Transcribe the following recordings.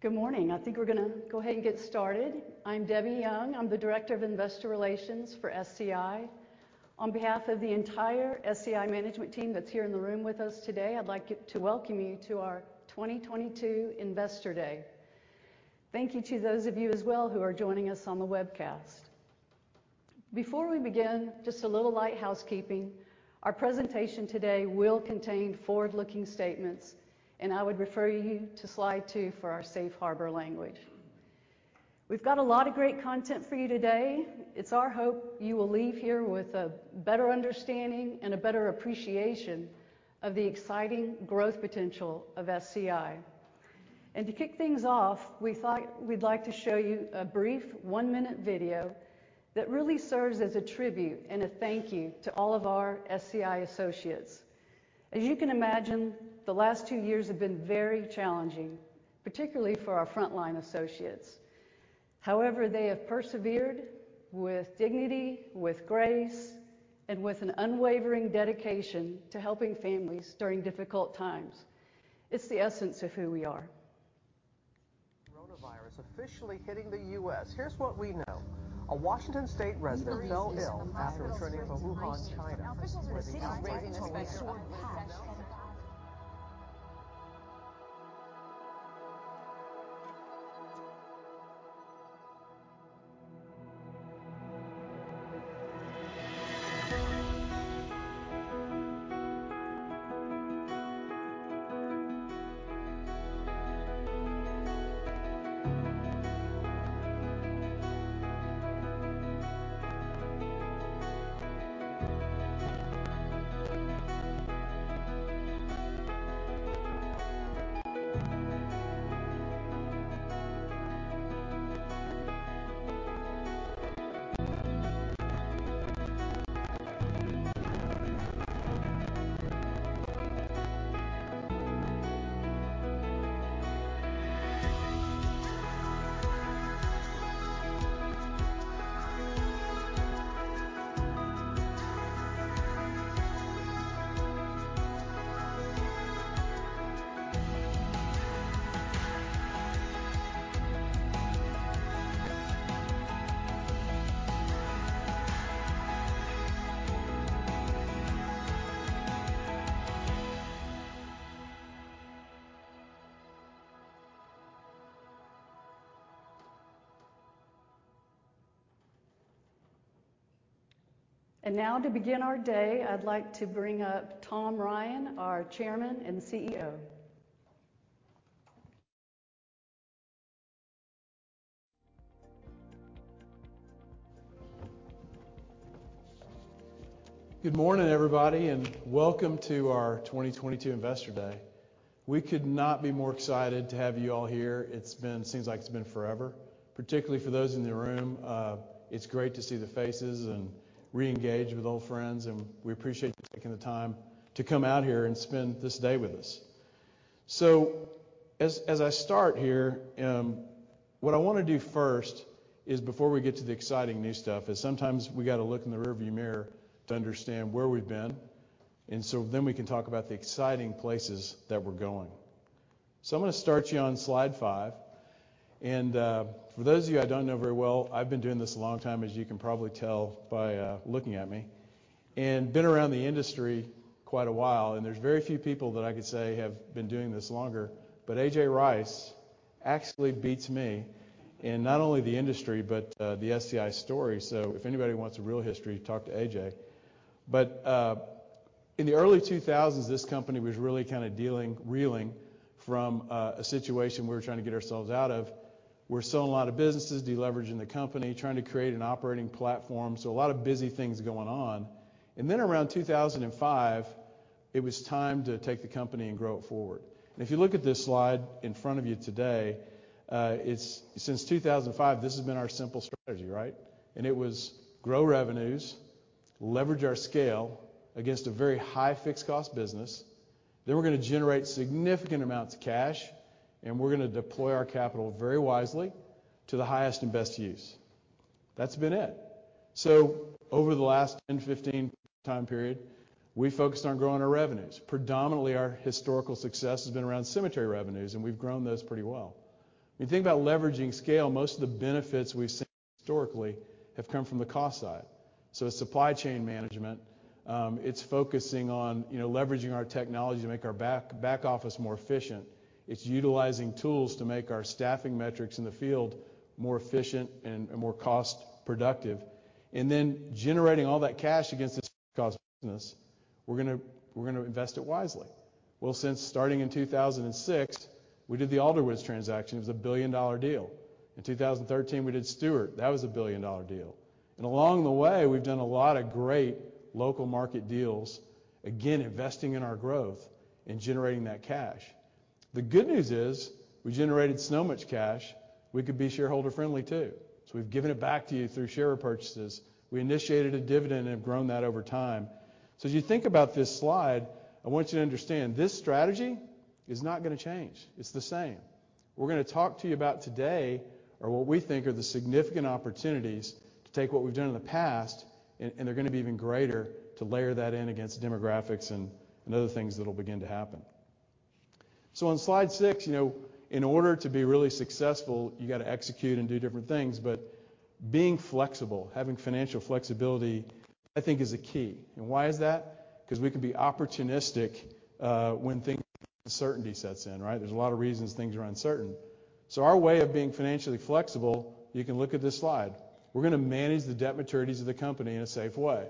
Good morning. I think we're gonna go ahead and get started. I'm Debbie Young. I'm the Director of Investor Relations for SCI. On behalf of the entire SCI management team that's here in the room with us today, I'd like to welcome you to our 2022 Investor Day. Thank you to those of you as well who are joining us on the webcast. Before we begin, just a little light housekeeping. Our presentation today will contain forward-looking statements, and I would refer you to slide 2 for our safe harbor language. We've got a lot of great content for you today. It's our hope you will leave here with a better understanding and a better appreciation of the exciting growth potential of SCI. To kick things off, we thought we'd like to show you a brief 1-minute video that really serves as a tribute and a thank you to all of our SCI associates. As you can imagine, the last 2 years have been very challenging, particularly for our frontline associates. However, they have persevered with dignity, with grace, and with an unwavering dedication to helping families during difficult times. It's the essence of who we are. Coronavirus officially hitting the U.S. Here's what we know. A Washington state resident fell ill after returning from Wuhan, China. Now to begin our day, I'd like to bring up Tom Ryan, our Chairman and CEO. Good morning, everybody, and welcome to our 2022 Investor Day. We could not be more excited to have you all here. It seems like it's been forever, particularly for those in the room. It's great to see the faces and reengage with old friends, and we appreciate you taking the time to come out here and spend this day with us. As I start here, what I wanna do first is, before we get to the exciting new stuff, sometimes we gotta look in the rearview mirror to understand where we've been, and so then we can talk about the exciting places that we're going. I'm gonna start you on slide 5. For those of you I don't know very well, I've been doing this a long time, as you can probably tell by looking at me, and been around the industry quite a while, and there's very few people that I could say have been doing this longer. A.J. Rice actually beats me in not only the industry but the SCI story. If anybody wants a real history, talk to A.J. In the early 2000s, this company was really kinda reeling from a situation we were trying to get ourselves out of. We're selling a lot of businesses, de-leveraging the company, trying to create an operating platform, so a lot of busy things going on. Then around 2005, it was time to take the company and grow it forward. If you look at this slide in front of you today, it's since 2005, this has been our simple strategy, right? It was grow revenues, leverage our scale against a very high fixed cost business. We're gonna generate significant amounts of cash, and we're gonna deploy our capital very wisely to the highest and best use. That's been it. Over the last 10-15 time period, we focused on growing our revenues. Predominantly, our historical success has been around cemetery revenues, and we've grown those pretty well. When you think about leveraging scale, most of the benefits we've seen historically have come from the cost side. It's supply chain management. It's focusing on, you know, leveraging our technology to make our back office more efficient. It's utilizing tools to make our staffing metrics in the field more efficient and more cost productive. Generating all that cash against this cost business, we're gonna invest it wisely. Well, since starting in 2006, we did the Alderwoods transaction. It was a billion-dollar deal. In 2013, we did Stewart. That was a billion-dollar deal. Along the way, we've done a lot of great local market deals, again, investing in our growth and generating that cash. The good news is, we generated so much cash, we could be shareholder-friendly too. We've given it back to you through share purchases. We initiated a dividend and have grown that over time. As you think about this slide, I want you to understand, this strategy is not gonna change. It's the same. What we're gonna talk to you about today are what we think are the significant opportunities to take what we've done in the past, and they're gonna be even greater to layer that in against demographics and other things that'll begin to happen. On slide six, you know, in order to be really successful, you gotta execute and do different things, but being flexible, having financial flexibility, I think is a key. Why is that? 'Cause we can be opportunistic when the uncertainty sets in, right? There's a lot of reasons things are uncertain. Our way of being financially flexible, you can look at this slide. We're gonna manage the debt maturities of the company in a safe way.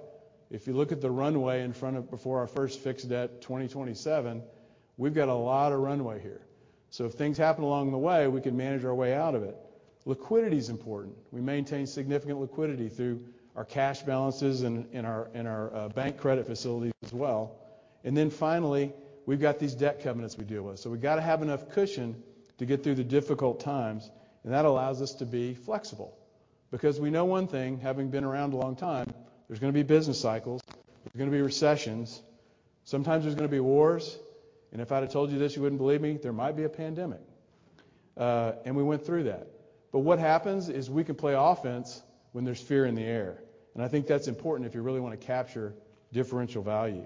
If you look at the runway before our first fixed debt, 2027, we've got a lot of runway here. If things happen along the way, we can manage our way out of it. Liquidity is important. We maintain significant liquidity through our cash balances and our bank credit facilities as well. Then finally, we've got these debt covenants we deal with. We've gotta have enough cushion to get through the difficult times, and that allows us to be flexible. Because we know one thing, having been around a long time, there's gonna be business cycles, there's gonna be recessions, sometimes there's gonna be wars, and if I'd have told you this, you wouldn't believe me, there might be a pandemic. And we went through that. What happens is we can play offense when there's fear in the air. I think that's important if you really wanna capture differential value.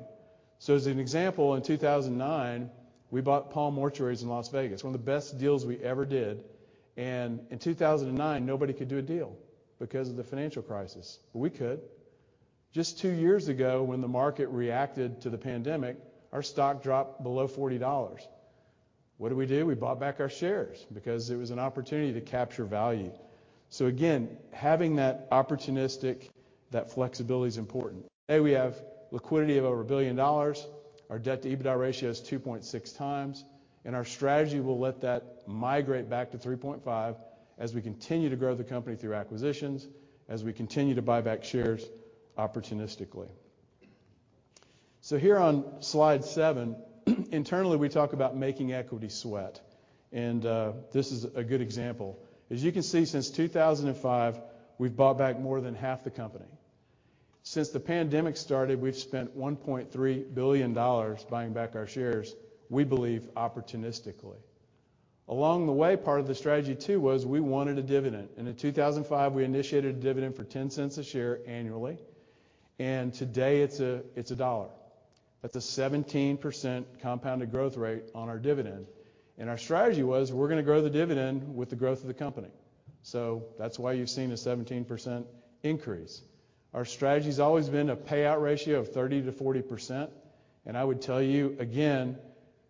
As an example, in 2009, we bought Palm Mortuaries in Las Vegas, one of the best deals we ever did. In 2009, nobody could do a deal because of the financial crisis. We could. Just two years ago, when the market reacted to the pandemic, our stock dropped below $40. What did we do? We bought back our shares because it was an opportunity to capture value. Again, having that opportunistic, that flexibility is important. Today, we have liquidity of over $1 billion. Our debt-to-EBITDA ratio is 2.6 times, and our strategy will let that migrate back to 3.5 as we continue to grow the company through acquisitions, as we continue to buy back shares opportunistically. Here on slide 7, internally, we talk about making equity sweat, and this is a good example. As you can see, since 2005, we've bought back more than half the company. Since the pandemic started, we've spent $1.3 billion buying back our shares, we believe, opportunistically. Along the way, part of the strategy, too, was we wanted a dividend. In 2005, we initiated a dividend for $0.10 a share annually. Today it's $1. That's a 17% compounded growth rate on our dividend. Our strategy was we're gonna grow the dividend with the growth of the company. That's why you've seen a 17% increase. Our strategy's always been a payout ratio of 30%-40%, and I would tell you again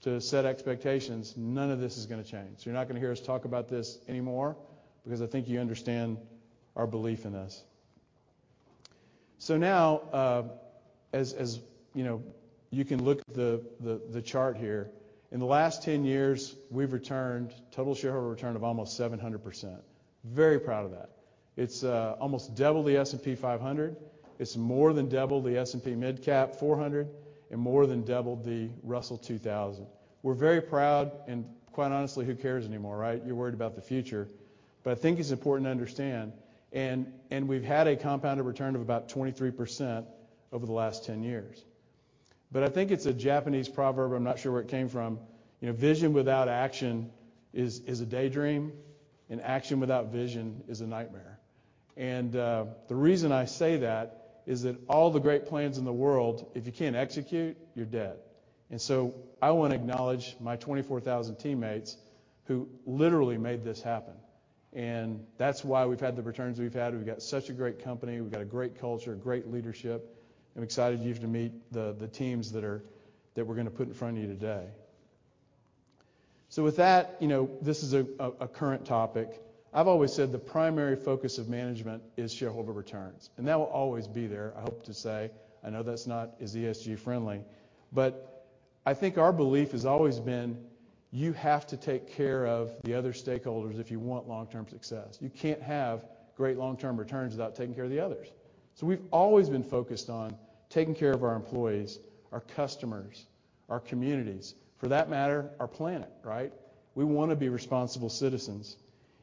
to set expectations, none of this is gonna change. You're not gonna hear us talk about this anymore because I think you understand our belief in this. Now, as you know, you can look at the chart here. In the last 10 years, we've returned total shareholder return of almost 700%. Very proud of that. It's almost double the S&P 500. It's more than double the S&P MidCap 400 and more than double the Russell 2000. We're very proud and quite honestly, who cares anymore, right? You're worried about the future. I think it's important to understand, and we've had a compounded return of about 23% over the last 10 years. I think it's a Japanese proverb, I'm not sure where it came from. You know, vision without action is a daydream, and action without vision is a nightmare. The reason I say that is that all the great plans in the world, if you can't execute, you're dead. I wanna acknowledge my 24,000 teammates who literally made this happen. That's why we've had the returns we've had. We've got such a great company. We've got a great culture, great leadership. I'm excited for you to meet the teams that we're gonna put in front of you today. With that, you know, this is a current topic. I've always said the primary focus of management is shareholder returns, and that will always be there, I hope to say. I know that's not as ESG friendly. I think our belief has always been, you have to take care of the other stakeholders if you want long-term success. You can't have great long-term returns without taking care of the others. We've always been focused on taking care of our employees, our customers, our communities, for that matter, our planet, right? We wanna be responsible citizens.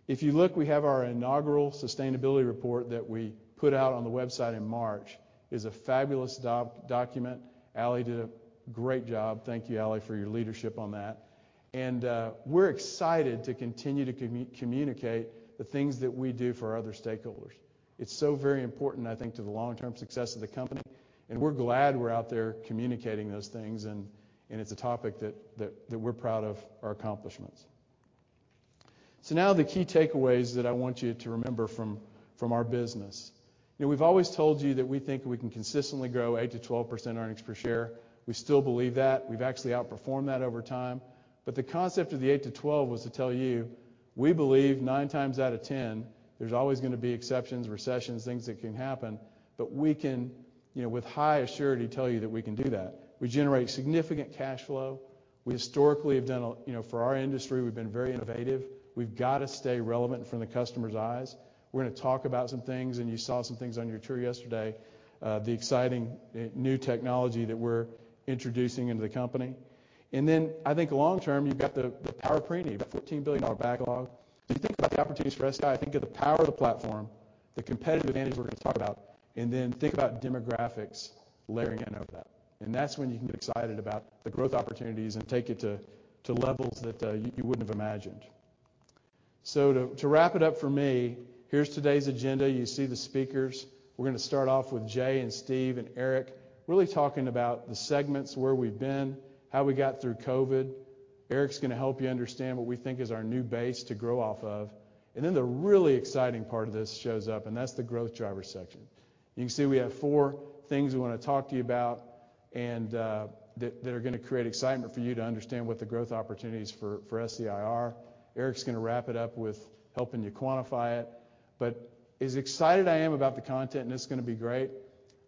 If you look, we have our inaugural sustainability report that we put out on the website in March. It's a fabulous document. Allie did a great job. Thank you, Allie, for your leadership on that. We're excited to continue to communicate the things that we do for our other stakeholders. It's so very important, I think, to the long-term success of the company, and we're glad we're out there communicating those things and it's a topic that we're proud of our accomplishments. Now the key takeaways that I want you to remember from our business. You know, we've always told you that we think we can consistently grow 8%-12% earnings per share. We still believe that. We've actually outperformed that over time. The concept of the 8-12 was to tell you, we believe 9 times out of 10, there's always gonna be exceptions, recessions, things that can happen, but we can, you know, with high assurance tell you that we can do that. We generate significant cash flow. We historically have done. You know, for our industry, we've been very innovative. We've got to stay relevant in the customer's eyes. We're gonna talk about some things, and you saw some things on your tour yesterday, the exciting, new technology that we're introducing into the company. Then I think long term, you've got the preneed premium, about $14 billion backlog. If you think about the opportunities for SCI, think of the power of the platform, the competitive advantage we're gonna talk about, and then think about demographics layering in over that. That's when you can get excited about the growth opportunities and take it to levels that you wouldn't have imagined. To wrap it up for me, here's today's agenda. You see the speakers. We're gonna start off with Jay and Steve and Eric really talking about the segments, where we've been, how we got through COVID. Eric's gonna help you understand what we think is our new base to grow off of. Then the really exciting part of this shows up, and that's the growth driver section. You can see we have four things we wanna talk to you about and that are gonna create excitement for you to understand what the growth opportunities for SCI are. Eric's gonna wrap it up with helping you quantify it. As excited I am about the content, and it's gonna be great,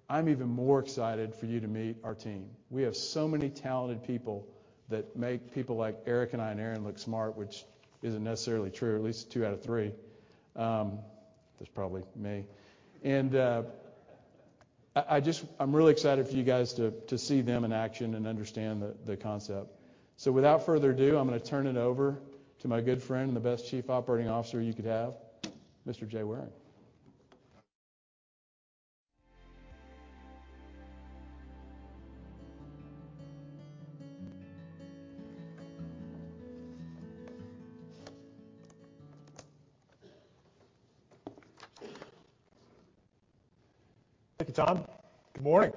I'm even more excited for you to meet our team. We have so many talented people that make people like Eric and I and Aaron look smart, which isn't necessarily true. At least two out of three, that's probably me. I'm really excited for you guys to see them in action and understand the concept. Without further ado, I'm gonna turn it over to my good friend and the best Chief Operating Officer you could have, Mr. Jay Waring. Thank you, Tom. Good morning.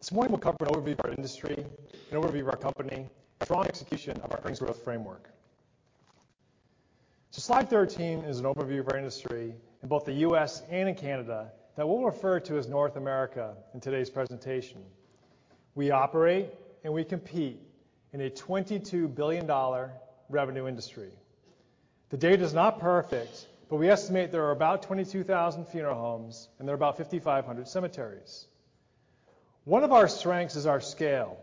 This morning we'll cover an overview of our industry, an overview of our company, strong execution of our growth framework. Slide thirteen is an overview of our industry in both the U.S. and in Canada that we'll refer to as North America in today's presentation. We operate and we compete in a $22 billion revenue industry. The data is not perfect, but we estimate there are about 22,000 funeral homes, and there are about 5,500 cemeteries. One of our strengths is our scale.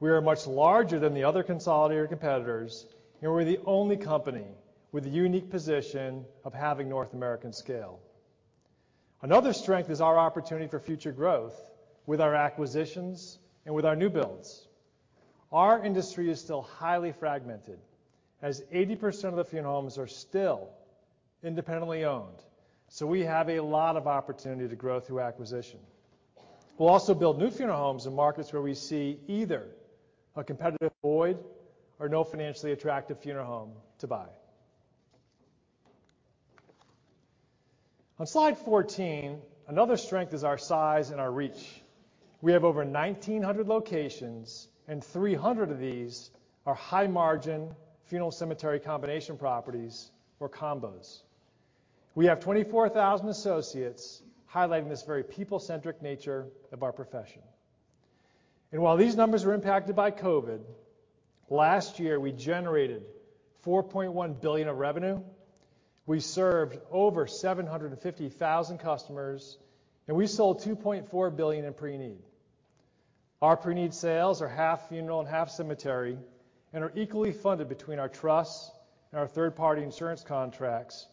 We are much larger than the other consolidator competitors, and we're the only company with the unique position of having North American scale. Another strength is our opportunity for future growth with our acquisitions and with our new builds. Our industry is still highly fragmented as 80% of the funeral homes are still independently owned, so we have a lot of opportunity to grow through acquisition. We'll also build new funeral homes in markets where we see either a competitive void or no financially attractive funeral home to buy. On slide 14, another strength is our size and our reach. We have over 1,900 locations, and 300 of these are high margin funeral cemetery combination properties or combos. We have 24,000 associates highlighting this very people-centric nature of our profession. While these numbers were impacted by COVID, last year we generated $4.1 billion of revenue. We served over 750,000 customers, and we sold $2.4 billion in pre-need. Our pre-need sales are half funeral and half cemetery and are equally funded between our trusts and our third-party insurance contracts,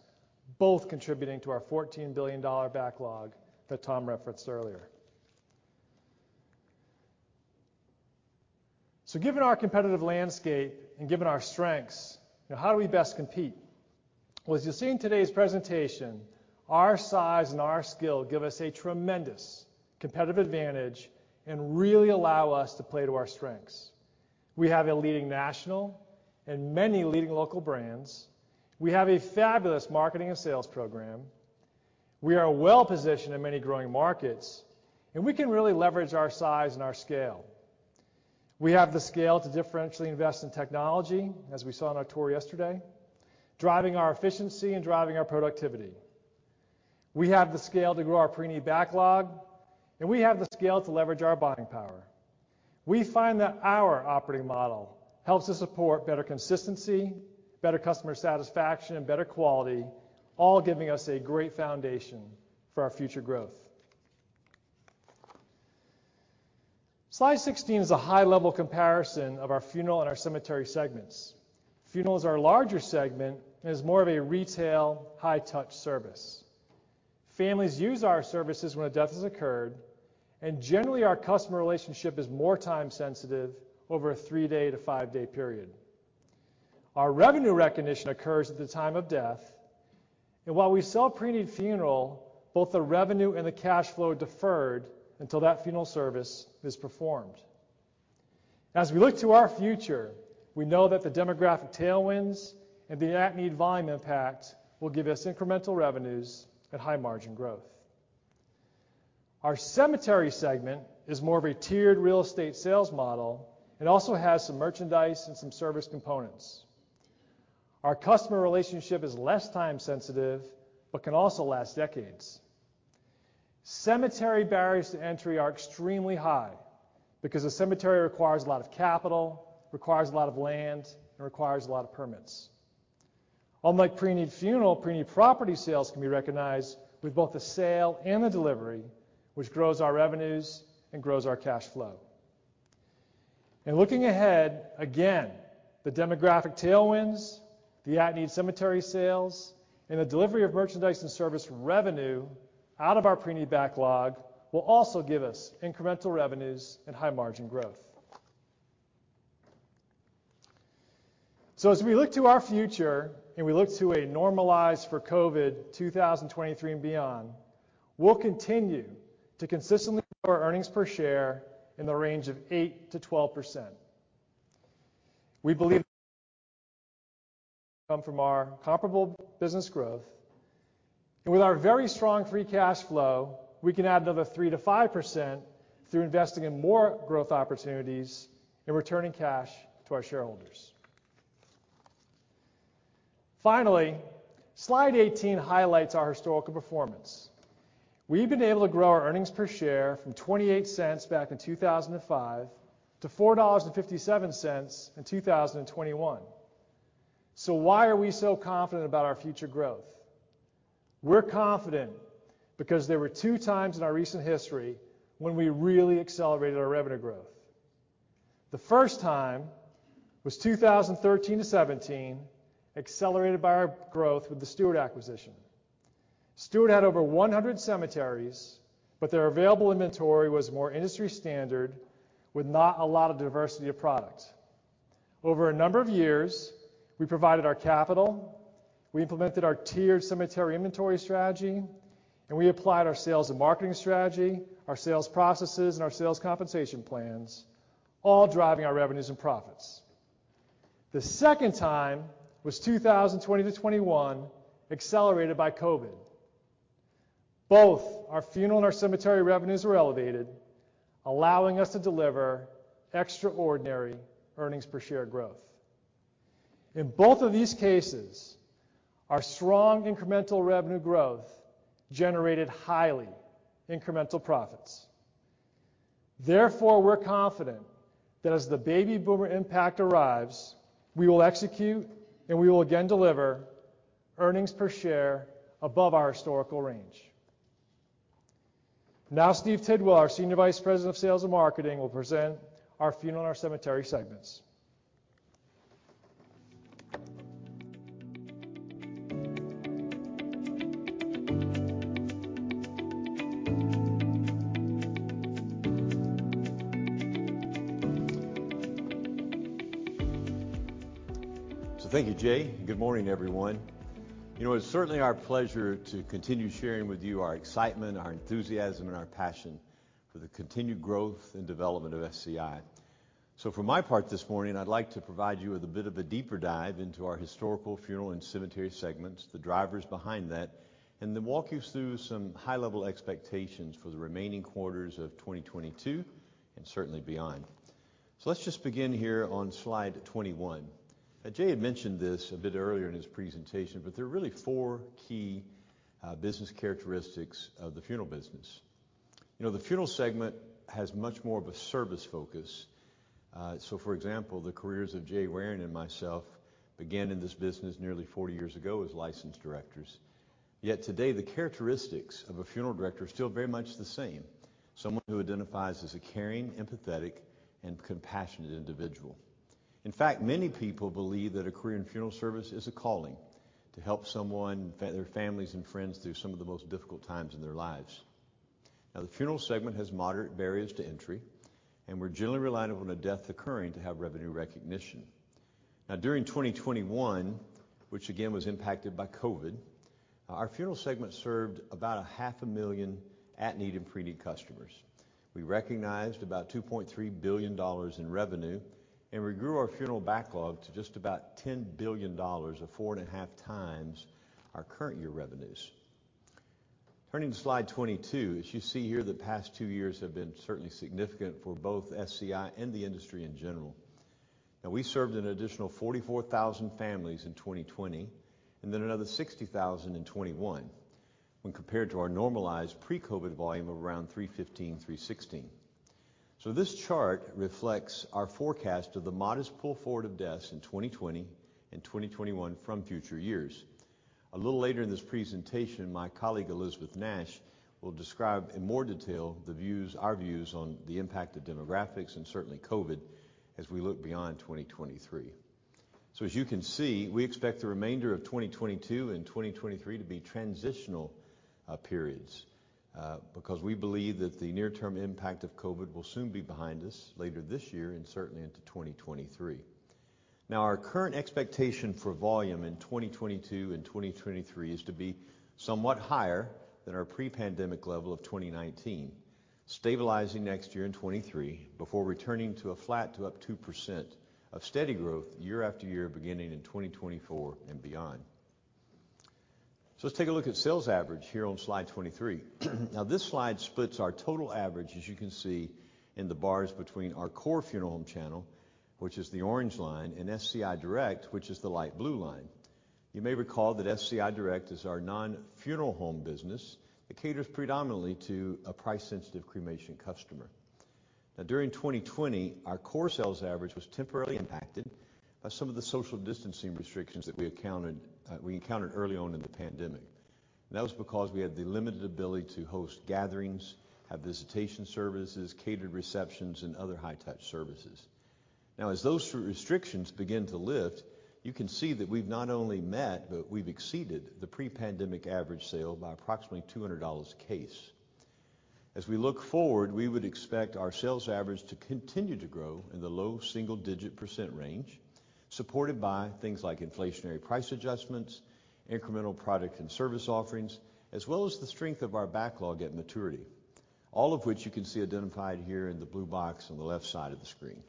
both contributing to our $14 billion backlog that Tom referenced earlier. Given our competitive landscape and given our strengths, you know, how do we best compete? Well, as you'll see in today's presentation, our size and our skill give us a tremendous competitive advantage and really allow us to play to our strengths. We have a leading national and many leading local brands. We have a fabulous marketing and sales program. We are well positioned in many growing markets, and we can really leverage our size and our scale. We have the scale to differentially invest in technology, as we saw on our tour yesterday, driving our efficiency and driving our productivity. We have the scale to grow our pre-need backlog, and we have the scale to leverage our buying power. We find that our operating model helps us support better consistency, better customer satisfaction, and better quality, all giving us a great foundation for our future growth. Slide 16 is a high level comparison of our funeral and our cemetery segments. Funeral is our larger segment and is more of a retail high touch service. Families use our services when a death has occurred, and generally, our customer relationship is more time sensitive over a 3-day to 5-day period. Our revenue recognition occurs at the time of death, and while we sell pre-need funeral, both the revenue and the cash flow are deferred until that funeral service is performed. As we look to our future, we know that the demographic tailwinds and the at-need volume impact will give us incremental revenues and high margin growth. Our cemetery segment is more of a tiered real estate sales model. It also has some merchandise and some service components. Our customer relationship is less time sensitive but can also last decades. Cemetery barriers to entry are extremely high because a cemetery requires a lot of capital, requires a lot of land, and requires a lot of permits. Unlike pre-need funeral, pre-need property sales can be recognized with both the sale and the delivery, which grows our revenues and grows our cash flow. In looking ahead, again, the demographic tailwinds, the at-need cemetery sales, and the delivery of merchandise and service revenue out of our pre-need backlog will also give us incremental revenues and high margin growth. As we look to our future and we look to a normalized for COVID 2023 and beyond, we'll continue to consistently grow our earnings per share in the range of 8%-12%. We believe come from our comparable business growth. With our very strong free cash flow, we can add another 3%-5% through investing in more growth opportunities and returning cash to our shareholders. Finally, slide 18 highlights our historical performance. We've been able to grow our earnings per share from $0.28 back in 2005 to $4.57 in 2021. Why are we so confident about our future growth? We're confident because there were two times in our recent history when we really accelerated our revenue growth. The first time was 2013-2017, accelerated by our growth with the Stewart acquisition. Stewart had over 100 cemeteries, but their available inventory was more industry standard with not a lot of diversity of product. Over a number of years, we provided our capital, we implemented our tiered cemetery inventory strategy, and we applied our sales and marketing strategy, our sales processes, and our sales compensation plans, all driving our revenues and profits. The second time was 2020-2021, accelerated by COVID. Both our funeral and our cemetery revenues were elevated, allowing us to deliver extraordinary earnings per share growth. In both of these cases, our strong incremental revenue growth generated highly incremental profits. Therefore, we're confident that as the baby boomer impact arrives, we will execute, and we will again deliver earnings per share above our historical range. Now, Steven Tidwell, our Senior Vice President of Sales and Marketing, will present our funeral and our cemetery segments. Thank you, Jay. Good morning, everyone. You know, it's certainly our pleasure to continue sharing with you our excitement, our enthusiasm, and our passion for the continued growth and development of SCI. From my part this morning, I'd like to provide you with a bit of a deeper dive into our historical funeral and cemetery segments, the drivers behind that, and then walk you through some high-level expectations for the remaining quarters of 2022, and certainly beyond. Let's just begin here on slide 21. Now, Jay had mentioned this a bit earlier in his presentation, but there are really four key business characteristics of the funeral business. You know, the funeral segment has much more of a service focus. So for example, the careers of Jay Waring and myself began in this business nearly 40 years ago as licensed directors. Yet today, the characteristics of a funeral director are still very much the same: someone who identifies as a caring, empathetic, and compassionate individual. In fact, many people believe that a career in funeral service is a calling to help someone, their families and friends, through some of the most difficult times in their lives. Now, the funeral segment has moderate barriers to entry, and we're generally reliant upon a death occurring to have revenue recognition. Now, during 2021, which again was impacted by COVID, our funeral segment served about 500,000 at-need and pre-need customers. We recognized about $2.3 billion in revenue, and we grew our funeral backlog to just about $10 billion or 4.5 times our current year revenues. Turning to slide 22, as you see here, the past 2 years have been certainly significant for both SCI and the industry in general. Now, we served an additional 44,000 families in 2020, and then another 60,000 in 2021, when compared to our normalized pre-COVID volume of around 315, 316. This chart reflects our forecast of the modest pull forward of deaths in 2020 and 2021 from future years. A little later in this presentation, my colleague Elisabeth Nash will describe in more detail the views, our views, on the impact of demographics and certainly COVID as we look beyond 2023. As you can see, we expect the remainder of 2022 and 2023 to be transitional periods, because we believe that the near-term impact of COVID will soon be behind us later this year and certainly into 2023. Now, our current expectation for volume in 2022 and 2023 is to be somewhat higher than our pre-pandemic level of 2019. Stabilizing next year in 2023 before returning to a flat to up 2% of steady growth year after year, beginning in 2024 and beyond. Let's take a look at sales average here on slide 23. Now, this slide splits our total average, as you can see in the bars between our core funeral home channel, which is the orange line, and SCI Direct, which is the light blue line. You may recall that SCI Direct is our non-funeral home business that caters predominantly to a price-sensitive cremation customer. Now, during 2020, our core sales average was temporarily impacted by some of the social distancing restrictions that we encountered early on in the pandemic. That was because we had the limited ability to host gatherings, have visitation services, catered receptions, and other high-touch services. Now, as those restrictions begin to lift, you can see that we've not only met, but we've exceeded the pre-pandemic average sale by approximately $200 a case. As we look forward, we would expect our sales average to continue to grow in the low single-digit % range, supported by things like inflationary price adjustments, incremental product and service offerings, as well as the strength of our backlog at maturity. All of which you can see identified here in the blue box on the left side of the screen.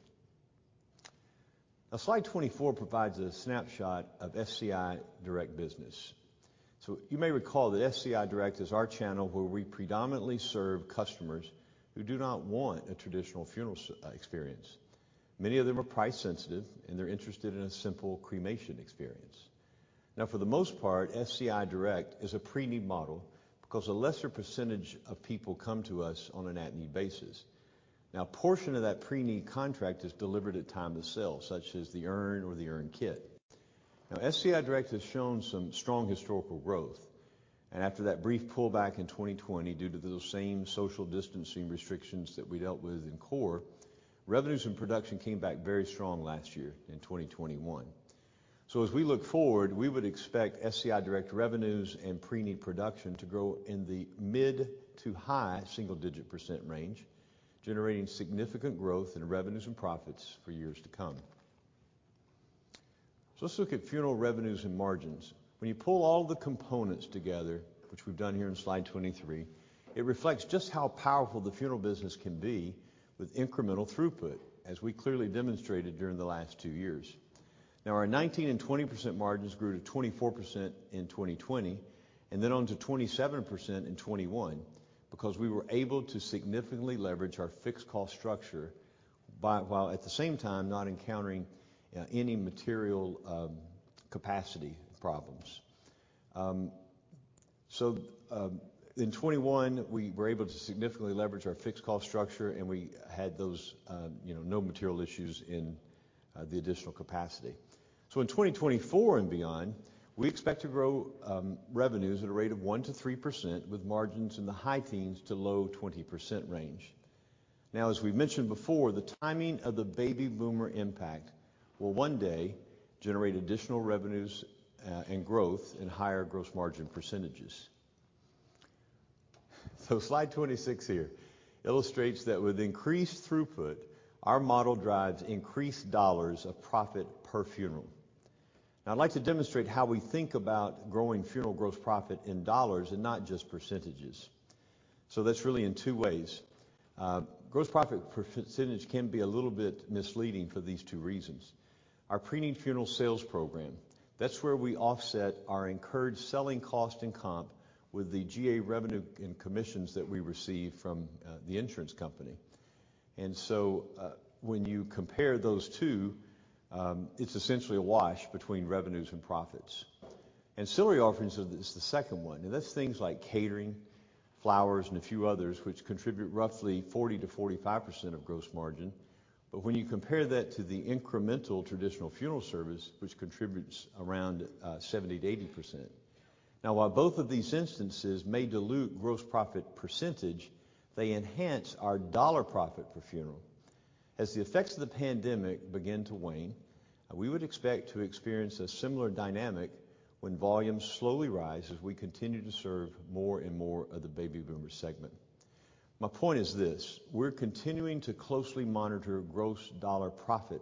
Now, slide 24 provides a snapshot of SCI Direct business. So you may recall that SCI Direct is our channel where we predominantly serve customers who do not want a traditional funeral experience. Many of them are price sensitive, and they're interested in a simple cremation experience. Now, for the most part, SCI Direct is a pre-need model because a lesser percentage of people come to us on an at-need basis. Now, a portion of that pre-need contract is delivered at time of sale, such as the urn or the urn kit. Now, SCI Direct has shown some strong historical growth. After that brief pullback in 2020 due to those same social distancing restrictions that we dealt with in Core, revenues and production came back very strong last year in 2021. As we look forward, we would expect SCI Direct revenues and pre-need production to grow in the mid- to high single-digit % range, generating significant growth in revenues and profits for years to come. Let's look at funeral revenues and margins. When you pull all the components together, which we've done here in slide 23, it reflects just how powerful the funeral business can be with incremental throughput, as we clearly demonstrated during the last two years. Now, our 19% and 20% margins grew to 24% in 2020, and then on to 27% in 2021, because we were able to significantly leverage our fixed cost structure while at the same time not encountering any material capacity problems. In 2021, we were able to significantly leverage our fixed cost structure, and we had those, you know, no material issues in the additional capacity. In 2024 and beyond, we expect to grow revenues at a rate of 1%-3%, with margins in the high teens to low 20% range. Now, as we've mentioned before, the timing of the baby boomer impact will one day generate additional revenues, and growth and higher gross margin percentages. Slide 26 here illustrates that with increased throughput, our model drives increased dollars of profit per funeral. Now, I'd like to demonstrate how we think about growing funeral gross profit in dollars and not just percentages. That's really in two ways. Gross profit percentage can be a little bit misleading for these two reasons. Our pre-need funeral sales program, that's where we offset our incurred selling cost and comp with the GA revenue and commissions that we receive from the insurance company. When you compare those two, it's essentially a wash between revenues and profits. Ancillary offerings is the second one, and that's things like catering, flowers, and a few others, which contribute roughly 40%-45% of gross margin. When you compare that to the incremental traditional funeral service, which contributes around 70%-80%. Now, while both of these instances may dilute gross profit percentage, they enhance our dollar profit per funeral. As the effects of the pandemic begin to wane, we would expect to experience a similar dynamic when volumes slowly rise as we continue to serve more and more of the baby boomer segment. My point is this: we're continuing to closely monitor gross dollar profit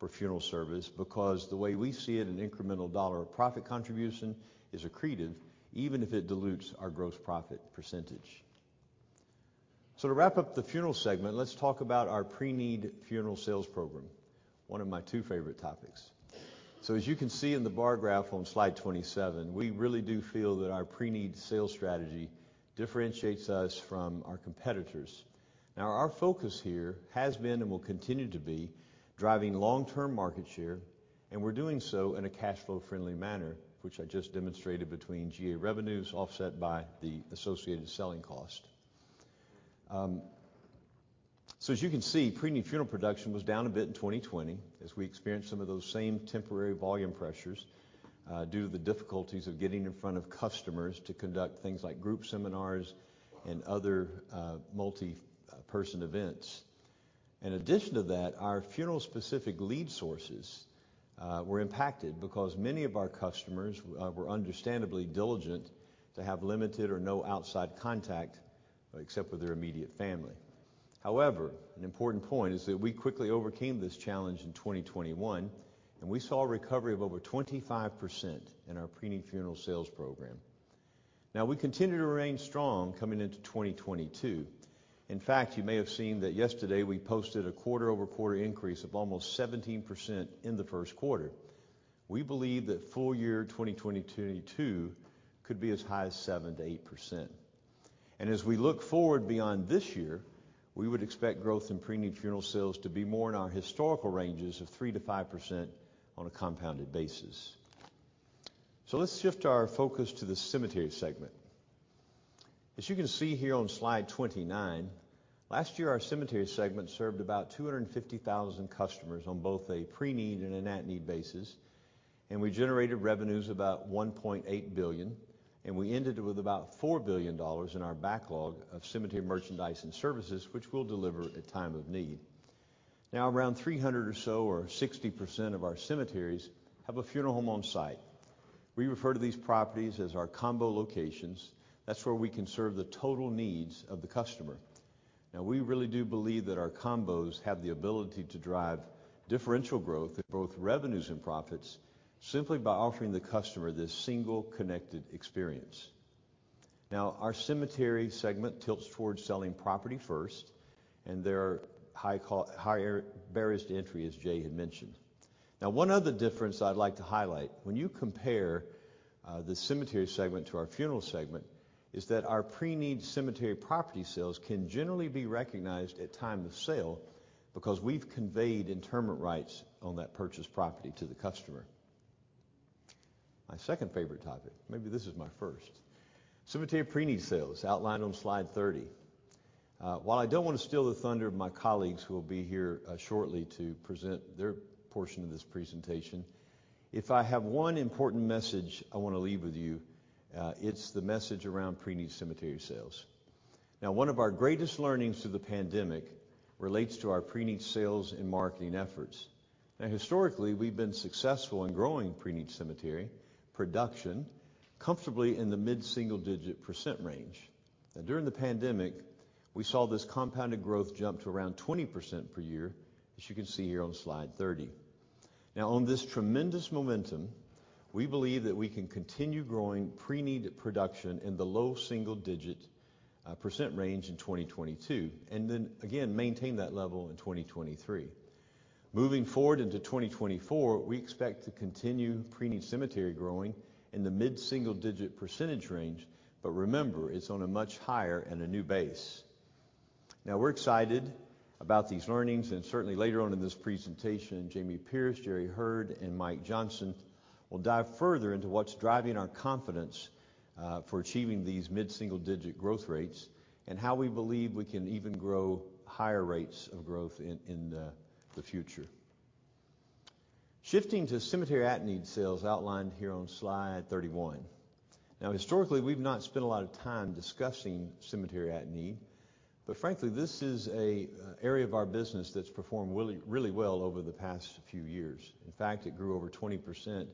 per funeral service because the way we see it, an incremental dollar of profit contribution is accretive, even if it dilutes our gross profit percentage. To wrap up the funeral segment, let's talk about our pre-need funeral sales program, one of my two favorite topics. As you can see in the bar graph on slide 27, we really do feel that our pre-need sales strategy differentiates us from our competitors. Now, our focus here has been and will continue to be driving long-term market share, and we're doing so in a cash flow-friendly manner, which I just demonstrated between GA revenues offset by the associated selling cost. As you can see, pre-need funeral production was down a bit in 2020 as we experienced some of those same temporary volume pressures, due to the difficulties of getting in front of customers to conduct things like group seminars and other multi-person events. In addition to that, our funeral-specific lead sources were impacted because many of our customers were understandably diligent to have limited or no outside contact except with their immediate family. However, an important point is that we quickly overcame this challenge in 2021, and we saw a recovery of over 25% in our pre-need funeral sales program. Now, we continue to remain strong coming into 2022. In fact, you may have seen that yesterday we posted a quarter-over-quarter increase of almost 17% in the first quarter. We believe that full year 2022 could be as high as 7%-8%. We look forward beyond this year, we would expect growth in pre-need funeral sales to be more in our historical ranges of 3%-5% on a compounded basis. Let's shift our focus to the cemetery segment. As you can see here on slide 29, last year, our cemetery segment served about 250,000 customers on both a pre-need and an at-need basis, and we generated revenues about $1.8 billion, and we ended with about $4 billion in our backlog of cemetery merchandise and services, which we'll deliver at time of need. Now, around 300 or so, or 60% of our cemeteries have a funeral home on site. We refer to these properties as our combo locations. That's where we can serve the total needs of the customer. Now, we really do believe that our combos have the ability to drive differential growth in both revenues and profits simply by offering the customer this single connected experience. Now, our cemetery segment tilts towards selling property first, and there are higher barriers to entry, as Jay had mentioned. Now, one other difference I'd like to highlight when you compare the cemetery segment to our funeral segment, is that our pre-need cemetery property sales can generally be recognized at time of sale because we've conveyed interment rights on that purchased property to the customer. My second favorite topic, maybe this is my first, cemetery pre-need sales outlined on slide 30. While I don't wanna steal the thunder of my colleagues who will be here shortly to present their portion of this presentation, if I have one important message I wanna leave with you, it's the message around pre-need cemetery sales. Now, one of our greatest earnings through the pandemic relates to our pre-need sales and marketing efforts. Now, historically, we've been successful in growing pre-need cemetery production comfortably in the mid-single-digit % range. Now, during the pandemic, we saw this compounded growth jump to around 20% per year, as you can see here on slide 30. Now, on this tremendous momentum, we believe that we can continue growing pre-need production in the low single-digit % range in 2022, and then again maintain that level in 2023. Moving forward into 2024, we expect to continue pre-need cemetery growing in the mid-single-digit % range. Remember, it's on a much higher and a new base. Now, we're excited about these earnings, and certainly later on in this presentation, Jamie Pierce, Jerry Heard, and Mike Johnson will dive further into what's driving our confidence for achieving these mid-single-digit growth rates, and how we believe we can even grow higher rates of growth in the future. Shifting to cemetery at-need sales outlined here on slide 31. Now, historically, we've not spent a lot of time discussing cemetery at-need, but frankly, this is an area of our business that's performed really, really well over the past few years. In fact, it grew over 20%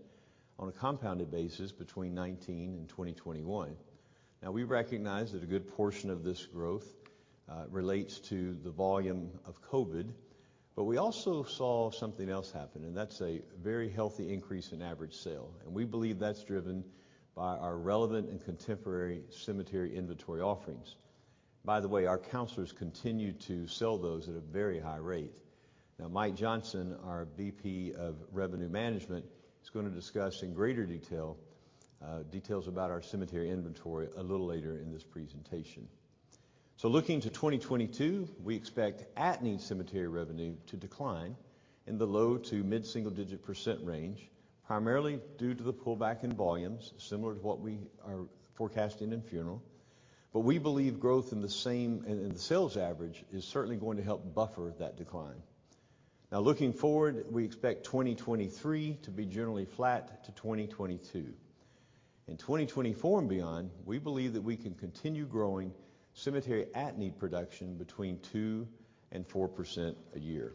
on a compounded basis between 2019 and 2021. Now, we recognize that a good portion of this growth relates to the volume of COVID, but we also saw something else happen, and that's a very healthy increase in average sale. We believe that's driven by our relevant and contemporary cemetery inventory offerings. By the way, our counselors continue to sell those at a very high rate. Now, Mike Johnson, our VP of Revenue Management, is gonna discuss in greater detail details about our cemetery inventory a little later in this presentation. Looking to 2022, we expect at-need cemetery revenue to decline in the low- to mid-single-digit % range, primarily due to the pullback in volumes, similar to what we are forecasting in funeral. We believe growth in the same-store sales average is certainly going to help buffer that decline. Now, looking forward, we expect 2023 to be generally flat to 2022. In 2024 and beyond, we believe that we can continue growing cemetery at-need production between 2% and 4% a year.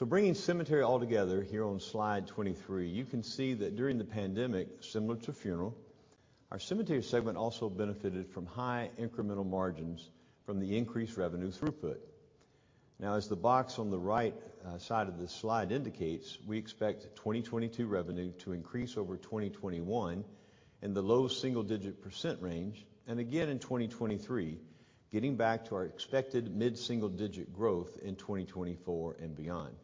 Bringing cemetery all together here on slide 23, you can see that during the pandemic, similar to funeral, our cemetery segment also benefited from high incremental margins from the increased revenue throughput. Now, as the box on the right side of this slide indicates, we expect 2022 revenue to increase over 2021 in the low single-digit % range, and again in 2023, getting back to our expected mid-single-digit % growth in 2024 and beyond.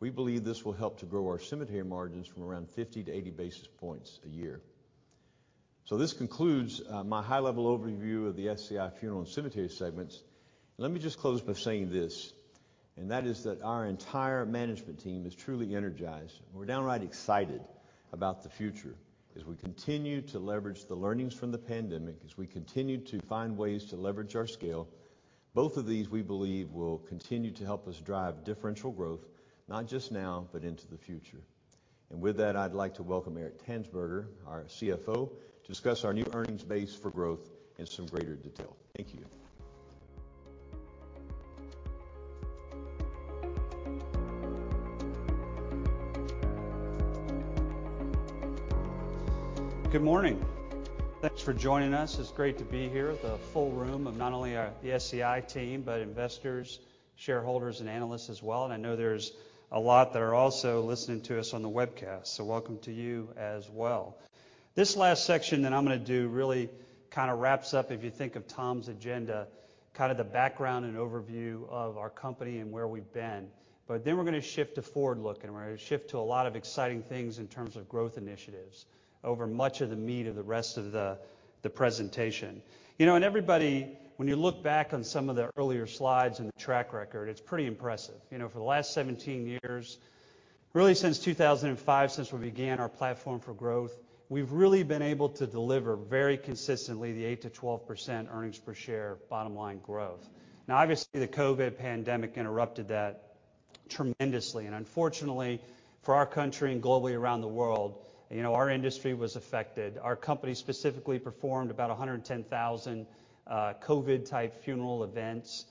We believe this will help to grow our cemetery margins from around 50 to 80 basis points a year. This concludes my high-level overview of the SCI funeral and cemetery segments. Let me just close by saying this, and that is that our entire management team is truly energized, and we're downright excited about the future as we continue to leverage the earnings from the pandemic, as we continue to find ways to leverage our scale. Both of these, we believe, will continue to help us drive differential growth, not just now, but into the future. With that, I'd like to welcome Eric Tansberger, our CFO, to discuss our new earnings base for growth in some greater detail. Thank you. Good morning. Thanks for joining us. It's great to be here with a full room of not only our, the SCI team, but investors, shareholders, and analysts as well. I know there's a lot that are also listening to us on the webcast, so welcome to you as well. This last section that I'm gonna do really kind of wraps up, if you think of Tom's agenda, kind of the background and overview of our company and where we've been. Then we're gonna shift to forward-looking, and we're gonna shift to a lot of exciting things in terms of growth initiatives over much of the meat of the rest of the presentation. You know, and everybody, when you look back on some of the earlier slides and the track record, it's pretty impressive. You know, for the last 17 years, really since 2005, since we began our platform for growth, we've really been able to deliver very consistently the 8%-12% earnings per share bottom line growth. Now, obviously, the COVID pandemic interrupted that tremendously. Unfortunately, for our country and globally around the world, you know, our industry was affected. Our company specifically performed about 110,000 COVID-type funeral events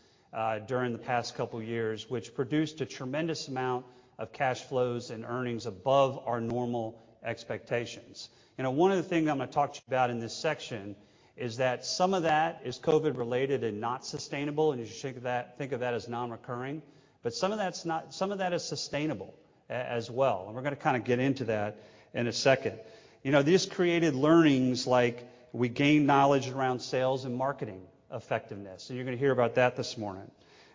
during the past couple of years, which produced a tremendous amount of cash flows and earnings above our normal expectations. You know, one of the things I'm going to talk to you about in this section is that some of that is COVID-related and not sustainable, and you should think of that as non-recurring. Some of that is sustainable as well, and we're going to kind of get into that in a second. You know, this created earnings like we gained knowledge around sales and marketing effectiveness, and you're going to hear about that this morning.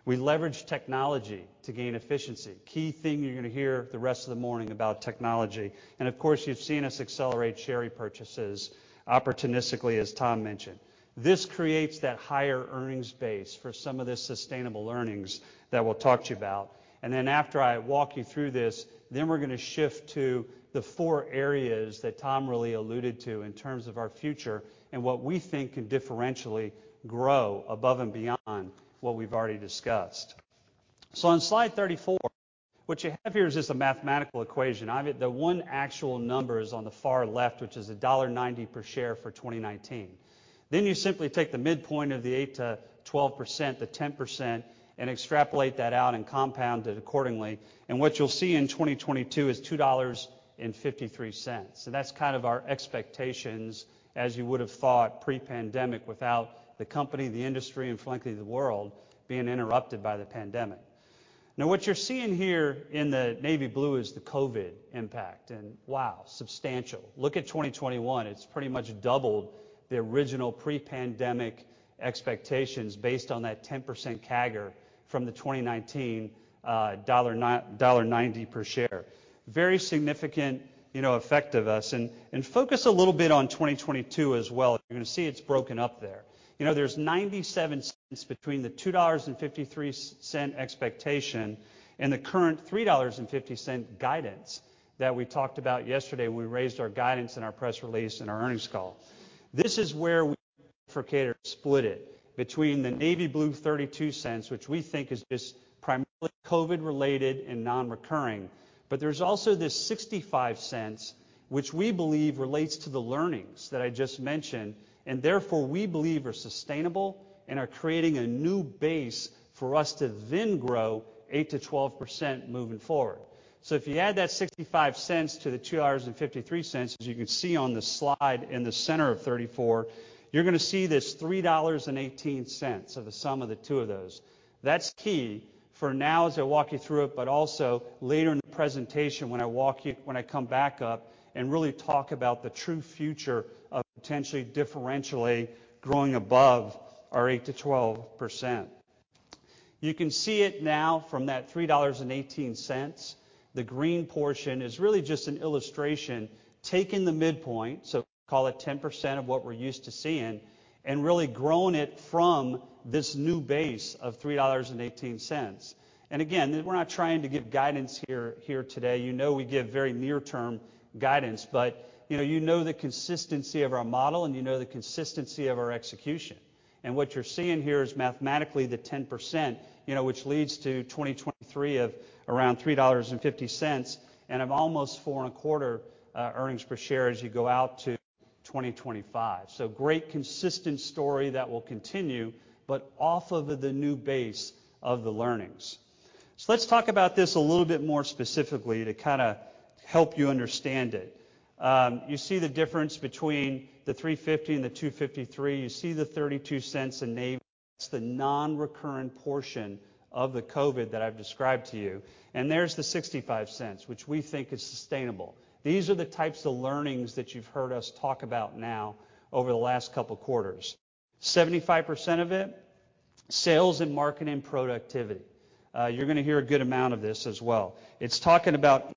We leveraged technology to gain efficiency. Key thing you're going to hear the rest of the morning about technology, and of course, you've seen us accelerate share repurchases opportunistically, as Tom mentioned. This creates that higher earnings base for some of the sustainable earnings that we'll talk to you about. After I walk you through this, then we're going to shift to the four areas that Tom really alluded to in terms of our future and what we think can differentially grow above and beyond what we've already discussed. On slide 34, what you have here is just a mathematical equation. I mean, the one actual number is on the far left, which is $0.90 per share for 2019. Then you simply take the midpoint of the 8%-12%, the 10%, and extrapolate that out and compound it accordingly. What you'll see in 2022 is $2.53. That's kind of our expectations as you would have thought pre-pandemic without the company, the industry, and frankly, the world being interrupted by the pandemic. Now, what you're seeing here in the navy blue is the COVID impact and wow, substantial. Look at 2021. It's pretty much doubled the original pre-pandemic expectations based on that 10% CAGR from the 2019 $0.90 per share. Very significant, you know, effect of us. Focus a little bit on 2022 as well. You're going to see it's broken up there. You know, there's $0.97 between the $2.53 expectation and the current $3.50 guidance that we talked about yesterday when we raised our guidance in our press release and our earnings call. This is where we split it between the navy blue $0.32, which we think is just primarily COVID-related and non-recurring. There's also this $0.65, which we believe relates to the earnings that I just mentioned, and therefore we believe are sustainable and are creating a new base for us to then grow 8%-12% moving forward. If you add that $0.65 to the $2.53, as you can see on the slide in the center of 34, you're going to see this $3.18 of the sum of the two of those. That's key for now as I walk you through it, but also later in the presentation when I come back up and really talk about the true future of potentially differentially growing above our 8%-12%. You can see it now from that $3.18. The green portion is really just an illustration, taking the midpoint, so call it 10% of what we're used to seeing, and really growing it from this new base of $3.18. Again, we're not trying to give guidance here today. You know, we give very near-term guidance, but you know the consistency of our model and you know the consistency of our execution. What you're seeing here is mathematically the 10%, you know, which leads to 2023 of around $3.50 and of almost $4.25 earnings per share as you go out to 2025. Great consistent story that will continue, but off of the new base of the earnings. Let's talk about this a little bit more specifically to kind of help you understand it. You see the difference between the $3.50 and the $2.53. You see the 32 cents in navy. That's the non-recurring portion of the COVID that I've described to you. There's the $0.65, which we think is sustainable. These are the types of earnings that you've heard us talk about now over the last couple of quarters. 75% of it, sales and marketing productivity. You're going to hear a good amount of this as well. It's talking about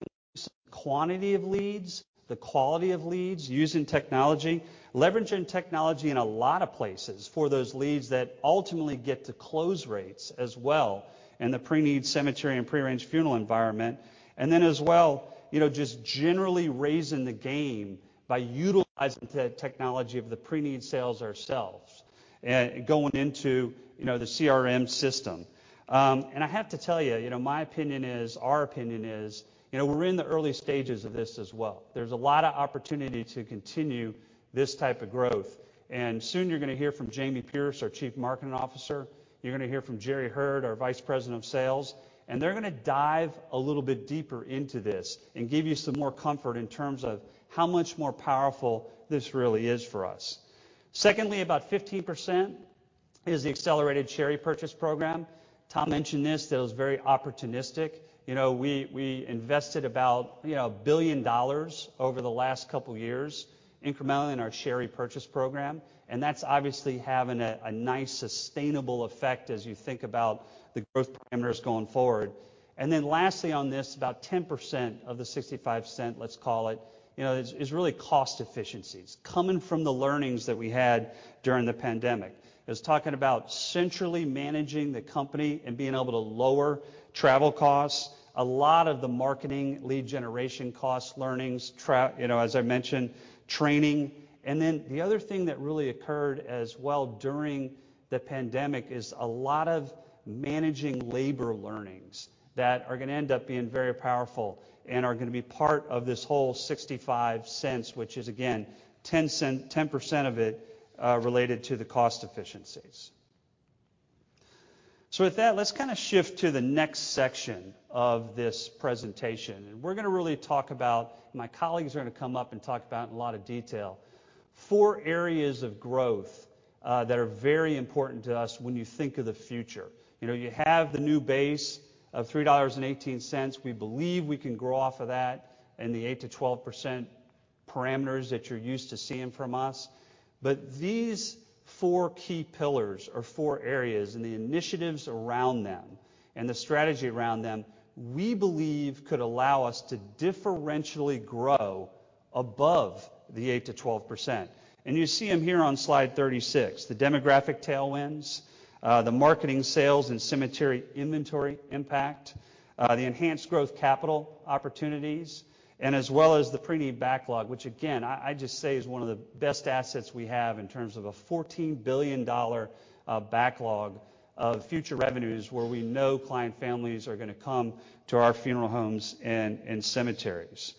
quantity of leads, the quality of leads, using technology, leveraging technology in a lot of places for those leads that ultimately get to close rates as well in the pre-need cemetery and pre-arranged funeral environment. as well, you know, just generally raising the game by utilizing technology of the pre-need sales ourselves and going into, you know, the CRM system. I have to tell you know, my opinion is, our opinion is, you know, we're in the early stages of this as well. There's a lot of opportunity to continue this type of growth. Soon you're going to hear from Jamie Pierce, our Chief Marketing Officer. You're going to hear from Jerry Heard, our Vice President of Sales, and they're going to dive a little bit deeper into this and give you some more comfort in terms of how much more powerful this really is for us. Secondly, about 15% is the accelerated share repurchase program. Tom mentioned this, that it was very opportunistic. You know, we invested about, you know, $1 billion over the last couple of years incrementally in our share repurchase program, and that's obviously having a nice sustainable effect as you think about the growth parameters going forward. Then lastly on this, about 10% of the 65-cent, let's call it, you know, is really cost efficiencies coming from the earnings that we had during the pandemic. It's talking about centrally managing the company and being able to lower travel costs, a lot of the marketing, lead generation costs, earnings, you know, as I mentioned, training. The other thing that really occurred as well during the pandemic is a lot of managing labor earnings that are going to end up being very powerful and are going to be part of this whole $0.65, which is again, 10% of it, related to the cost efficiencies. With that, let's kind of shift to the next section of this presentation. We're gonna really talk about my colleagues are gonna come up and talk about in a lot of detail four areas of growth, that are very important to us when you think of the future. You know, you have the new base of $3.18. We believe we can grow off of that in the 8%-12% parameters that you're used to seeing from us. These four key pillars or four areas, and the initiatives around them, and the strategy around them, we believe could allow us to differentially grow above the 8%-12%. You see them here on slide 36. The demographic tailwinds, the marketing, sales, and cemetery inventory impact, the enhanced growth capital opportunities, and as well as the preneed backlog, which again, I just say is one of the best assets we have in terms of a $14 billion backlog of future revenues where we know client families are gonna come to our funeral homes and cemeteries.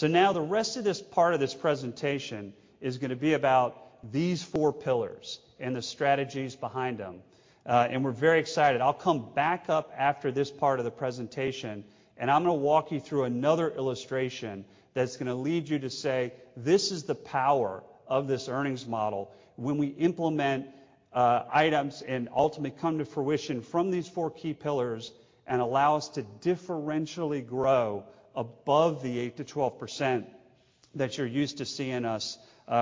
Now the rest of this part of this presentation is gonna be about these four pillars and the strategies behind them. We're very excited. I'll come back up after this part of the presentation, and I'm gonna walk you through another illustration that's gonna lead you to say, "This is the power of this earnings model when we implement items and ultimately come to fruition from these four key pillars and allow us to differentially grow above the 8%-12% that you're used to seeing us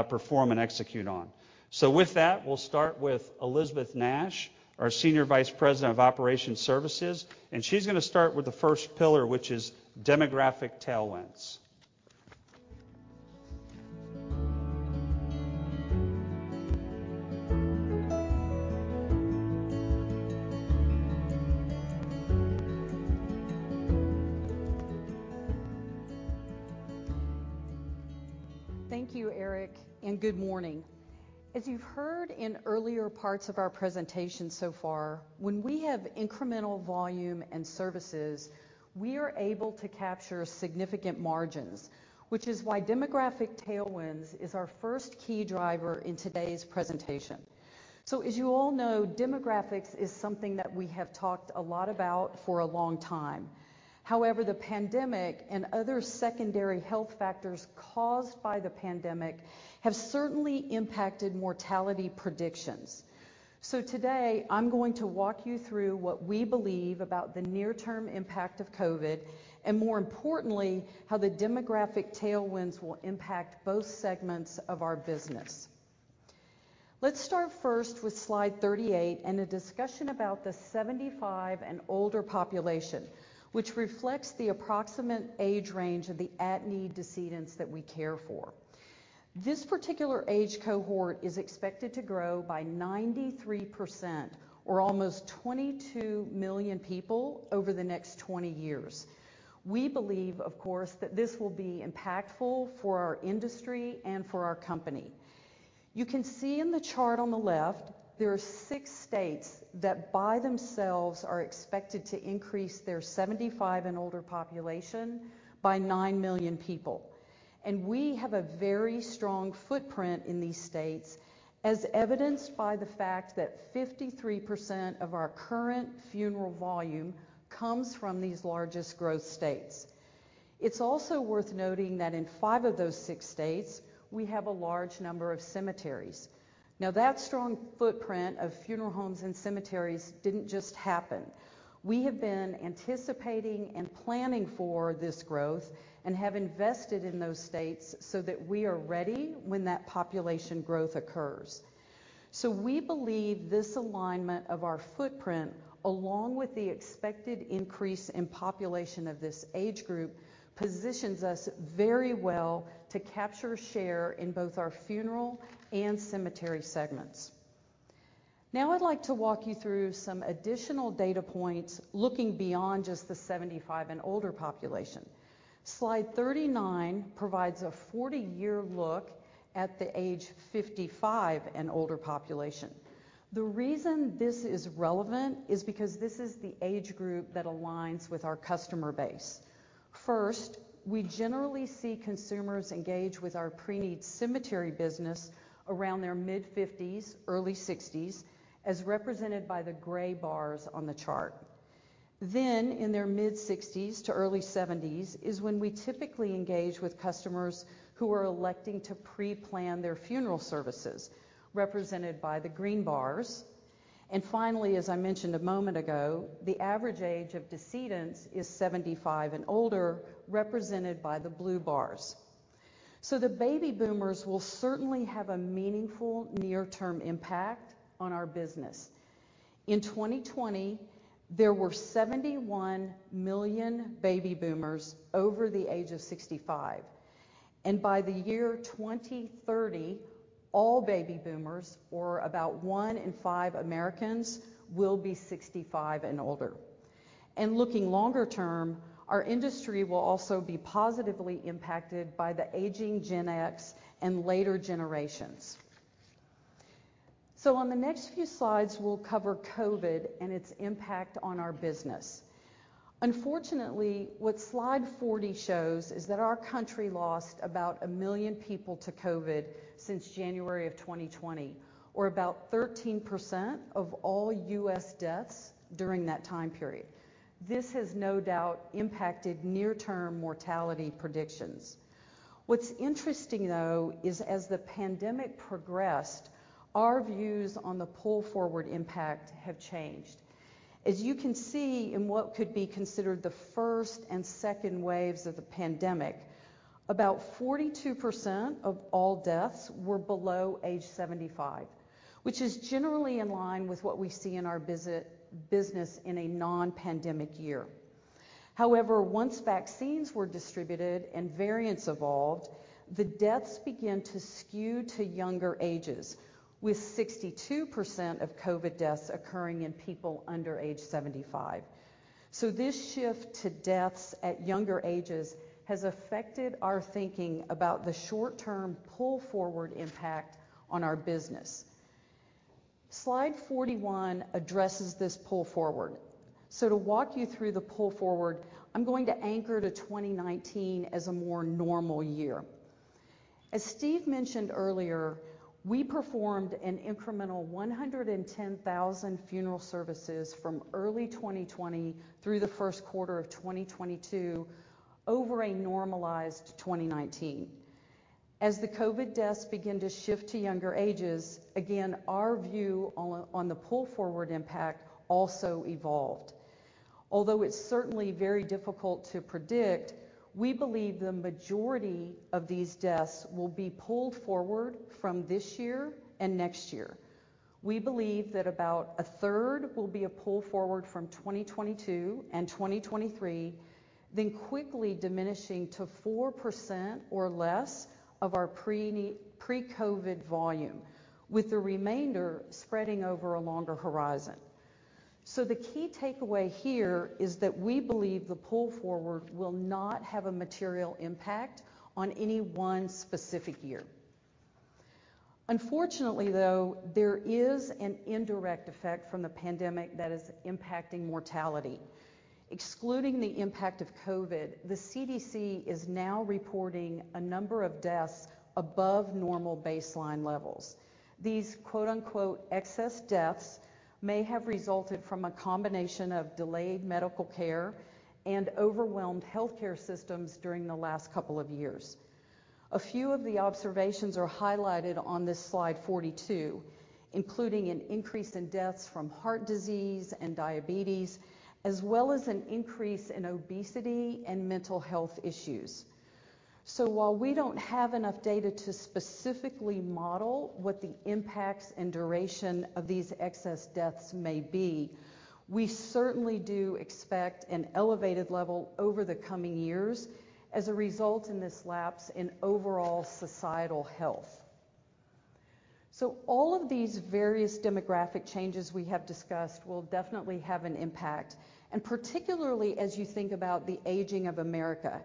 perform and execute on." With that, we'll start with Elisabeth Nash, our Senior Vice President of Operations Services, and she's gonna start with the first pillar, which is demographic tailwinds. Thank you, Eric, and good morning. As you've heard in earlier parts of our presentation so far, when we have incremental volume and services, we are able to capture significant margins, which is why demographic tailwinds is our first key driver in today's presentation. As you all know, demographics is something that we have talked a lot about for a long time. However, the pandemic and other secondary health factors caused by the pandemic have certainly impacted mortality predictions. Today I'm going to walk you through what we believe about the near-term impact of COVID and, more importantly, how the demographic tailwinds will impact both segments of our business. Let's start first with slide 38 and a discussion about the 75 and older population, which reflects the approximate age range of the at-need decedents that we care for. This particular age cohort is expected to grow by 93% or almost 22 million people over the next 20 years. We believe, of course, that this will be impactful for our industry and for our company. You can see in the chart on the left, there are 6 states that by themselves are expected to increase their 75 and older population by 9 million people, and we have a very strong footprint in these states, as evidenced by the fact that 53% of our current funeral volume comes from these largest growth states. It's also worth noting that in 5 of those 6 states we have a large number of cemeteries. Now, that strong footprint of funeral homes and cemeteries didn't just happen. We have been anticipating and planning for this growth and have invested in those states so that we are ready when that population growth occurs. We believe this alignment of our footprint, along with the expected increase in population of this age group, positions us very well to capture share in both our funeral and cemetery segments. Now I'd like to walk you through some additional data points looking beyond just the 75 and older population. Slide 39 provides a 40-year look at the age 55 and older population. The reason this is relevant is because this is the age group that aligns with our customer base. First, we generally see consumers engage with our preneed cemetery business around their mid-50s, early 60s, as represented by the gray bars on the chart. Then, in their mid-60s to early 70s is when we typically engage with customers who are electing to preplan their funeral services, represented by the green bars. Finally, as I mentioned a moment ago, the average age of decedents is 75 and older, represented by the blue bars. The baby boomers will certainly have a meaningful near-term impact on our business. In 2020, there were 71 million baby boomers over the age of 65, and by the year 2030, all baby boomers, or about one in five Americans, will be 65 and older. Looking longer term, our industry will also be positively impacted by the aging Gen X and later generations. On the next few slides, we'll cover COVID and its impact on our business. Unfortunately, what slide 40 shows is that our country lost about 1 million people to COVID since January of 2020, or about 13% of all U.S. deaths during that time period. This has no doubt impacted near-term mortality predictions. What's interesting, though, is as the pandemic progressed, our views on the pull-forward impact have changed. As you can see in what could be considered the first and second waves of the pandemic, about 42% of all deaths were below age 75, which is generally in line with what we see in our visitation business in a non-pandemic year. However, once vaccines were distributed and variants evolved, the deaths began to skew to younger ages, with 62% of COVID deaths occurring in people under age 75. This shift to deaths at younger ages has affected our thinking about the short-term pull-forward impact on our business. Slide 41 addresses this pull forward. To walk you through the pull forward, I'm going to anchor to 2019 as a more normal year. As Steve mentioned earlier, we performed an incremental 110,000 funeral services from early 2020 through the first quarter of 2022 over a normalized 2019. As the COVID deaths begin to shift to younger ages, again, our view on the pull-forward impact also evolved. Although it's certainly very difficult to predict, we believe the majority of these deaths will be pulled forward from this year and next year. We believe that about a third will be a pull forward from 2022 and 2023, then quickly diminishing to 4% or less of our pre-COVID volume, with the remainder spreading over a longer horizon. The key takeaway here is that we believe the pull forward will not have a material impact on any one specific year. Unfortunately, though, there is an indirect effect from the pandemic that is impacting mortality. Excluding the impact of COVID, the CDC is now reporting a number of deaths above normal baseline levels. These “excess deaths” may have resulted from a combination of delayed medical care and overwhelmed healthcare systems during the last couple of years. A few of the observations are highlighted on this slide 42, including an increase in deaths from heart disease and diabetes, as well as an increase in obesity and mental health issues. While we don't have enough data to specifically model what the impacts and duration of these excess deaths may be, we certainly do expect an elevated level over the coming years as a result of this lapse in overall societal health. All of these various demographic changes we have discussed will definitely have an impact, and particularly as you think about the aging of America.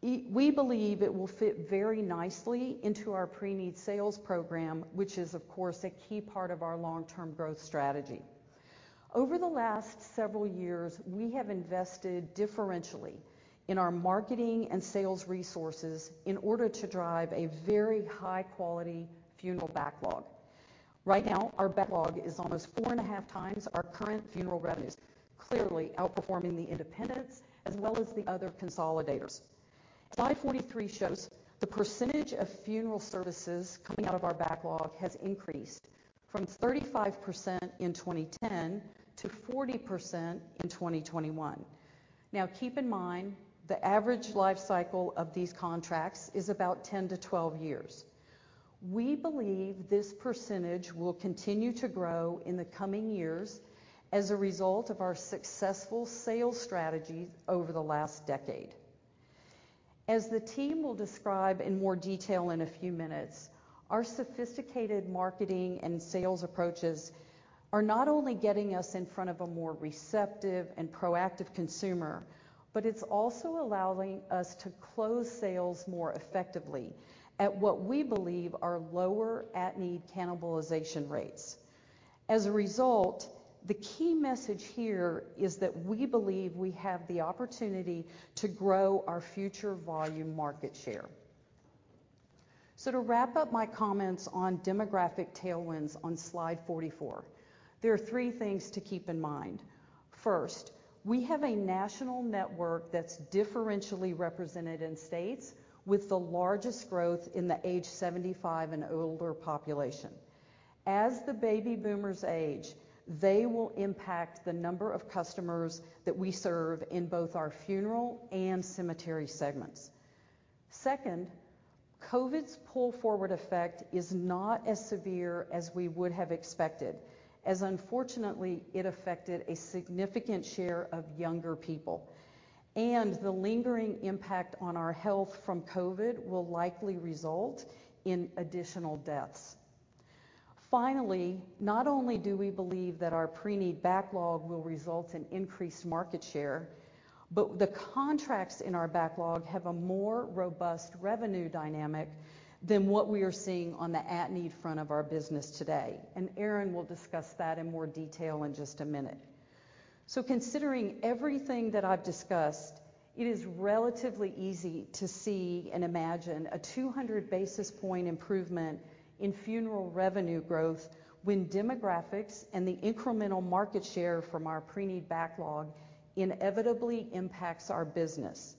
We believe it will fit very nicely into our preneed sales program, which is of course a key part of our long-term growth strategy. Over the last several years, we have invested differentially in our marketing and sales resources in order to drive a very high-quality funeral backlog. Right now, our backlog is almost 4.5 times our current funeral revenues, clearly outperforming the independents as well as the other consolidators. Slide 43 shows the percentage of funeral services coming out of our backlog has increased from 35% in 2010 to 40% in 2021. Now, keep in mind, the average life cycle of these contracts is about 10-12 years. We believe this percentage will continue to grow in the coming years as a result of our successful sales strategies over the last decade. As the team will describe in more detail in a few minutes, our sophisticated marketing and sales approaches are not only getting us in front of a more receptive and proactive consumer, but it's also allowing us to close sales more effectively at what we believe are lower at-need cannibalization rates. As a result, the key message here is that we believe we have the opportunity to grow our future volume market share. To wrap up my comments on demographic tailwinds on slide 44, there are three things to keep in mind. First, we have a national network that's differentially represented in states with the largest growth in the age 75 and older population. As the baby boomers age, they will impact the number of customers that we serve in both our funeral and cemetery segments. Second, COVID's pull-forward effect is not as severe as we would have expected, as unfortunately it affected a significant share of younger people, and the lingering impact on our health from COVID will likely result in additional deaths. Finally, not only do we believe that our preneed backlog will result in increased market share, but the contracts in our backlog have a more robust revenue dynamic than what we are seeing on the at-need front of our business today. Aaron will discuss that in more detail in just a minute. Considering everything that I've discussed, it is relatively easy to see and imagine a 200 basis point improvement in funeral revenue growth when demographics and the incremental market share from our preneed backlog inevitably impacts our business.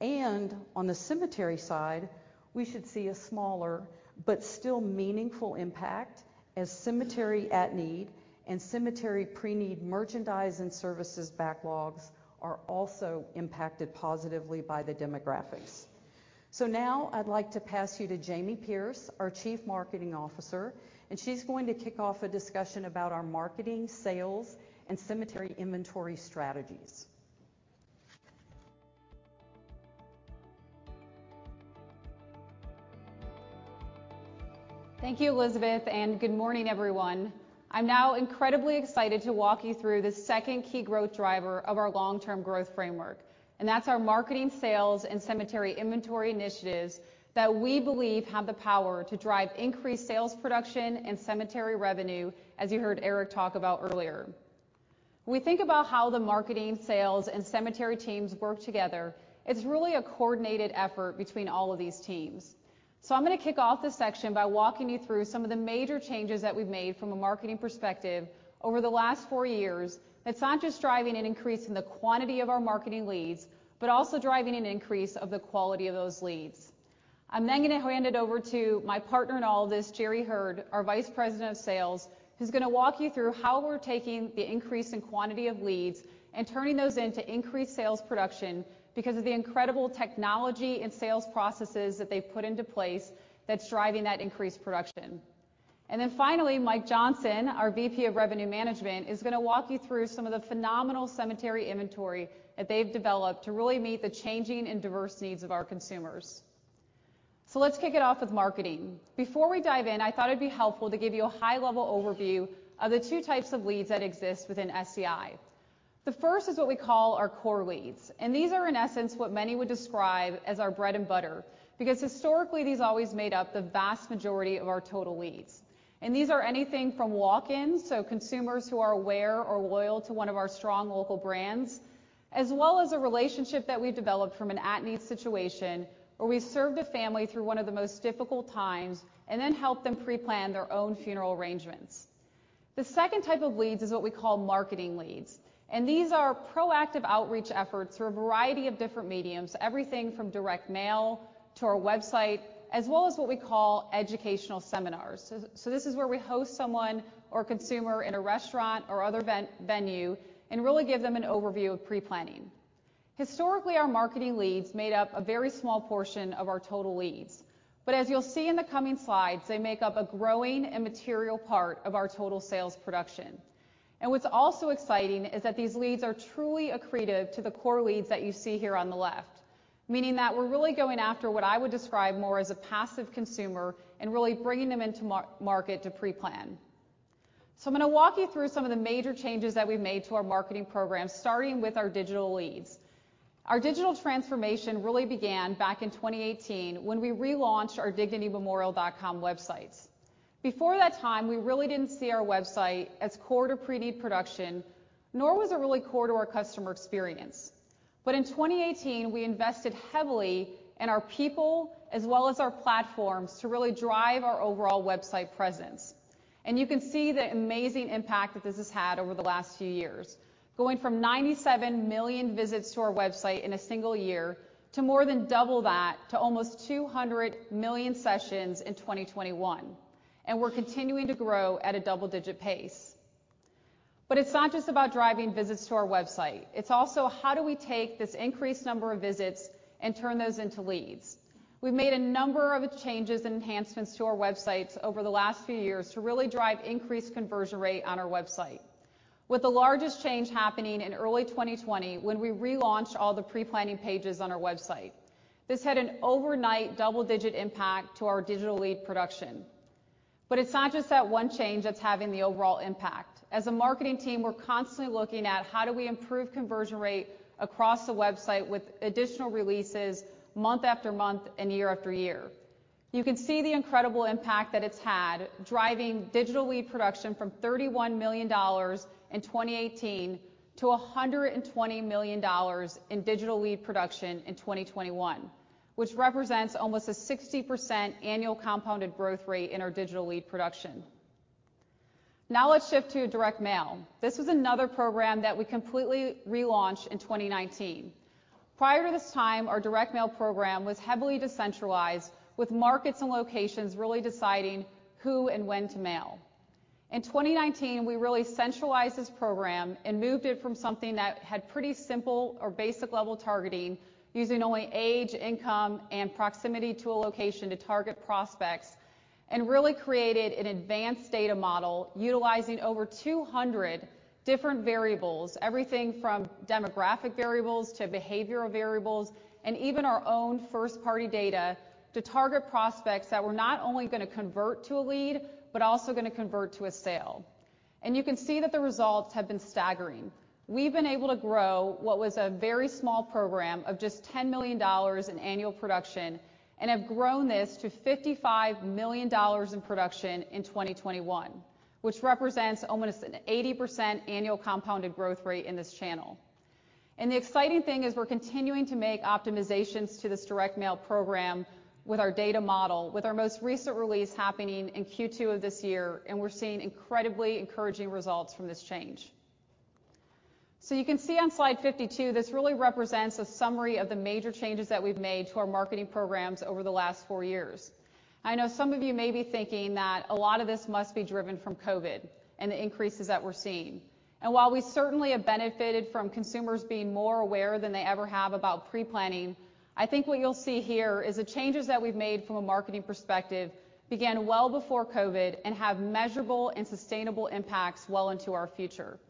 On the cemetery side, we should see a smaller but still meaningful impact as cemetery at-need and cemetery preneed merchandise and services backlogs are also impacted positively by the demographics. Now I'd like to pass you to Jamie Pierce, our Chief Marketing Officer, and she's going to kick off a discussion about our marketing, sales, and cemetery inventory strategies. Thank you, Elisabeth, and good morning everyone. I'm now incredibly excited to walk you through the second key growth driver of our long-term growth framework, and that's our marketing, sales, and cemetery inventory initiatives that we believe have the power to drive increased sales production and cemetery revenue, as you heard Eric talk about earlier. When we think about how the marketing, sales, and cemetery teams work together, it's really a coordinated effort between all of these teams. I'm gonna kick off this section by walking you through some of the major changes that we've made from a marketing perspective over the last four years. It's not just driving an increase in the quantity of our marketing leads, but also driving an increase of the quality of those leads. I'm then gonna hand it over to my partner in all of this, Jerry Heard, our Vice President of Sales, who's gonna walk you through how we're taking the increase in quantity of leads and turning those into increased sales production because of the incredible technology and sales processes that they've put into place that's driving that increased production. Finally, Mike Johnson, our VP of Revenue Management, is gonna walk you through some of the phenomenal cemetery inventory that they've developed to really meet the changing and diverse needs of our consumers. Let's kick it off with marketing. Before we dive in, I thought it'd be helpful to give you a high-level overview of the two types of leads that exist within SCI. The first is what we call our core leads, and these are, in essence, what many would describe as our bread and butter, because historically, these always made up the vast majority of our total leads. These are anything from walk-ins, so consumers who are aware or loyal to one of our strong local brands, as well as a relationship that we've developed from an at-need situation where we served a family through one of the most difficult times and then helped them preplan their own funeral arrangements. The second type of leads is what we call marketing leads, and these are proactive outreach efforts through a variety of different mediums. Everything from direct mail to our website, as well as what we call educational seminars. This is where we host someone or a consumer in a restaurant or other venue and really give them an overview of preplanning. Historically, our marketing leads made up a very small portion of our total leads, but as you'll see in the coming slides, they make up a growing and material part of our total sales production. What's also exciting is that these leads are truly accretive to the core leads that you see here on the left, meaning that we're really going after what I would describe more as a passive consumer and really bringing them into market to preplan. I'm gonna walk you through some of the major changes that we've made to our marketing program, starting with our digital leads. Our digital transformation really began back in 2018 when we relaunched our dignitymemorial.com websites. Before that time, we really didn't see our website as core to pre-need production, nor was it really core to our customer experience. In 2018, we invested heavily in our people as well as our platforms to really drive our overall website presence. You can see the amazing impact that this has had over the last few years. Going from 97 million visits to our website in a single year to more than double that to almost 200 million sessions in 2021, and we're continuing to grow at a double-digit pace. It's not just about driving visits to our website. It's also how do we take this increased number of visits and turn those into leads? We've made a number of changes and enhancements to our websites over the last few years to really drive increased conversion rate on our website. With the largest change happening in early 2020 when we relaunched all the preplanning pages on our website. This had an overnight double-digit impact to our digital lead production. It's not just that one change that's having the overall impact. As a marketing team, we're constantly looking at how do we improve conversion rate across the website with additional releases month after month and year after year. You can see the incredible impact that it's had driving digital lead production from $31 million in 2018 to $120 million in digital lead production in 2021, which represents almost a 60% annual compounded growth rate in our digital lead production. Now let's shift to direct mail. This was another program that we completely relaunched in 2019. Prior to this time, our direct mail program was heavily decentralized, with markets and locations really deciding who and when to mail. In 2019, we really centralized this program and moved it from something that had pretty simple or basic level targeting, using only age, income, and proximity to a location to target prospects and really created an advanced data model utilizing over 200 different variables. Everything from demographic variables to behavioral variables, and even our own first-party data to target prospects that were not only gonna convert to a lead but also gonna convert to a sale. You can see that the results have been staggering. We've been able to grow what was a very small program of just $10 million in annual production and have grown this to $55 million in production in 2021, which represents almost an 80% annual compounded growth rate in this channel. The exciting thing is we're continuing to make optimizations to this direct mail program with our data model, with our most recent release happening in Q2 of this year, and we're seeing incredibly encouraging results from this change. You can see on slide 52, this really represents a summary of the major changes that we've made to our marketing programs over the last 4 years. I know some of you may be thinking that a lot of this must be driven from COVID and the increases that we're seeing. While we certainly have benefited from consumers being more aware than they ever have about pre-planning, I think what you'll see here is the changes that we've made from a marketing perspective began well before COVID and have measurable and sustainable impacts well into our future.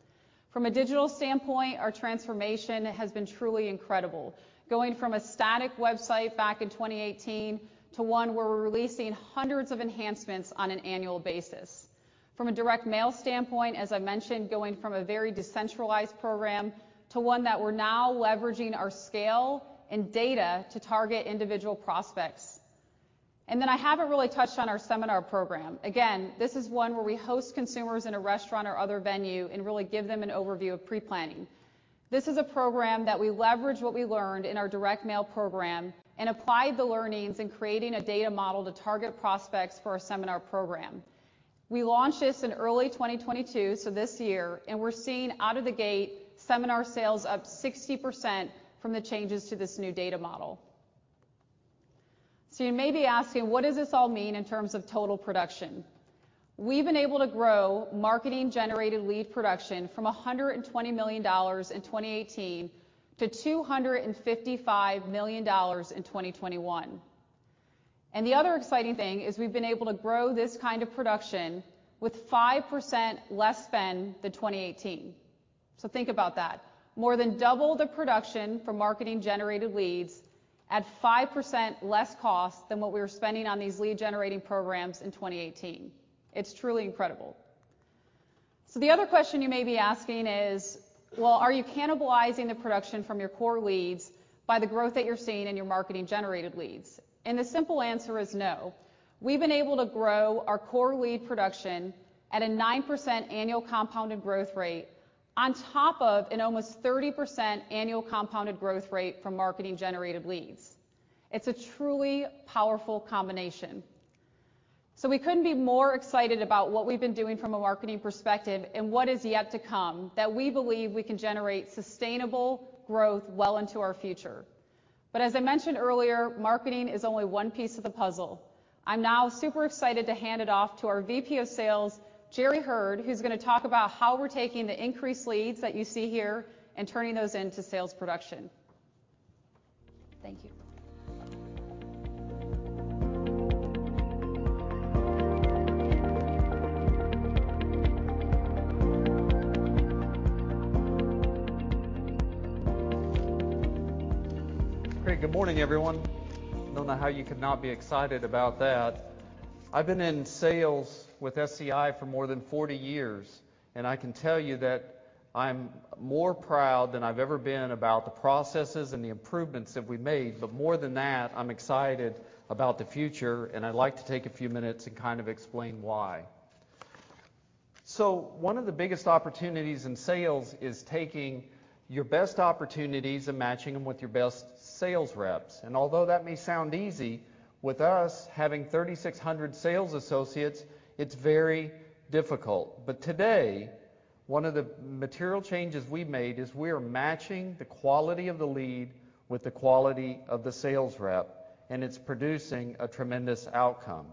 From a digital standpoint, our transformation has been truly incredible. Going from a static website back in 2018 to one where we're releasing hundreds of enhancements on an annual basis. From a direct mail standpoint, as I mentioned, going from a very decentralized program to one that we're now leveraging our scale and data to target individual prospects. Then I haven't really touched on our seminar program. Again, this is one where we host consumers in a restaurant or other venue and really give them an overview of pre-planning. This is a program that we leverage what we learned in our direct mail program and applied the earnings in creating a data model to target prospects for our seminar program. We launched this in early 2022, so this year, and we're seeing out of the gate seminar sales up 60% from the changes to this new data model. You may be asking, what does this all mean in terms of total production? We've been able to grow marketing-generated lead production from $120 million in 2018 to $255 million in 2021. The other exciting thing is we've been able to grow this kind of production with 5% less spend than 2018. Think about that. More than double the production for marketing-generated leads at 5% less cost than what we were spending on these lead-generating programs in 2018. It's truly incredible. The other question you may be asking is, well, are you cannibalizing the production from your core leads by the growth that you're seeing in your marketing-generated leads? The simple answer is no. We've been able to grow our core lead production at a 9% annual compounded growth rate on top of an almost 30% annual compounded growth rate from marketing-generated leads. It's a truly powerful combination. We couldn't be more excited about what we've been doing from a marketing perspective and what is yet to come that we believe we can generate sustainable growth well into our future. As I mentioned earlier, marketing is only one piece of the puzzle. I'm now super excited to hand it off to our VP of Sales, Jerry Heard, who's gonna talk about how we're taking the increased leads that you see here and turning those into sales production. Thank you. Great. Good morning, everyone. I don't know how you could not be excited about that. I've been in sales with SCI for more than 40 years, and I can tell you that I'm more proud than I've ever been about the processes and the improvements that we've made. More than that, I'm excited about the future, and I'd like to take a few minutes and kind of explain why. One of the biggest opportunities in sales is taking your best opportunities and matching them with your best sales reps. Although that may sound easy, with us having 3,600 sales associates, it's very difficult. Today, one of the material changes we made is we are matching the quality of the lead with the quality of the sales rep, and it's producing a tremendous outcome.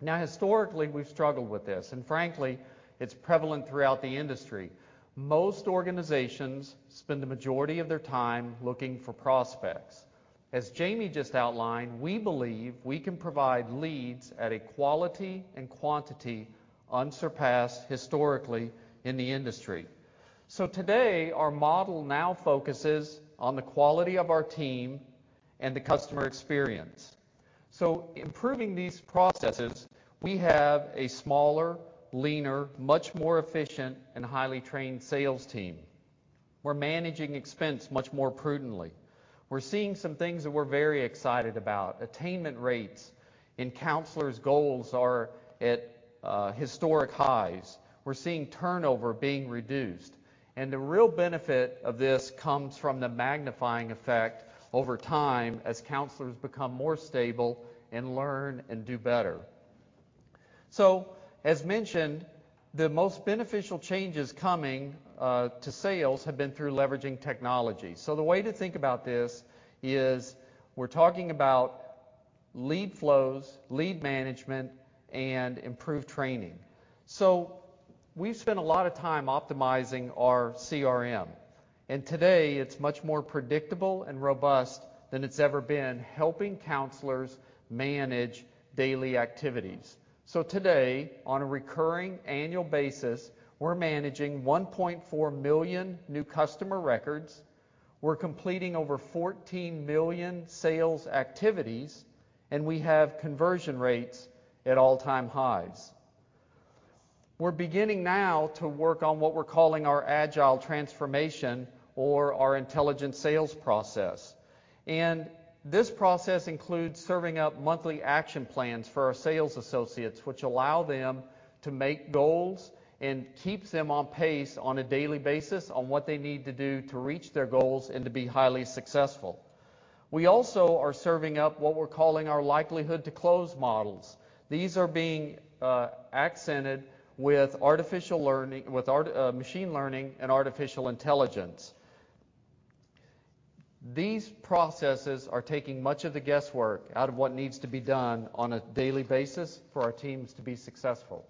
Now, historically, we've struggled with this, and frankly, it's prevalent throughout the industry. Most organizations spend the majority of their time looking for prospects. As Jamie just outlined, we believe we can provide leads at a quality and quantity unsurpassed historically in the industry. Today, our model now focuses on the quality of our team and the customer experience. Improving these processes, we have a smaller, leaner, much more efficient, and highly trained sales team. We're managing expense much more prudently. We're seeing some things that we're very excited about. Attainment rates and counselors' goals are at historic highs. We're seeing turnover being reduced. The real benefit of this comes from the magnifying effect over time as counselors become more stable and learn and do better. As mentioned, the most beneficial changes coming to sales have been through leveraging technology. The way to think about this is we're talking about lead flows, lead management, and improved training. We've spent a lot of time optimizing our CRM, and today it's much more predictable and robust than it's ever been, helping counselors manage daily activities. Today, on a recurring annual basis, we're managing 1.4 million new customer records. We're completing over 14 million sales activities, and we have conversion rates at all-time highs. We're beginning now to work on what we're calling our agile transformation or our intelligent sales process. This process includes serving up monthly action plans for our sales associates, which allow them to make goals and keeps them on pace on a daily basis on what they need to do to reach their goals and to be highly successful. We also are serving up what we're calling our likelihood to close models. These are being augmented with machine learning and artificial intelligence. These processes are taking much of the guesswork out of what needs to be done on a daily basis for our teams to be successful.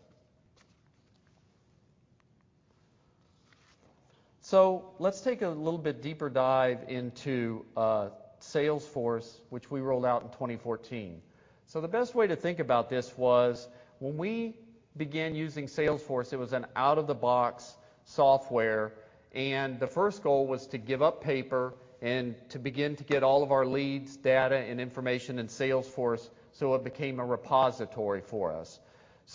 Let's take a little bit deeper dive into Salesforce, which we rolled out in 2014. The best way to think about this was when we began using Salesforce, it was an out of the box software, and the first goal was to give up paper and to begin to get all of our leads, data, and information in Salesforce, so it became a repository for us.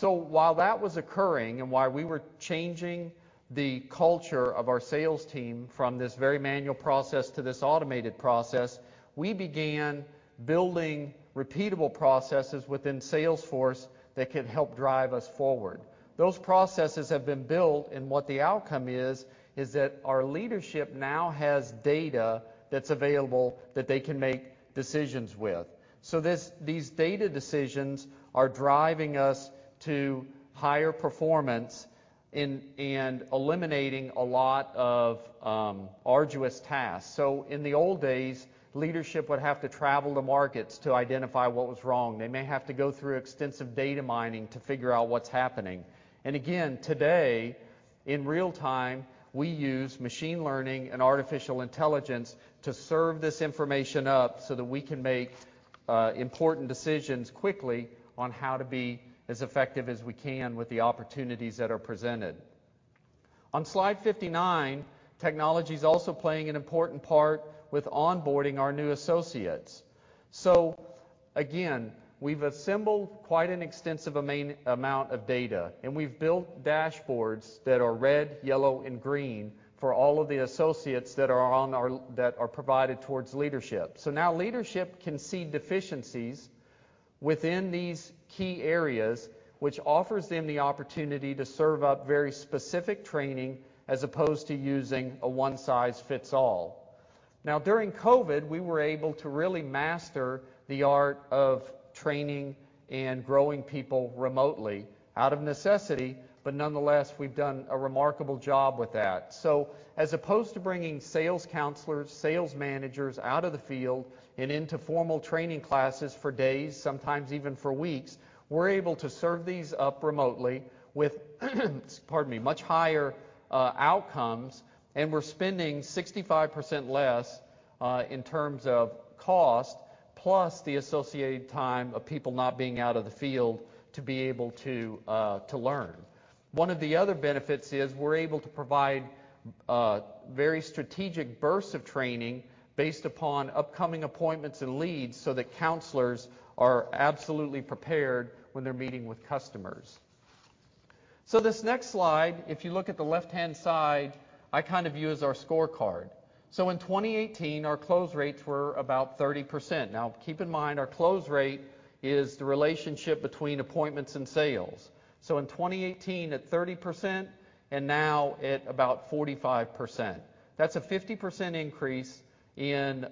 While that was occurring and while we were changing the culture of our sales team from this very manual process to this automated process, we began building repeatable processes within Salesforce that could help drive us forward. Those processes have been built, and what the outcome is that our leadership now has data that's available that they can make decisions with. These data decisions are driving us to higher performance and eliminating a lot of arduous tasks. In the old days, leadership would have to travel to markets to identify what was wrong. They may have to go through extensive data mining to figure out what's happening. Today, in real time, we use machine learning and artificial intelligence to serve this information up so that we can make important decisions quickly on how to be as effective as we can with the opportunities that are presented. On slide 59, technology is also playing an important part with onboarding our new associates. Again, we've assembled quite an extensive amount of data, and we've built dashboards that are red, yellow, and green for all of the associates that are provided towards leadership. Now leadership can see deficiencies within these key areas, which offers them the opportunity to serve up very specific training as opposed to using a one size fits all. Now, during COVID, we were able to really master the art of training and growing people remotely out of necessity, but nonetheless, we've done a remarkable job with that. As opposed to bringing sales counselors, sales managers out of the field and into formal training classes for days, sometimes even for weeks, we're able to serve these up remotely with, pardon me, much higher outcomes, and we're spending 65% less in terms of cost plus the associated time of people not being out of the field to be able to learn. One of the other benefits is we're able to provide very strategic bursts of training based upon upcoming appointments and leads, so that counselors are absolutely prepared when they're meeting with customers. This next slide, if you look at the left-hand side, I kind of view as our scorecard. In 2018, our close rates were about 30%. Now keep in mind, our close rate is the relationship between appointments and sales. In 2018 at 30% and now at about 45%. That's a 50% increase in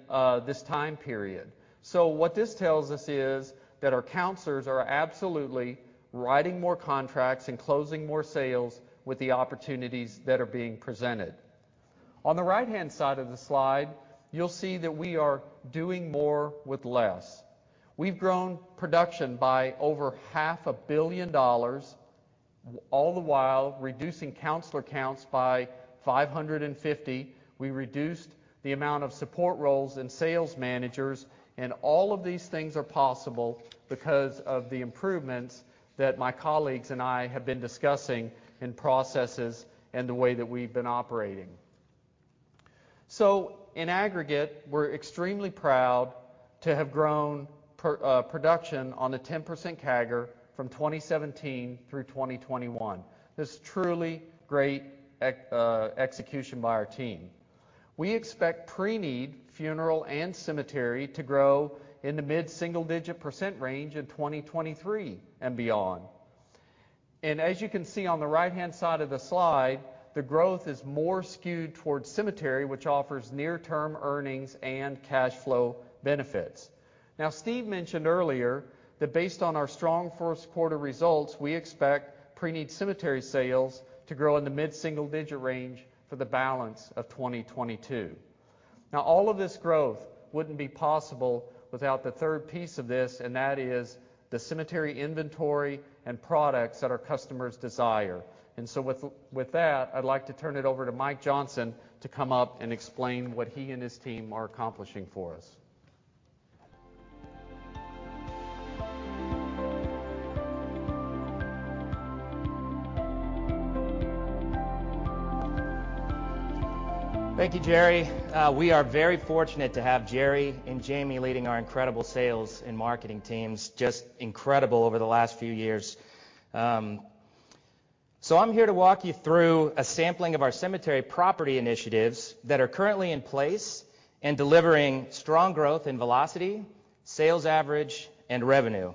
this time period. What this tells us is that our counselors are absolutely writing more contracts and closing more sales with the opportunities that are being presented. On the right-hand side of the slide, you'll see that we are doing more with less. We've grown production by over half a billion dollars, all the while reducing counselor counts by 550. We reduced the amount of support roles and sales managers, and all of these things are possible because of the improvements that my colleagues and I have been discussing in processes and the way that we've been operating. In aggregate, we're extremely proud to have grown production on a 10% CAGR from 2017 through 2021. This is truly great execution by our team. We expect pre-need funeral and cemetery to grow in the mid-single digit % range in 2023 and beyond. As you can see on the right-hand side of the slide, the growth is more skewed towards cemetery, which offers near-term earnings and cash flow benefits. Now, Steve mentioned earlier that based on our strong first quarter results, we expect pre-need cemetery sales to grow in the mid-single digit range for the balance of 2022. Now all of this growth wouldn't be possible without the third piece of this, and that is the cemetery inventory and products that our customers desire. With that, I'd like to turn it over to Mike Johnson to come up and explain what he and his team are accomplishing for us. Thank you, Jerry. We are very fortunate to have Jerry and Jamie leading our incredible sales and marketing teams. Just incredible over the last few years. I'm here to walk you through a sampling of our cemetery property initiatives that are currently in place and delivering strong growth in velocity, sales average, and revenue.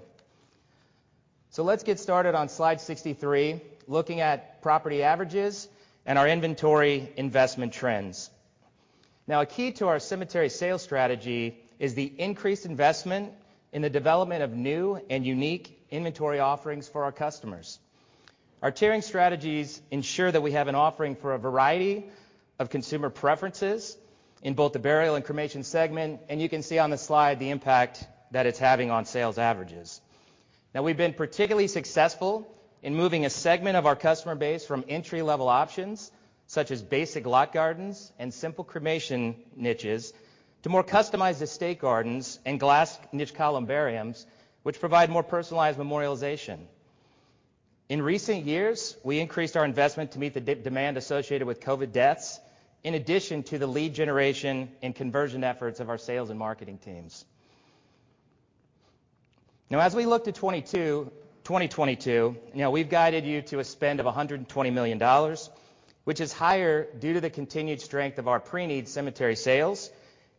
Let's get started on slide 63, looking at property averages and our inventory investment trends. Now, a key to our cemetery sales strategy is the increased investment in the development of new and unique inventory offerings for our customers. Our tiering strategies ensure that we have an offering for a variety of consumer preferences in both the burial and cremation segment, and you can see on the slide the impact that it's having on sales averages. Now, we've been particularly successful in moving a segment of our customer base from entry-level options, such as basic lot gardens and simple cremation niches, to more customized estate gardens and glass niche columbariums, which provide more personalized memorialization. In recent years, we increased our investment to meet the demand associated with COVID deaths in addition to the lead generation and conversion efforts of our sales and marketing teams. Now, as we look to 2022, you know, we've guided you to a spend of $120 million, which is higher due to the continued strength of our pre-need cemetery sales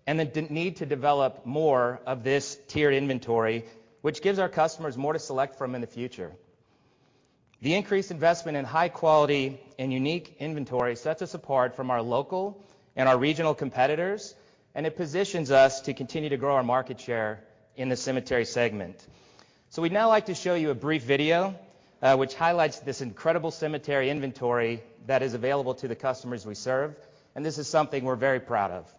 and the need to develop more of this tiered inventory, which gives our customers more to select from in the future. The increased investment in high quality and unique inventory sets us apart from our local and our regional competitors, and it positions us to continue to grow our market share in the cemetery segment. We'd now like to show you a brief video, which highlights this incredible cemetery inventory that is available to the customers we serve, and this is something we're very proud of.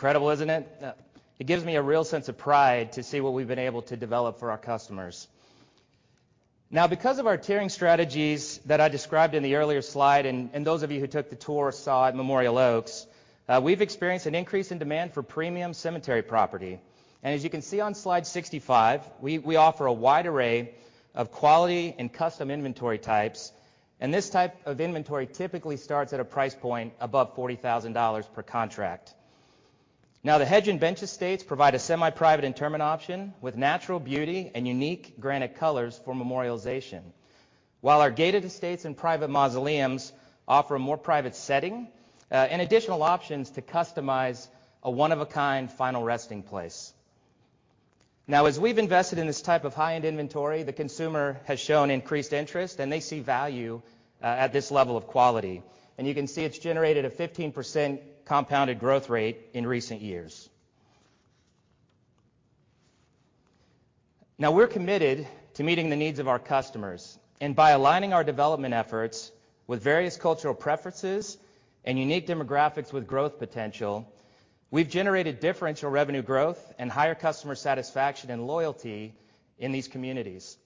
Incredible, isn't it? It gives me a real sense of pride to see what we've been able to develop for our customers. Because of our tiering strategies that I described in the earlier slide and those of you who took the tour saw at Memorial Oaks, we've experienced an increase in demand for premium cemetery property. As you can see on slide 65, we offer a wide array of quality and custom inventory types, and this type of inventory typically starts at a price point above $40,000 per contract. The hedge and bench estates provide a semi-private interment option with natural beauty and unique granite colors for memorialization. While our gated estates and private mausoleums offer a more private setting, and additional options to customize a one-of-a-kind final resting place. Now, as we've invested in this type of high-end inventory, the consumer has shown increased interest, and they see value, at this level of quality. You can see it's generated a 15% compounded growth rate in recent years. Now, we're committed to meeting the needs of our customers, and by aligning our development efforts with various cultural preferences and unique demographics with growth potential, we've generated differential revenue growth and higher customer satisfaction and loyalty in these communities.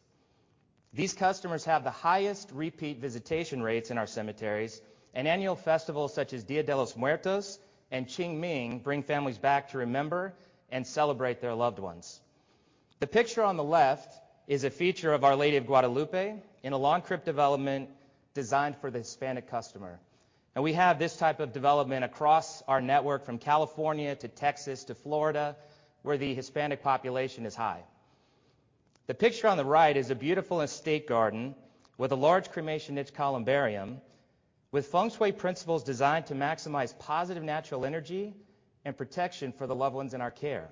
These customers have the highest repeat visitation rates in our cemeteries, and annual festivals such as Día de los Muertos and Qingming bring families back to remember and celebrate their loved ones. The picture on the left is a feature of Our Lady of Guadalupe in a lawn crypt development designed for the Hispanic customer. We have this type of development across our network from California to Texas to Florida, where the Hispanic population is high. The picture on the right is a beautiful estate garden with a large cremation niche columbarium with feng shui principles designed to maximize positive natural energy and protection for the loved ones in our care.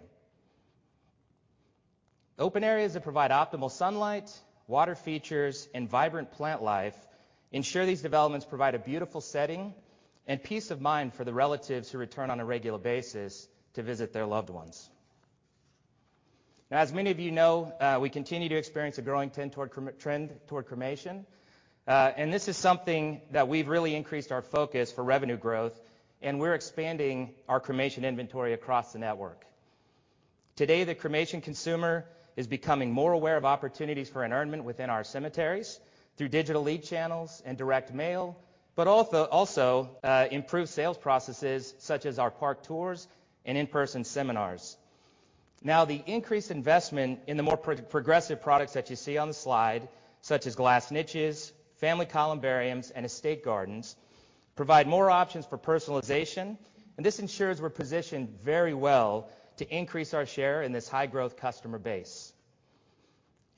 Open areas that provide optimal sunlight, water features, and vibrant plant life ensure these developments provide a beautiful setting and peace of mind for the relatives who return on a regular basis to visit their loved ones. Now, as many of you know, we continue to experience a growing trend toward cremation, and this is something that we've really increased our focus for revenue growth, and we're expanding our cremation inventory across the network. Today, the cremation consumer is becoming more aware of opportunities for inurnment within our cemeteries through digital lead channels and direct mail, but also improved sales processes such as our park tours and in-person seminars. Now, the increased investment in the more progressive products that you see on the slide, such as glass niches, family columbariums, and estate gardens, provide more options for personalization, and this ensures we're positioned very well to increase our share in this high-growth customer base.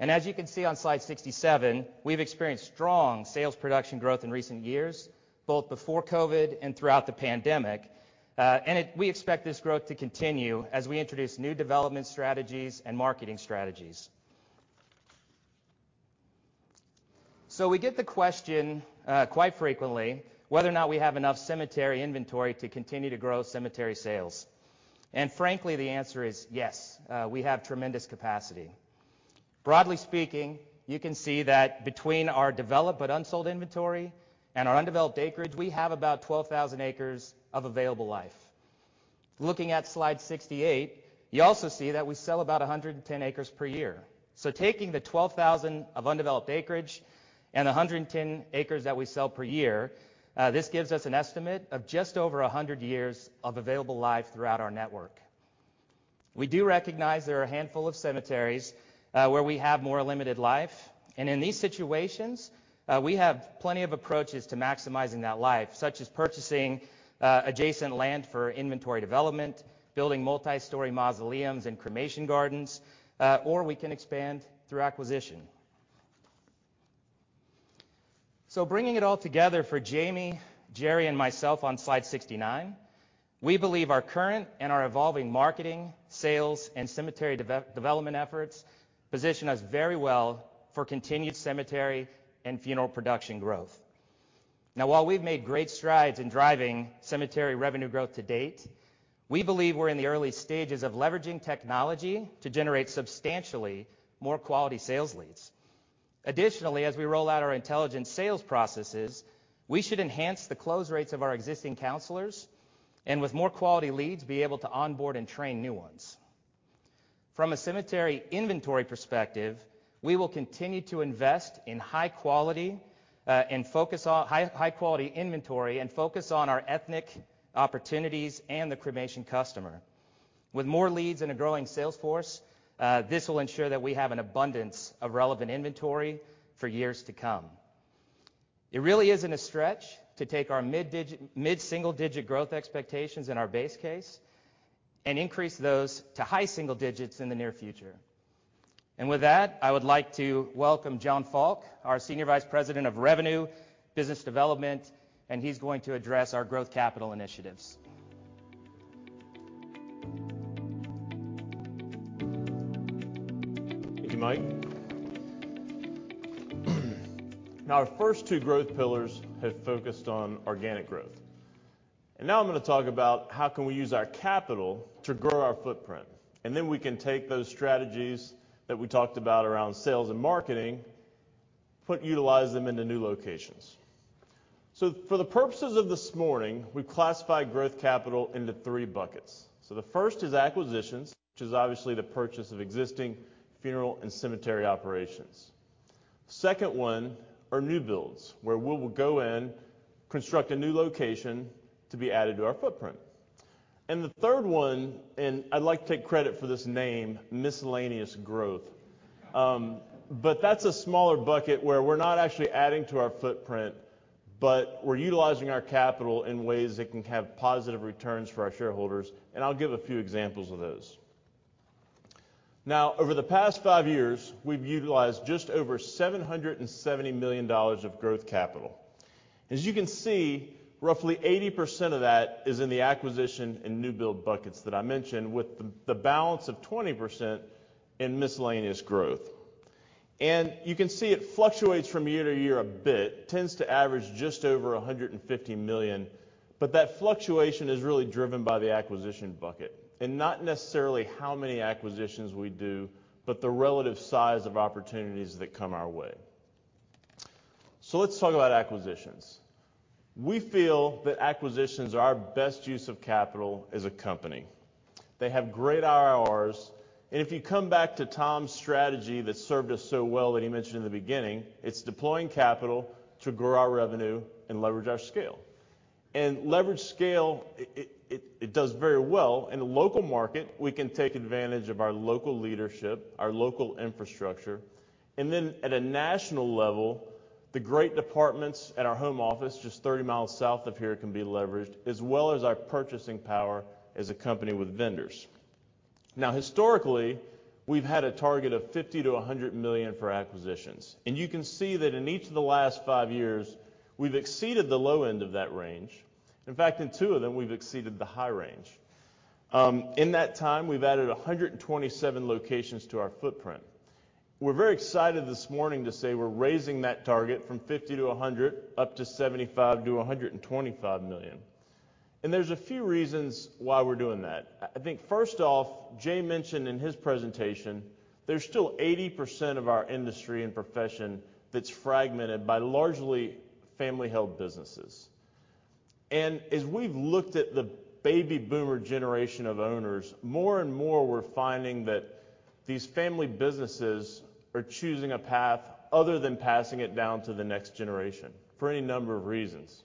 As you can see on slide 67, we've experienced strong sales production growth in recent years, both before COVID and throughout the pandemic, and we expect this growth to continue as we introduce new development strategies and marketing strategies. We get the question quite frequently whether or not we have enough cemetery inventory to continue to grow cemetery sales, and frankly, the answer is yes, we have tremendous capacity. Broadly speaking, you can see that between our developed but unsold inventory and our undeveloped acreage, we have about 12,000 acres of available land. Looking at slide 68, you also see that we sell about 110 acres per year. Taking the 12,000 of undeveloped acreage and 110 acres that we sell per year, this gives us an estimate of just over 100 years of available life throughout our network. We do recognize there are a handful of cemeteries, where we have more limited life, and in these situations, we have plenty of approaches to maximizing that life, such as purchasing adjacent land for inventory development, building multi-story mausoleums and cremation gardens, or we can expand through acquisition. Bringing it all together for Jamie, Jerry, and myself on slide 69, we believe our current and our evolving marketing, sales, and cemetery development efforts position us very well for continued cemetery and funeral production growth. Now, while we've made great strides in driving cemetery revenue growth to date, we believe we're in the early stages of leveraging technology to generate substantially more quality sales leads. Additionally, as we roll out our intelligent sales processes, we should enhance the close rates of our existing counselors and, with more quality leads, be able to onboard and train new ones. From a cemetery inventory perspective, we will continue to invest in high quality and focus on high quality inventory and focus on our ethnic opportunities and the cremation customer. With more leads and a growing sales force, this will ensure that we have an abundance of relevant inventory for years to come. It really isn't a stretch to take our mid-single digit growth expectations in our base case and increase those to high single digits in the near future. With that, I would like to welcome John Faulk, our Senior Vice President of Revenue Business Development, and he's going to address our growth capital initiatives. Thank you, Mike. Now, our first two growth pillars have focused on organic growth, and now I'm gonna talk about how can we use our capital to grow our footprint, and then we can take those strategies that we talked about around sales and marketing, utilize them into new locations. For the purposes of this morning, we've classified growth capital into three buckets. The first is acquisitions, which is obviously the purchase of existing funeral and cemetery operations. Second one are new builds, where we will go in, construct a new location to be added to our footprint. The third one, and I'd like to take credit for this name, miscellaneous growth. That's a smaller bucket where we're not actually adding to our footprint, but we're utilizing our capital in ways that can have positive returns for our shareholders, and I'll give a few examples of those. Now, over the past five years, we've utilized just over $770 million of growth capital. As you can see, roughly 80% of that is in the acquisition and new build buckets that I mentioned, with the balance of 20% in miscellaneous growth. You can see it fluctuates from year to year a bit, tends to average just over $150 million, but that fluctuation is really driven by the acquisition bucket, and not necessarily how many acquisitions we do, but the relative size of opportunities that come our way. Let's talk about acquisitions. We feel that acquisitions are our best use of capital as a company. They have great IRRs, and if you come back to Tom's strategy that served us so well that he mentioned in the beginning, it's deploying capital to grow our revenue and leverage our scale. Leveraged scale, it does very well. In the local market, we can take advantage of our local leadership, our local infrastructure, and then at a national level, the great departments at our home office just 30 miles south of here can be leveraged, as well as our purchasing power as a company with vendors. Now, historically, we've had a target of $50 million-$100 million for acquisitions, and you can see that in each of the last five years, we've exceeded the low end of that range. In fact, in two of them, we've exceeded the high range. In that time, we've added 127 locations to our footprint. We're very excited this morning to say we're raising that target from 50 to 100 up to $75 million-$125 million, and there's a few reasons why we're doing that. I think first off, Jay mentioned in his presentation there's still 80% of our industry and profession that's fragmented by largely family-held businesses. As we've looked at the baby boomer generation of owners, more and more we're finding that these family businesses are choosing a path other than passing it down to the next generation for any number of reasons.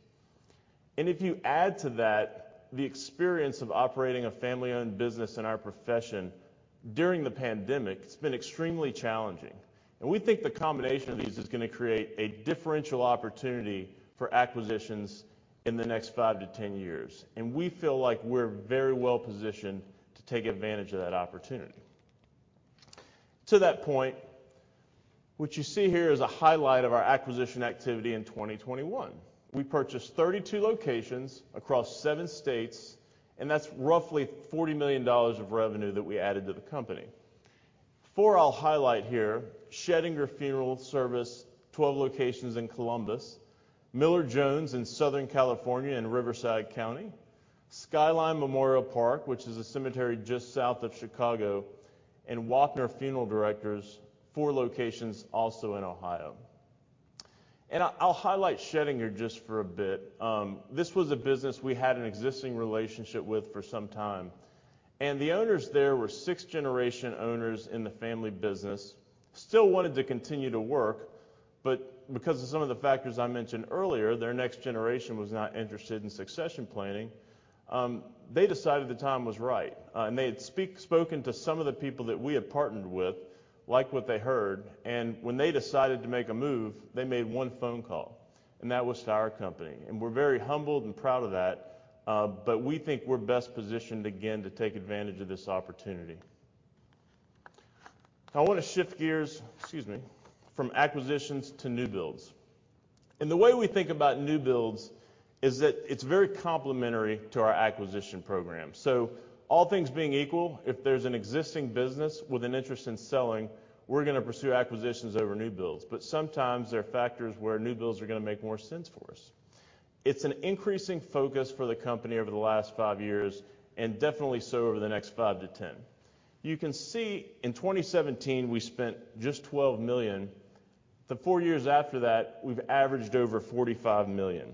If you add to that the experience of operating a family-owned business in our profession during the pandemic, it's been extremely challenging. We think the combination of these is gonna create a differential opportunity for acquisitions in the next 5-10 years. We feel like we're very well-positioned to take advantage of that opportunity. To that point, what you see here is a highlight of our acquisition activity in 2021. We purchased 32 locations across 7 states, and that's roughly $40 million of revenue that we added to the company. Four, I'll highlight here. Schoedinger Funeral & Cremation Service, 12 locations in Columbus. Miller-Jones Mortuary & Crematory in Southern California and Riverside County. Skyline Memorial Park, which is a cemetery just south of Chicago. And Wappner Funeral Directors, four locations also in Ohio. I'll highlight Schoedinger just for a bit. This was a business we had an existing relationship with for some time. The owners there were 6-generation owners in the family business. Still wanted to continue to work, but because of some of the factors I mentioned earlier, their next generation was not interested in succession planning. They decided the time was right. They had spoken to some of the people that we had partnered with, liked what they heard, and when they decided to make a move, they made one phone call, and that was to our company. We're very humbled and proud of that, but we think we're best positioned again to take advantage of this opportunity. I wanna shift gears, excuse me, from acquisitions to new builds. The way we think about new builds is that it's very complementary to our acquisition program. All things being equal, if there's an existing business with an interest in selling, we're gonna pursue acquisitions over new builds. Sometimes there are factors where new builds are gonna make more sense for us. It's an increasing focus for the company over the last 5 years and definitely so over the next 5 to 10. You can see in 2017 we spent just $12 million. The 4 years after that, we've averaged over $45 million.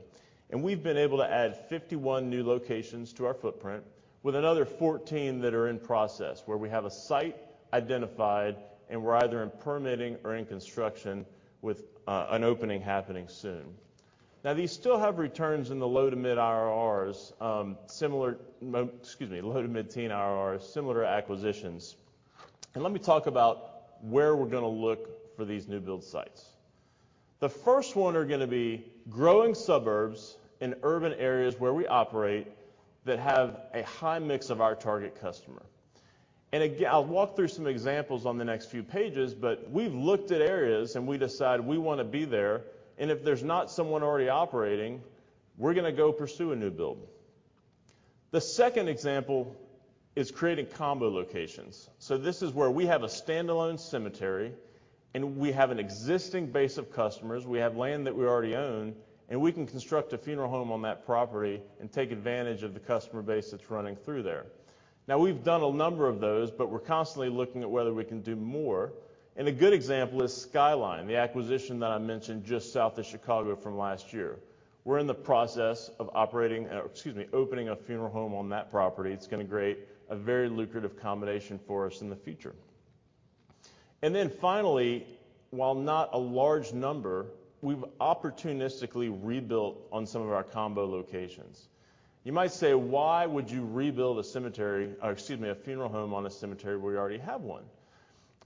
We've been able to add 51 new locations to our footprint, with another 14 that are in process, where we have a site identified and we're either in permitting or in construction with an opening happening soon. Now, these still have returns in the low to mid-IRRs, similar to acquisitions. Let me talk about where we're gonna look for these new build sites. The first one are gonna be growing suburbs in urban areas where we operate that have a high mix of our target customer. I'll walk through some examples on the next few pages, but we've looked at areas, and we decide we wanna be there, and if there's not someone already operating, we're gonna go pursue a new build. The second example is creating combo locations. So this is where we have a standalone cemetery, and we have an existing base of customers, we have land that we already own, and we can construct a funeral home on that property and take advantage of the customer base that's running through there. Now, we've done a number of those, but we're constantly looking at whether we can do more. A good example is Skyline, the acquisition that I mentioned just south of Chicago from last year. We're in the process of opening a funeral home on that property. It's gonna create a very lucrative combination for us in the future. Finally, while not a large number, we've opportunistically rebuilt on some of our combo locations. You might say, "Why would you rebuild a funeral home on a cemetery where you already have one?"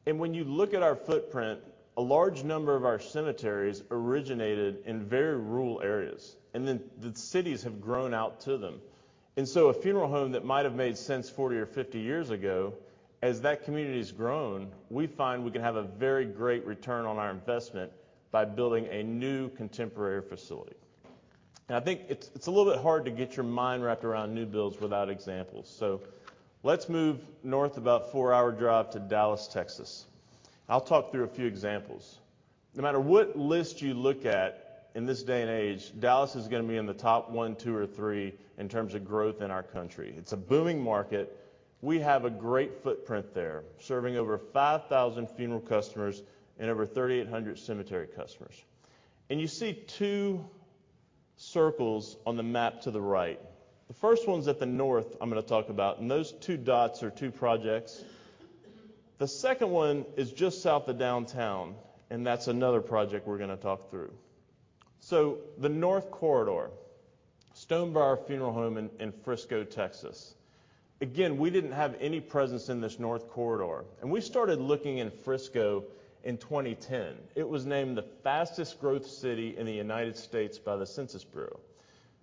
When you look at our footprint, a large number of our cemeteries originated in very rural areas, and then the cities have grown out to them. A funeral home that might have made sense 40 or 50 years ago, as that community's grown, we find we can have a very great return on our investment by building a new contemporary facility. I think it's a little bit hard to get your mind wrapped around new builds without examples. Let's move north about four-hour drive to Dallas, Texas. I'll talk through a few examples. No matter what list you look at in this day and age, Dallas is gonna be in the top 1, 2, or 3 in terms of growth in our country. It's a booming market. We have a great footprint there, serving over 5,000 funeral customers and over 3,800 cemetery customers. You see two circles on the map to the right. The first one's at the north I'm gonna talk about, and those two dots are two projects. The second one is just south of downtown, and that's another project we're gonna talk through. The North Corridor, Stonebriar Funeral Home in Frisco, Texas. Again, we didn't have any presence in this North Corridor, and we started looking in Frisco in 2010. It was named the fastest growth city in the United States by the Census Bureau.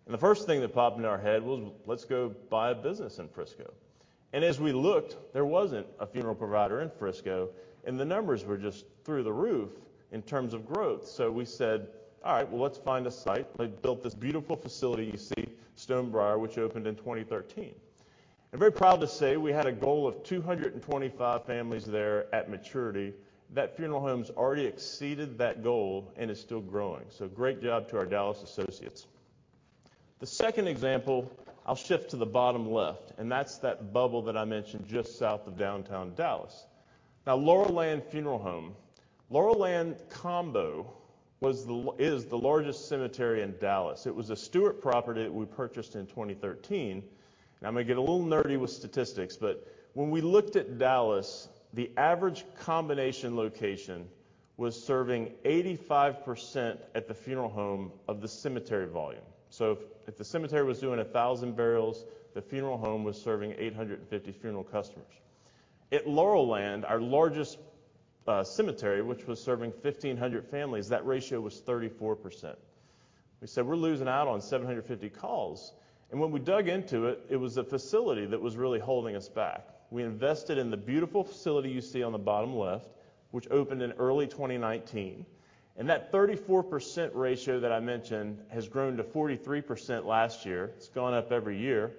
The first thing that popped into our head was, "Let's go buy a business in Frisco." As we looked, there wasn't a funeral provider in Frisco, and the numbers were just through the roof in terms of growth. We said, "All right. Well, let's find a site." They built this beautiful facility you see, Stonebriar, which opened in 2013. I'm very proud to say we had a goal of 225 families there at maturity. That funeral home's already exceeded that goal and is still growing. Great job to our Dallas associates. The second example, I'll shift to the bottom left, and that's that bubble that I mentioned just south of downtown Dallas. Now, Laurel Land Funeral Home. Laurel Land Combo is the largest cemetery in Dallas. It was a Stewart property we purchased in 2013. I'm gonna get a little nerdy with statistics, but when we looked at Dallas, the average combination location was serving 85% at the funeral home of the cemetery volume. If the cemetery was doing 1,000 burials, the funeral home was serving 850 funeral customers. At Laurel Land, our largest cemetery, which was serving 1,500 families, that ratio was 34%. We said, "We're losing out on 750 calls." When we dug into it was the facility that was really holding us back. We invested in the beautiful facility you see on the bottom left, which opened in early 2019, and that 34% ratio that I mentioned has grown to 43% last year. It's gone up every year.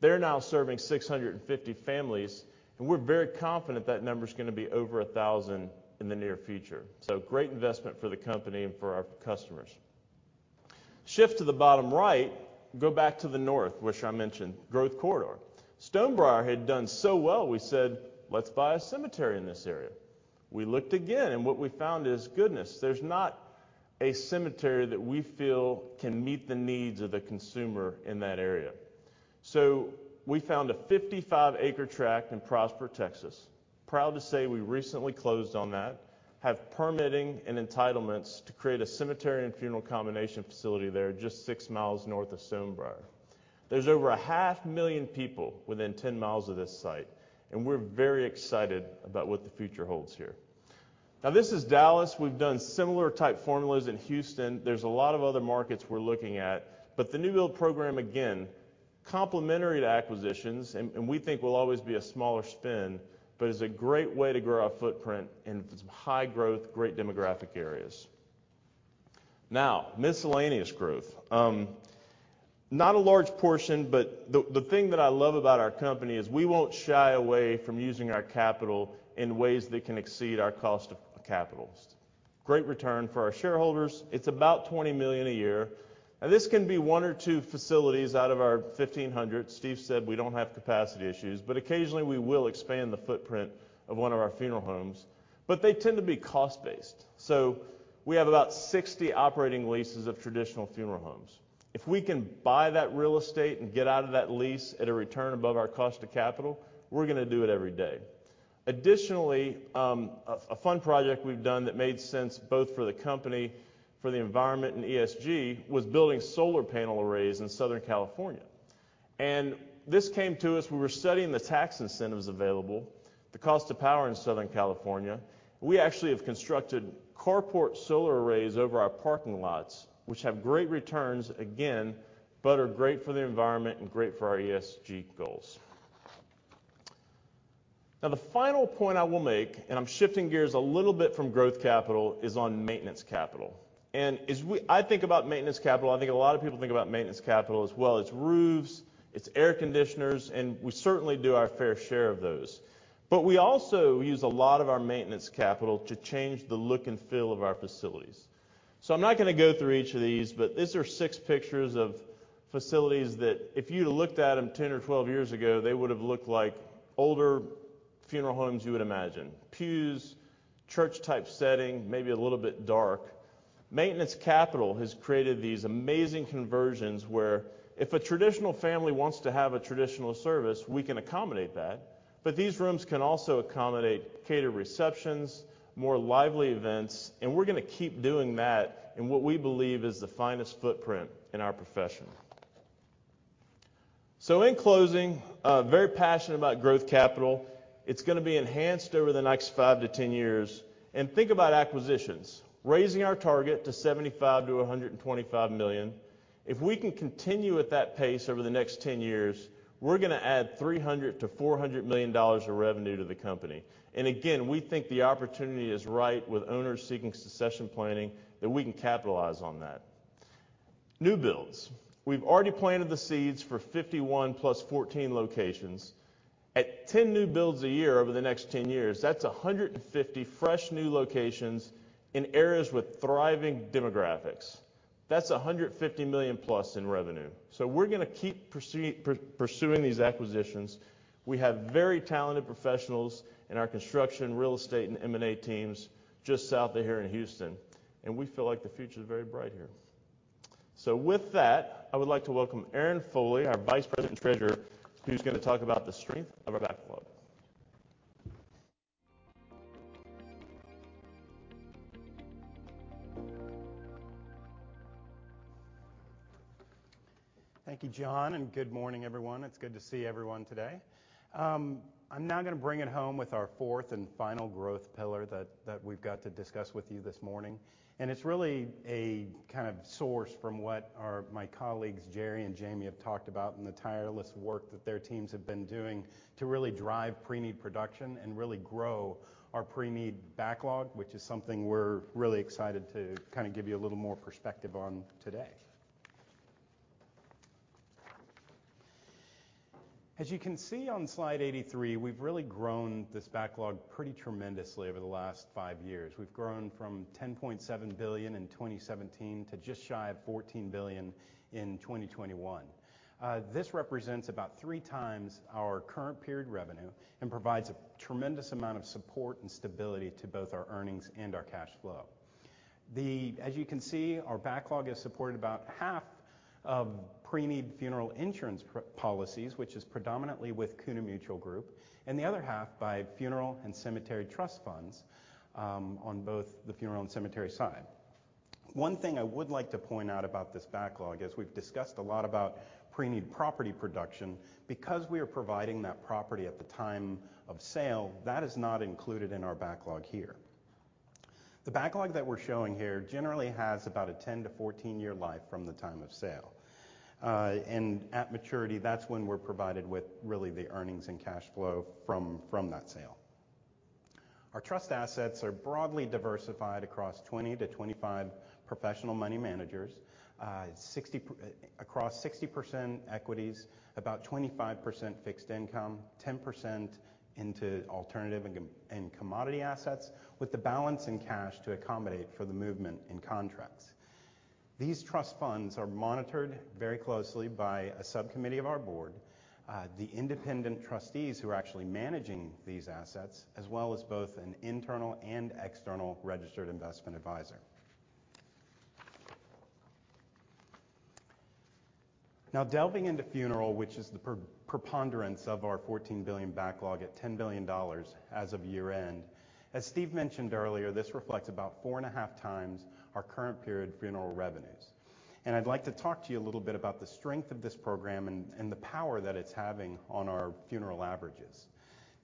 They're now serving 650 families, and we're very confident that number's gonna be over 1,000 in the near future. Great investment for the company and for our customers. Shift to the bottom right, go back to the north, which I mentioned, growth corridor. Stonebriar had done so well, we said, "Let's buy a cemetery in this area." We looked again, and what we found is, goodness, there's not a cemetery that we feel can meet the needs of the consumer in that area. We found a 55-acre tract in Prosper, Texas. Proud to say we recently closed on that, have permitting and entitlements to create a cemetery and funeral combination facility there just 6 miles north of Stonebriar. There's over a half million people within 10 miles of this site, and we're very excited about what the future holds here. Now, this is Dallas. We've done similar type formulas in Houston. There's a lot of other markets we're looking at. The new build program, again, complementary to acquisitions, and we think will always be a smaller spin, but is a great way to grow our footprint in some high growth, great demographic areas. Now, miscellaneous growth. Not a large portion, but the thing that I love about our company is we won't shy away from using our capital in ways that can exceed our cost of capitals. Great return for our shareholders. It's about $20 million a year. Now, this can be 1 or 2 facilities out of our 1,500. Steve said we don't have capacity issues, but occasionally we will expand the footprint of one of our funeral homes. They tend to be cost-based. We have about 60 operating leases of traditional funeral homes. If we can buy that real estate and get out of that lease at a return above our cost to capital, we're gonna do it every day. Additionally, a fun project we've done that made sense both for the company, for the environment and ESG, was building solar panel arrays in Southern California. This came to us, we were studying the tax incentives available, the cost of power in Southern California. We actually have constructed carport solar arrays over our parking lots, which have great returns, again, but are great for the environment and great for our ESG goals. Now, the final point I will make, and I'm shifting gears a little bit from growth capital, is on maintenance capital. I think about maintenance capital, I think a lot of people think about maintenance capital as well, it's roofs, it's air conditioners, and we certainly do our fair share of those. We also use a lot of our maintenance capital to change the look and feel of our facilities. I'm not gonna go through each of these, but these are six pictures of facilities that if you'd have looked at them 10 or 12 years ago, they would have looked like older funeral homes you would imagine. Pews, church type setting, maybe a little bit dark. Maintenance capital has created these amazing conversions where if a traditional family wants to have a traditional service, we can accommodate that. These rooms can also accommodate catered receptions, more lively events, and we're gonna keep doing that in what we believe is the finest footprint in our profession. In closing, very passionate about growth capital. It's gonna be enhanced over the next 5-10 years. Think about acquisitions, raising our target to $75-$125 million. If we can continue at that pace over the next 10 years, we're gonna add $300-$400 million of revenue to the company. Again, we think the opportunity is right with owners seeking succession planning that we can capitalize on that. New builds. We've already planted the seeds for 51 + 14 locations. At 10 new builds a year over the next 10 years, that's 150 fresh new locations in areas with thriving demographics. That's $150 million plus in revenue. We're gonna keep pursuing these acquisitions. We have very talented professionals in our construction, real estate, and M&A teams just south of here in Houston, and we feel like the future is very bright here. With that, I would like to welcome Aaron Foley, our Vice President and Treasurer, who's gonna talk about the strength of our backlog. Thank you, John, and good morning, everyone. It's good to see everyone today. I'm now gonna bring it home with our fourth and final growth pillar that we've got to discuss with you this morning. It's really a kind of source from what my colleagues, Jerry and Jamie, have talked about, and the tireless work that their teams have been doing to really drive pre-need production and really grow our pre-need backlog, which is something we're really excited to kind of give you a little more perspective on today. As you can see on slide 83, we've really grown this backlog pretty tremendously over the last five years. We've grown from $10.7 billion in 2017 to just shy of $14 billion in 2021. This represents about 3 times our current period revenue and provides a tremendous amount of support and stability to both our earnings and our cash flow. As you can see, our backlog is supported by about half of pre-need funeral insurance policies, which is predominantly with CUNA Mutual Group, and the other half by funeral and cemetery trust funds, on both the funeral and cemetery side. One thing I would like to point out about this backlog is we've discussed a lot about pre-need property production. Because we are providing that property at the time of sale, that is not included in our backlog here. The backlog that we're showing here generally has about a 10-14 year life from the time of sale. And at maturity, that's when we're provided with really the earnings and cash flow from that sale. Our trust assets are broadly diversified across 20-25 professional money managers. 60% equities, about 25% fixed income, 10% into alternative and commodity assets, with the balance in cash to accommodate for the movement in contracts. These trust funds are monitored very closely by a subcommittee of our board, the independent trustees who are actually managing these assets, as well as both an internal and external registered investment advisor. Now delving into funeral, which is the preponderance of our $14 billion backlog at $10 billion as of year-end. As Steve mentioned earlier, this reflects about 4.5 times our current period funeral revenues. I'd like to talk to you a little bit about the strength of this program and the power that it's having on our funeral averages.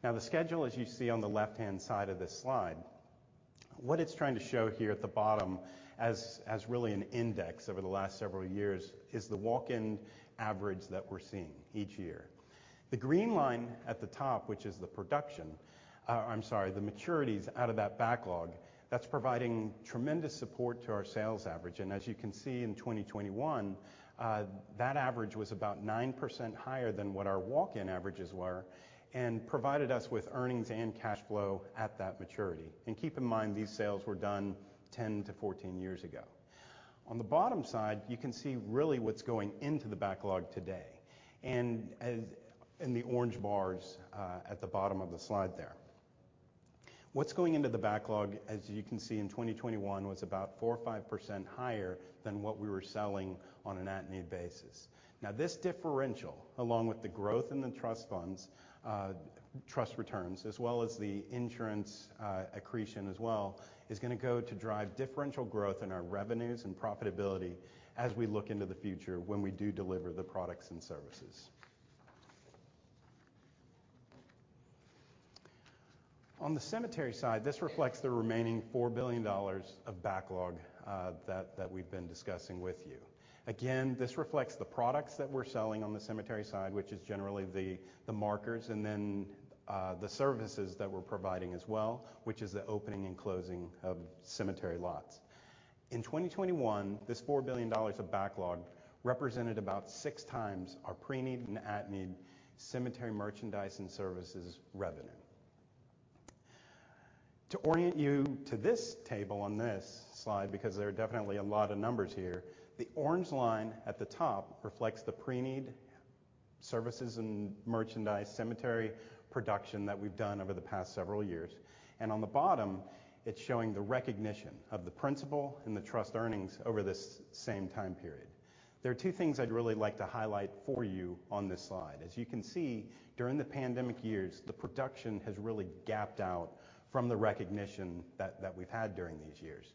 Now, the schedule, as you see on the left-hand side of this slide, what it's trying to show here at the bottom as really an index over the last several years is the walk-in average that we're seeing each year. The green line at the top, which is the maturities out of that backlog, that's providing tremendous support to our sales average. As you can see in 2021, that average was about 9% higher than what our walk-in averages were and provided us with earnings and cash flow at that maturity. Keep in mind, these sales were done 10-14 years ago. On the bottom side, you can see really what's going into the backlog today, and in the orange bars at the bottom of the slide there. What's going into the backlog, as you can see in 2021, was about 4% or 5% higher than what we were selling on an at-need basis. Now this differential, along with the growth in the trust funds, trust returns, as well as the insurance, accretion as well, is gonna go to drive differential growth in our revenues and profitability as we look into the future when we do deliver the products and services. On the cemetery side, this reflects the remaining $4 billion of backlog, that we've been discussing with you. Again, this reflects the products that we're selling on the cemetery side, which is generally the markers and then, the services that we're providing as well, which is the opening and closing of cemetery lots. In 2021, this $4 billion of backlog represented about 6 times our pre-need and at-need cemetery merchandise and services revenue. To orient you to this table on this slide, because there are definitely a lot of numbers here, the orange line at the top reflects the pre-need services and merchandise cemetery production that we've done over the past several years. On the bottom, it's showing the recognition of the principal and the trust earnings over this same time period. There are two things I'd really like to highlight for you on this slide. As you can see, during the pandemic years, the production has really gapped out from the recognition that we've had during these years.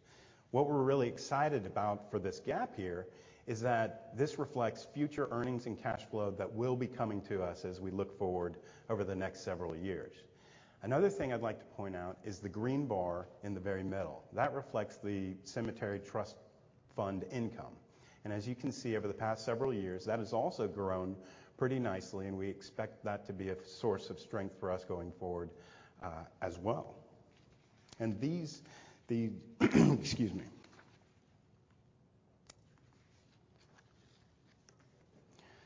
What we're really excited about for this gap here is that this reflects future earnings and cash flow that will be coming to us as we look forward over the next several years. Another thing I'd like to point out is the green bar in the very middle. That reflects the cemetery trust fund income. As you can see, over the past several years, that has also grown pretty nicely, and we expect that to be a source of strength for us going forward, as well.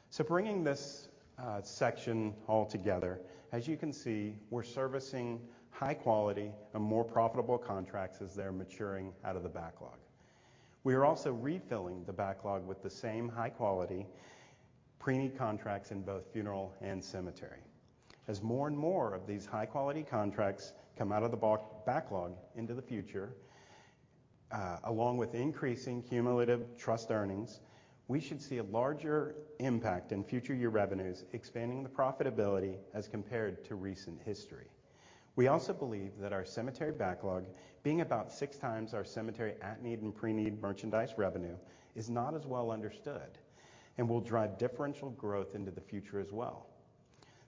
So bringing this section all together, as you can see, we're servicing high quality and more profitable contracts as they're maturing out of the backlog. We are also refilling the backlog with the same high-quality pre-need contracts in both funeral and cemetery. As more and more of these high-quality contracts come out of the backlog into the future, along with increasing cumulative trust earnings, we should see a larger impact in future year revenues, expanding the profitability as compared to recent history. We also believe that our cemetery backlog being about six times our cemetery at-need and pre-need merchandise revenue is not as well understood and will drive differential growth into the future as well.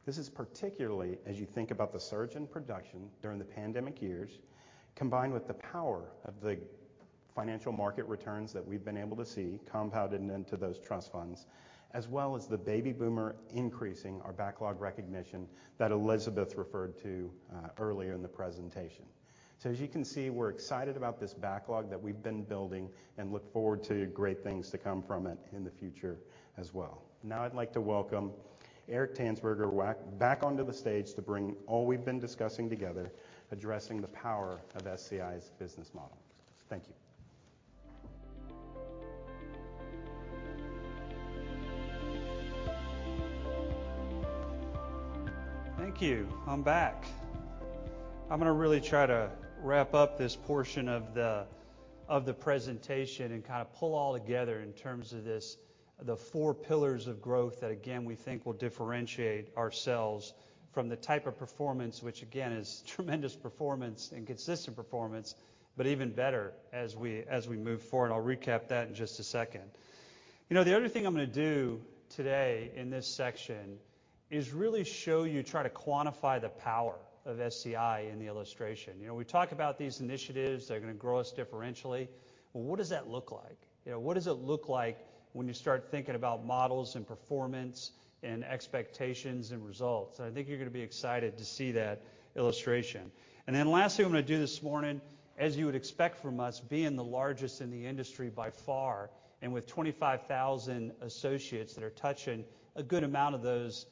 This is particularly as you think about the surge in production during the pandemic years, combined with the power of the financial market returns that we've been able to see compounded into those trust funds, as well as the baby boomer increasing our backlog recognition that Elisabeth referred to, earlier in the presentation. As you can see, we're excited about this backlog that we've been building and look forward to great things to come from it in the future as well. Now I'd like to welcome Eric Tanzberger back onto the stage to bring all we've been discussing together, addressing the power of SCI's business model. Thank you. Thank you. I'm back. I'm gonna really try to wrap up this portion of the, of the presentation and kind of pull all together in terms of this, the four pillars of growth that again, we think will differentiate ourselves from the type of performance, which again, is tremendous performance and consistent performance, but even better as we, as we move forward. I'll recap that in just a second. You know, the other thing I'm gonna do today in this section is really show you, try to quantify the power of SCI in the illustration. You know, we talk about these initiatives, they're gonna grow us differentially. Well, what does that look like? You know, what does it look like when you start thinking about models and performance and expectations and results? I think you're gonna be excited to see that illustration. Lastly, what I'm gonna do this morning, as you would expect from us being the largest in the industry by far, and with 25,000 associates that are touching a good amount of those,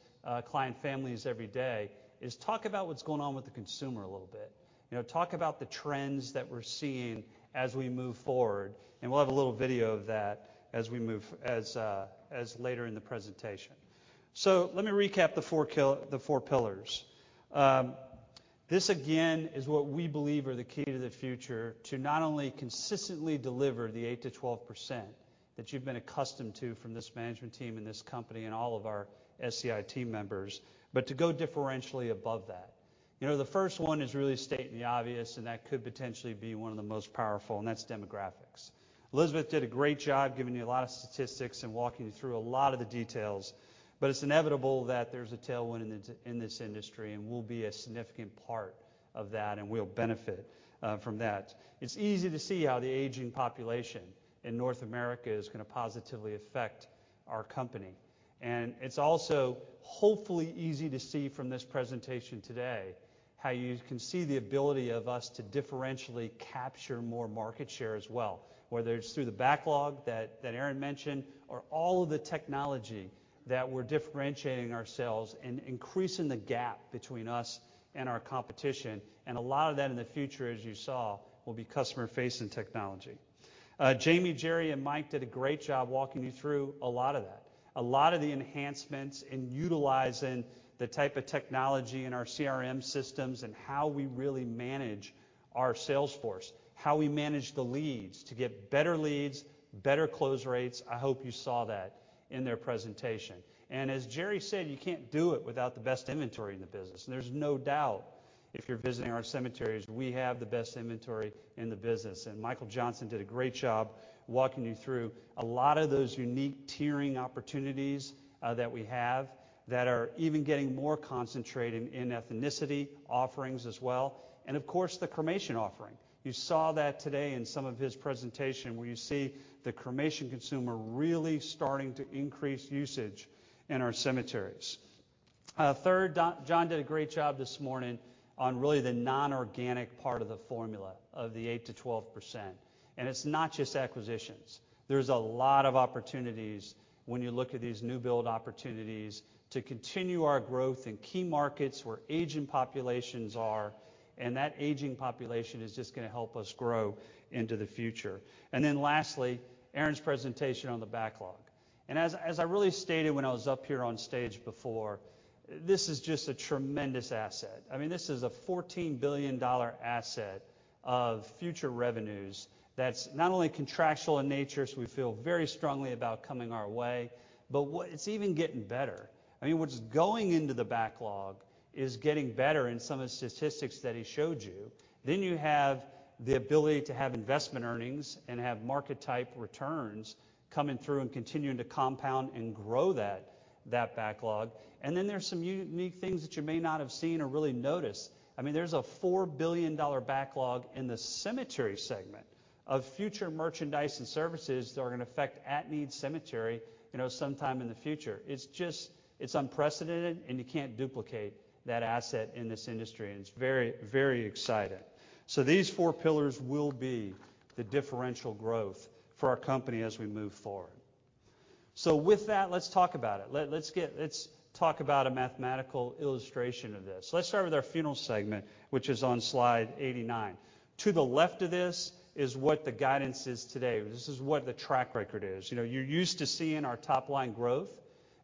client families every day, is talk about what's going on with the consumer a little bit. You know, talk about the trends that we're seeing as we move forward, and we'll have a little video of that as later in the presentation. Let me recap the four pillars. This again, is what we believe are the key to the future to not only consistently deliver the 8%-12% that you've been accustomed to from this management team and this company and all of our SCI team members, but to go differentially above that. You know, the first one is really stating the obvious, and that could potentially be one of the most powerful, and that's demographics. Elisabeth did a great job giving you a lot of statistics and walking you through a lot of the details, but it's inevitable that there's a tailwind in this industry, and we'll be a significant part of that, and we'll benefit from that. It's easy to see how the aging population in North America is gonna positively affect our company. It's also hopefully easy to see from this presentation today how you can see the ability of us to differentially capture more market share as well, whether it's through the backlog that Aaron mentioned, or all of the technology that we're differentiating ourselves and increasing the gap between us and our competition. A lot of that in the future, as you saw, will be customer-facing technology. Jamie, Jerry, and Mike did a great job walking you through a lot of that, a lot of the enhancements in utilizing the type of technology in our CRM systems and how we really manage our sales force, how we manage the leads to get better leads, better close rates. I hope you saw that in their presentation. As Jerry said, you can't do it without the best inventory in the business. There's no doubt, if you're visiting our cemeteries, we have the best inventory in the business. Michael Johnson did a great job walking you through a lot of those unique tiering opportunities, that we have that are even getting more concentrated in ethnicity offerings as well, and of course, the cremation offering. You saw that today in some of his presentation, where you see the cremation consumer really starting to increase usage in our cemeteries. Third, John did a great job this morning on really the non-organic part of the formula of the 8%-12%. It's not just acquisitions. There's a lot of opportunities when you look at these new build opportunities to continue our growth in key markets where aging populations are, and that aging population is just gonna help us grow into the future. Then lastly, Aaron's presentation on the backlog. As I really stated when I was up here on stage before, this is just a tremendous asset. I mean, this is a $14 billion asset of future revenues that's not only contractual in nature, so we feel very strongly about coming our way, but it's even getting better. I mean, what's going into the backlog is getting better in some of the statistics that he showed you. You have the ability to have investment earnings and have market-type returns coming through and continuing to compound and grow that backlog. There's some unique things that you may not have seen or really noticed. I mean, there's a $4 billion backlog in the cemetery segment of future merchandise and services that are gonna affect at-need cemetery, you know, sometime in the future. It's just. It's unprecedented, and you can't duplicate that asset in this industry, and it's very, very exciting. These four pillars will be the differential growth for our company as we move forward. With that, let's talk about it. Let's talk about a mathematical illustration of this. Let's start with our funeral segment, which is on slide 89. To the left of this is what the guidance is today. This is what the track record is. You know, you're used to seeing our top-line growth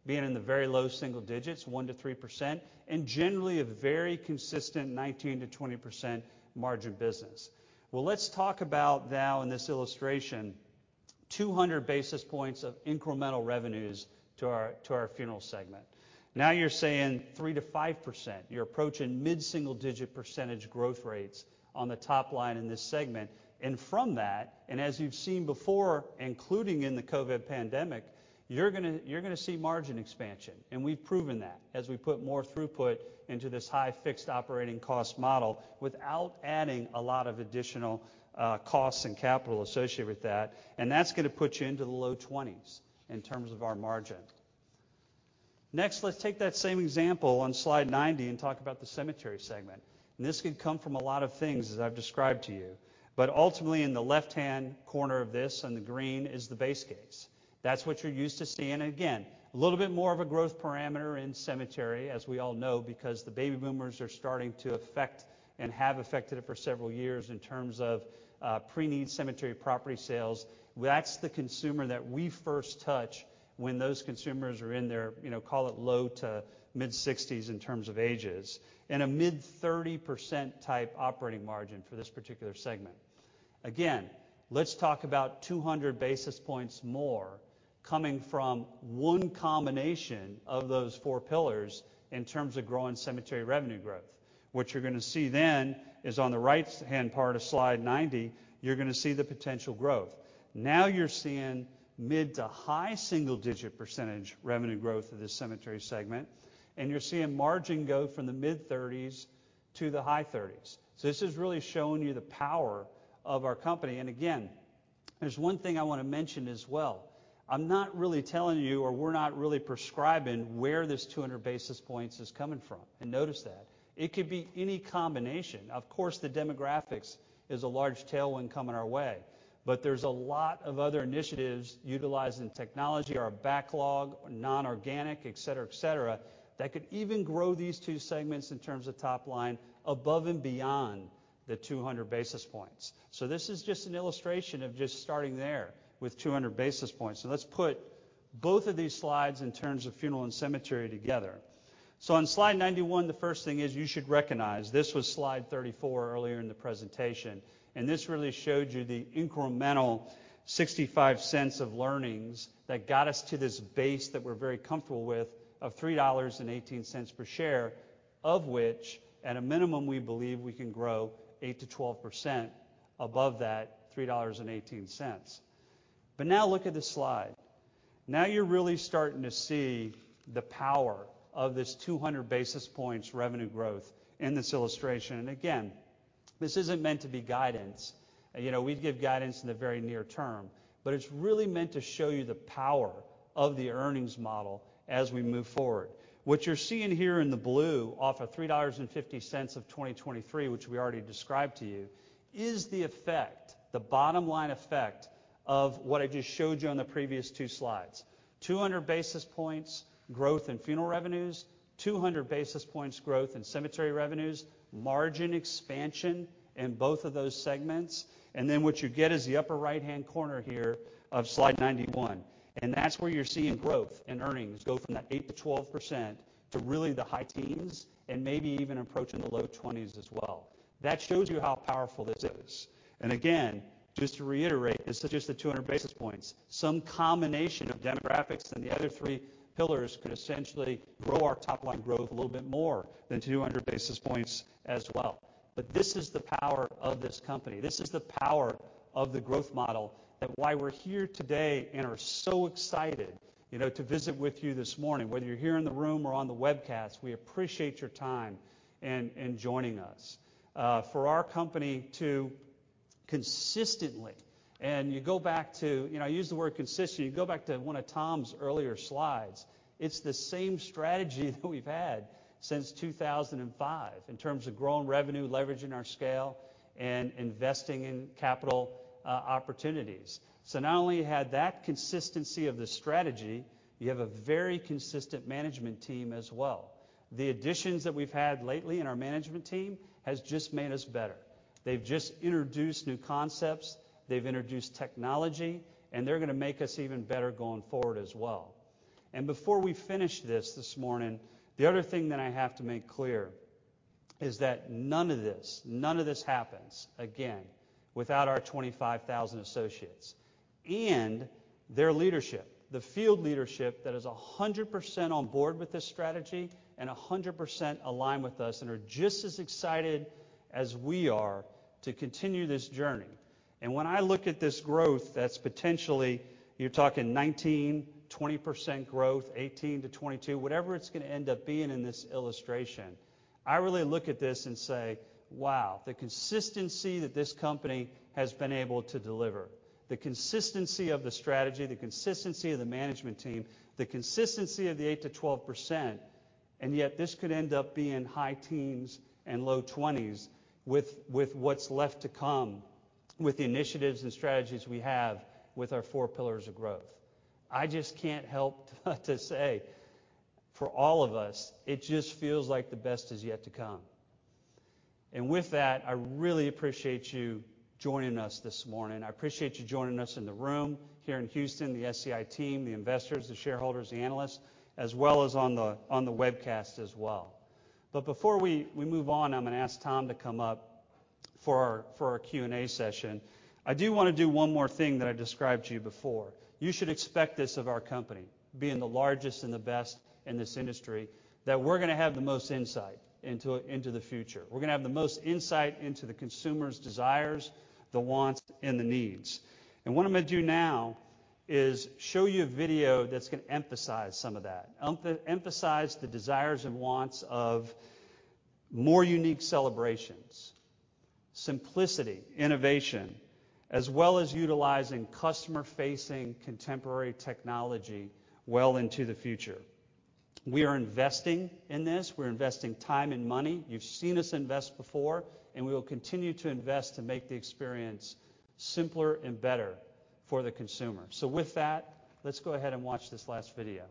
being in the very low single digits, 1%-3%, and generally a very consistent 19%-20% margin business. Well, let's talk about now in this illustration, 200 basis points of incremental revenues to our funeral segment. Now you're saying 3%-5%. You're approaching mid-single digit percentage growth rates on the top line in this segment. From that, and as you've seen before, including in the COVID pandemic, you're gonna see margin expansion. We've proven that as we put more throughput into this high fixed operating cost model without adding a lot of additional costs and capital associated with that. That's gonna put you into the low 20s% in terms of our margin. Next, let's take that same example on slide 90 and talk about the cemetery segment. This could come from a lot of things, as I've described to you. Ultimately, in the left-hand corner of this, on the green, is the base case. That's what you're used to seeing. Again, a little bit more of a growth parameter in cemetery, as we all know, because the baby boomers are starting to affect and have affected it for several years in terms of pre-need cemetery property sales. That's the consumer that we first touch when those consumers are in their, you know, call it low- to mid-60s in terms of ages, and a mid-30% type operating margin for this particular segment. Again, let's talk about 200 basis points more coming from one combination of those four pillars in terms of growing cemetery revenue growth. What you're gonna see then is on the right-hand part of slide 90, you're gonna see the potential growth. Now you're seeing mid- to high single-digit % revenue growth of this cemetery segment, and you're seeing margin go from the mid-30s to the high 30s. This is really showing you the power of our company. again, there's one thing I wanna mention as well. I'm not really telling you, or we're not really prescribing where this 200 basis points is coming from, and notice that. It could be any combination. Of course, the demographics is a large tailwind coming our way, but there's a lot of other initiatives utilizing technology, our backlog, non-organic, et cetera, et cetera, that could even grow these two segments in terms of top line above and beyond the 200 basis points. This is just an illustration of just starting there with 200 basis points. Let's put both of these slides in terms of funeral and cemetery together. On slide 91, the first thing is you should recognize, this was slide 34 earlier in the presentation, and this really showed you the incremental $0.65 of earnings that got us to this base that we're very comfortable with of $3.18 per share, of which, at a minimum, we believe we can grow 8%-12% above that $3.18. Now look at this slide. Now you're really starting to see the power of this 200 basis points revenue growth in this illustration. Again, this isn't meant to be guidance. You know, we'd give guidance in the very near term. It's really meant to show you the power of the earnings model as we move forward. What you're seeing here in the blue, off of $3.50 of 2023, which we already described to you, is the effect, the bottom line effect of what I just showed you on the previous two slides. 200 basis points growth in funeral revenues, 200 basis points growth in cemetery revenues, margin expansion in both of those segments, and then what you get is the upper right-hand corner here of slide 91. That's where you're seeing growth in earnings go from that 8%-12% to really the high teens and maybe even approaching the low twenties as well. That shows you how powerful this is. Again, just to reiterate, this is just the 200 basis points. Some combination of demographics and the other three pillars could essentially grow our top-line growth a little bit more than 200 basis points as well. This is the power of this company. This is the power of the growth model and why we're here today and are so excited, you know, to visit with you this morning. Whether you're here in the room or on the webcast, we appreciate your time in joining us. For our company to consistently, you know, go back to one of Tom's earlier slides, it's the same strategy that we've had since 2005 in terms of growing revenue, leveraging our scale, and investing in capital opportunities. Not only had that consistency of the strategy, you have a very consistent management team as well. The additions that we've had lately in our management team has just made us better. They've just introduced new concepts, they've introduced technology, and they're gonna make us even better going forward as well. Before we finish this morning, the other thing that I have to make clear is that none of this happens, again, without our 25,000 associates and their leadership, the field leadership that is 100% on board with this strategy and 100% aligned with us and are just as excited as we are to continue this journey. When I look at this growth that's potentially, you're talking 19, 20% growth, 18-22, whatever it's gonna end up being in this illustration, I really look at this and say, "Wow, the consistency that this company has been able to deliver, the consistency of the strategy, the consistency of the management team, the consistency of the 8-12%, and yet this could end up being high teens and low twenties with what's left to come with the initiatives and strategies we have with our four pillars of growth." I just can't help to say for all of us, it just feels like the best is yet to come. With that, I really appreciate you joining us this morning. I appreciate you joining us in the room here in Houston, the SCI team, the investors, the shareholders, the analysts, as well as on the webcast as well. Before we move on, I'm gonna ask Tom to come up for our Q&A session. I do wanna do one more thing that I described to you before. You should expect this of our company, being the largest and the best in this industry, that we're gonna have the most insight into the future. We're gonna have the most insight into the consumer's desires, the wants, and the needs. What I'm gonna do now is show you a video that's gonna emphasize some of that, emphasize the desires and wants of more unique celebrations, simplicity, innovation, as well as utilizing customer-facing contemporary technology well into the future. We are investing in this. We're investing time and money. You've seen us invest before, and we will continue to invest to make the experience simpler and better for the consumer. With that, let's go ahead and watch this last video.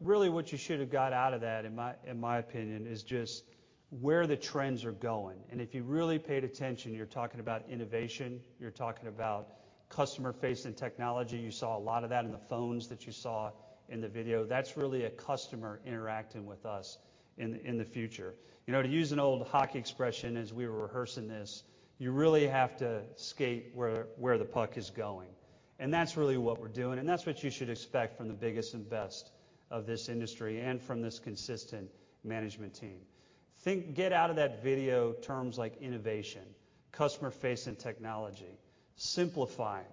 Really what you should have got out of that, in my opinion, is just where the trends are going. If you really paid attention, you're talking about innovation, you're talking about customer-facing technology. You saw a lot of that in the phones that you saw in the video. That's really a customer interacting with us in the future. You know, to use an old hockey expression as we were rehearsing this, you really have to skate where the puck is going. That's really what we're doing, and that's what you should expect from the biggest and best of this industry and from this consistent management team. Get out of that video terms like innovation, customer-facing technology, simplifying.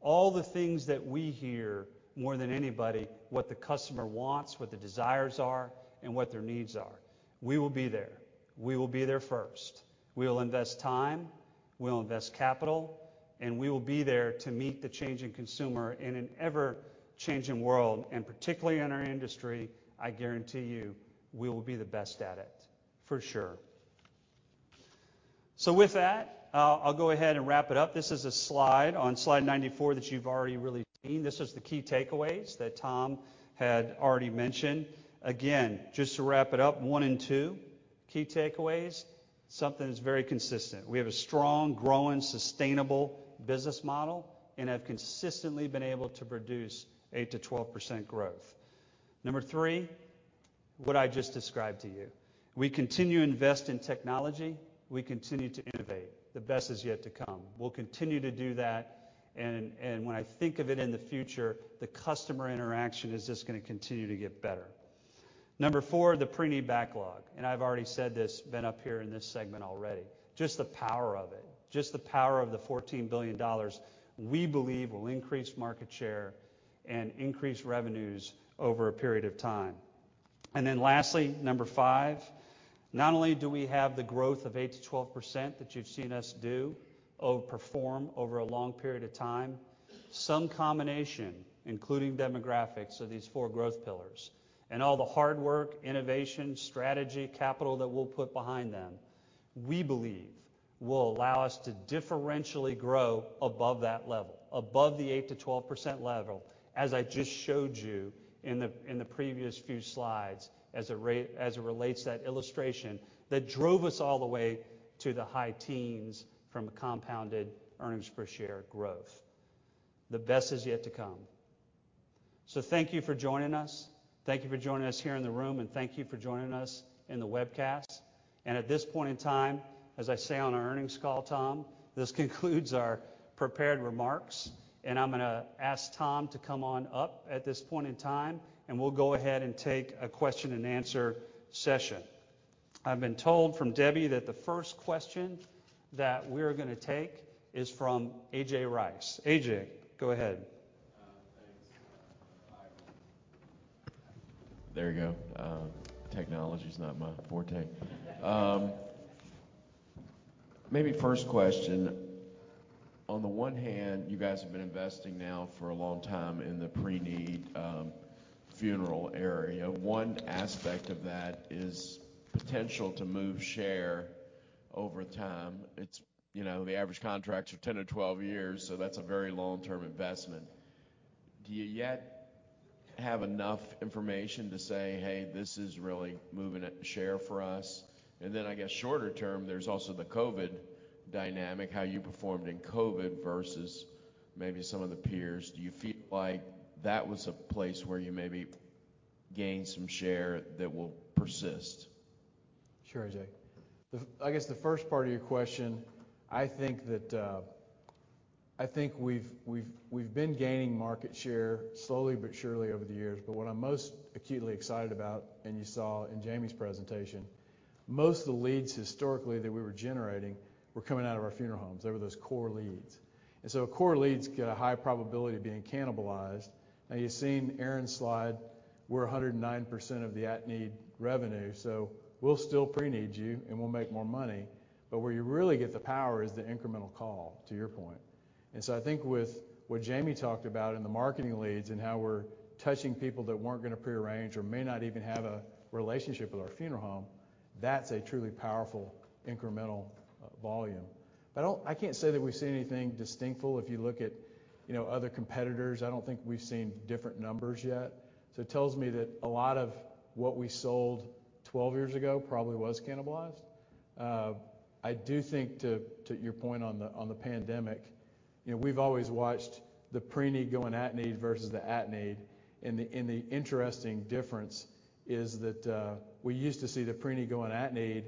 All the things that we hear more than anybody, what the customer wants, what their desires are, and what their needs are. We will be there. We will be there first. We will invest time, we'll invest capital, and we will be there to meet the changing consumer in an ever-changing world. Particularly in our industry, I guarantee you, we will be the best at it, for sure. With that, I'll go ahead and wrap it up. This is a slide on slide 94 that you've already really seen. This is the key takeaways that Tom had already mentioned. Again, just to wrap it up, one and two key takeaways, something that's very consistent. We have a strong, growing, sustainable business model and have consistently been able to produce 8%-12% growth. Number 3, what I just described to you. We continue to invest in technology. We continue to innovate. The best is yet to come. We'll continue to do that and when I think of it in the future, the customer interaction is just gonna continue to get better. Number 4, the preneed backlog, and I've already said this, been up here in this segment already. Just the power of it. Just the power of the $14 billion we believe will increase market share and increase revenues over a period of time. Lastly, number five, not only do we have the growth of 8%-12% that you've seen us do, overperform over a long period of time, some combination, including demographics of these four growth pillars and all the hard work, innovation, strategy, capital that we'll put behind them, we believe will allow us to differentially grow above that level, above the 8%-12% level, as I just showed you in the previous few slides as it relates to that illustration that drove us all the way to the high teens from a compounded earnings per share growth. The best is yet to come. Thank you for joining us. Thank you for joining us here in the room, and thank you for joining us in the webcast. At this point in time, as I say on our earnings call, Tom, this concludes our prepared remarks, and I'm gonna ask Tom to come on up at this point in time, and we'll go ahead and take a question and answer session. I've been told from Debbie that the first question that we're gonna take is from A.J. Rice. A.J., go ahead. Thanks. There you go. Technology's not my forte. Maybe first question. On the one hand, you guys have been investing now for a long time in the preneed funeral area. One aspect of that is potential to move market share over time. It's the average contracts are 10-12 years, so that's a very long-term investment. Do you yet have enough information to say, "Hey, this is really moving market share for us"? Then I guess shorter term, there's also the COVID dynamic, how you performed in COVID versus maybe some of the peers. Do you feel like that was a place where you maybe gained some market share that will persist? Sure, A.J. I guess the first part of your question, I think that I think we've been gaining market share slowly but surely over the years. What I'm most acutely excited about, and you saw in Jamie's presentation, most of the leads historically that we were generating were coming out of our funeral homes. They were those core leads. Core leads get a high probability of being cannibalized. Now, you've seen Aaron's slide, we're 109% of the at-need revenue, so we'll still preneed you, and we'll make more money. Where you really get the power is the incremental call, to your point. I think with what Jamie talked about in the marketing leads and how we're touching people that weren't gonna prearrange or may not even have a relationship with our funeral home. That's a truly powerful incremental volume. I can't say that we've seen anything distinctive. If you look at, you know, other competitors, I don't think we've seen different numbers yet. It tells me that a lot of what we sold 12 years ago probably was cannibalized. I do think to your point on the pandemic, you know, we've always watched the preneed go on at-need versus the at-need, and the interesting difference is that we used to see the preneed go on at-need,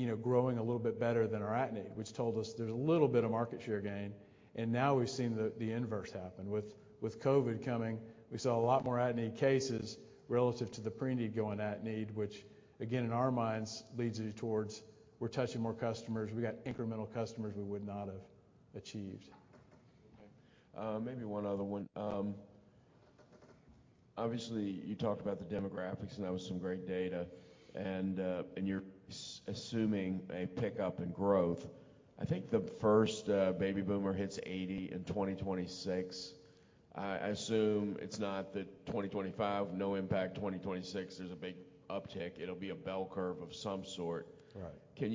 you know, growing a little bit better than our at-need, which told us there's a little bit of market share gain, and now we've seen the inverse happen. With COVID coming, we saw a lot more at-need cases relative to the pre-need go on at-need, which again, in our minds leads you towards we're touching more customers. We got incremental customers we would not have achieved. Okay. Maybe one other one. Obviously you talked about the demographics, and that was some great data. You're assuming a pickup in growth. I think the first baby boomer hits 80 in 2026. I assume it's not that 2025, no impact, 2026, there's a big uptick. It'll be a bell curve of some sort. Right. Can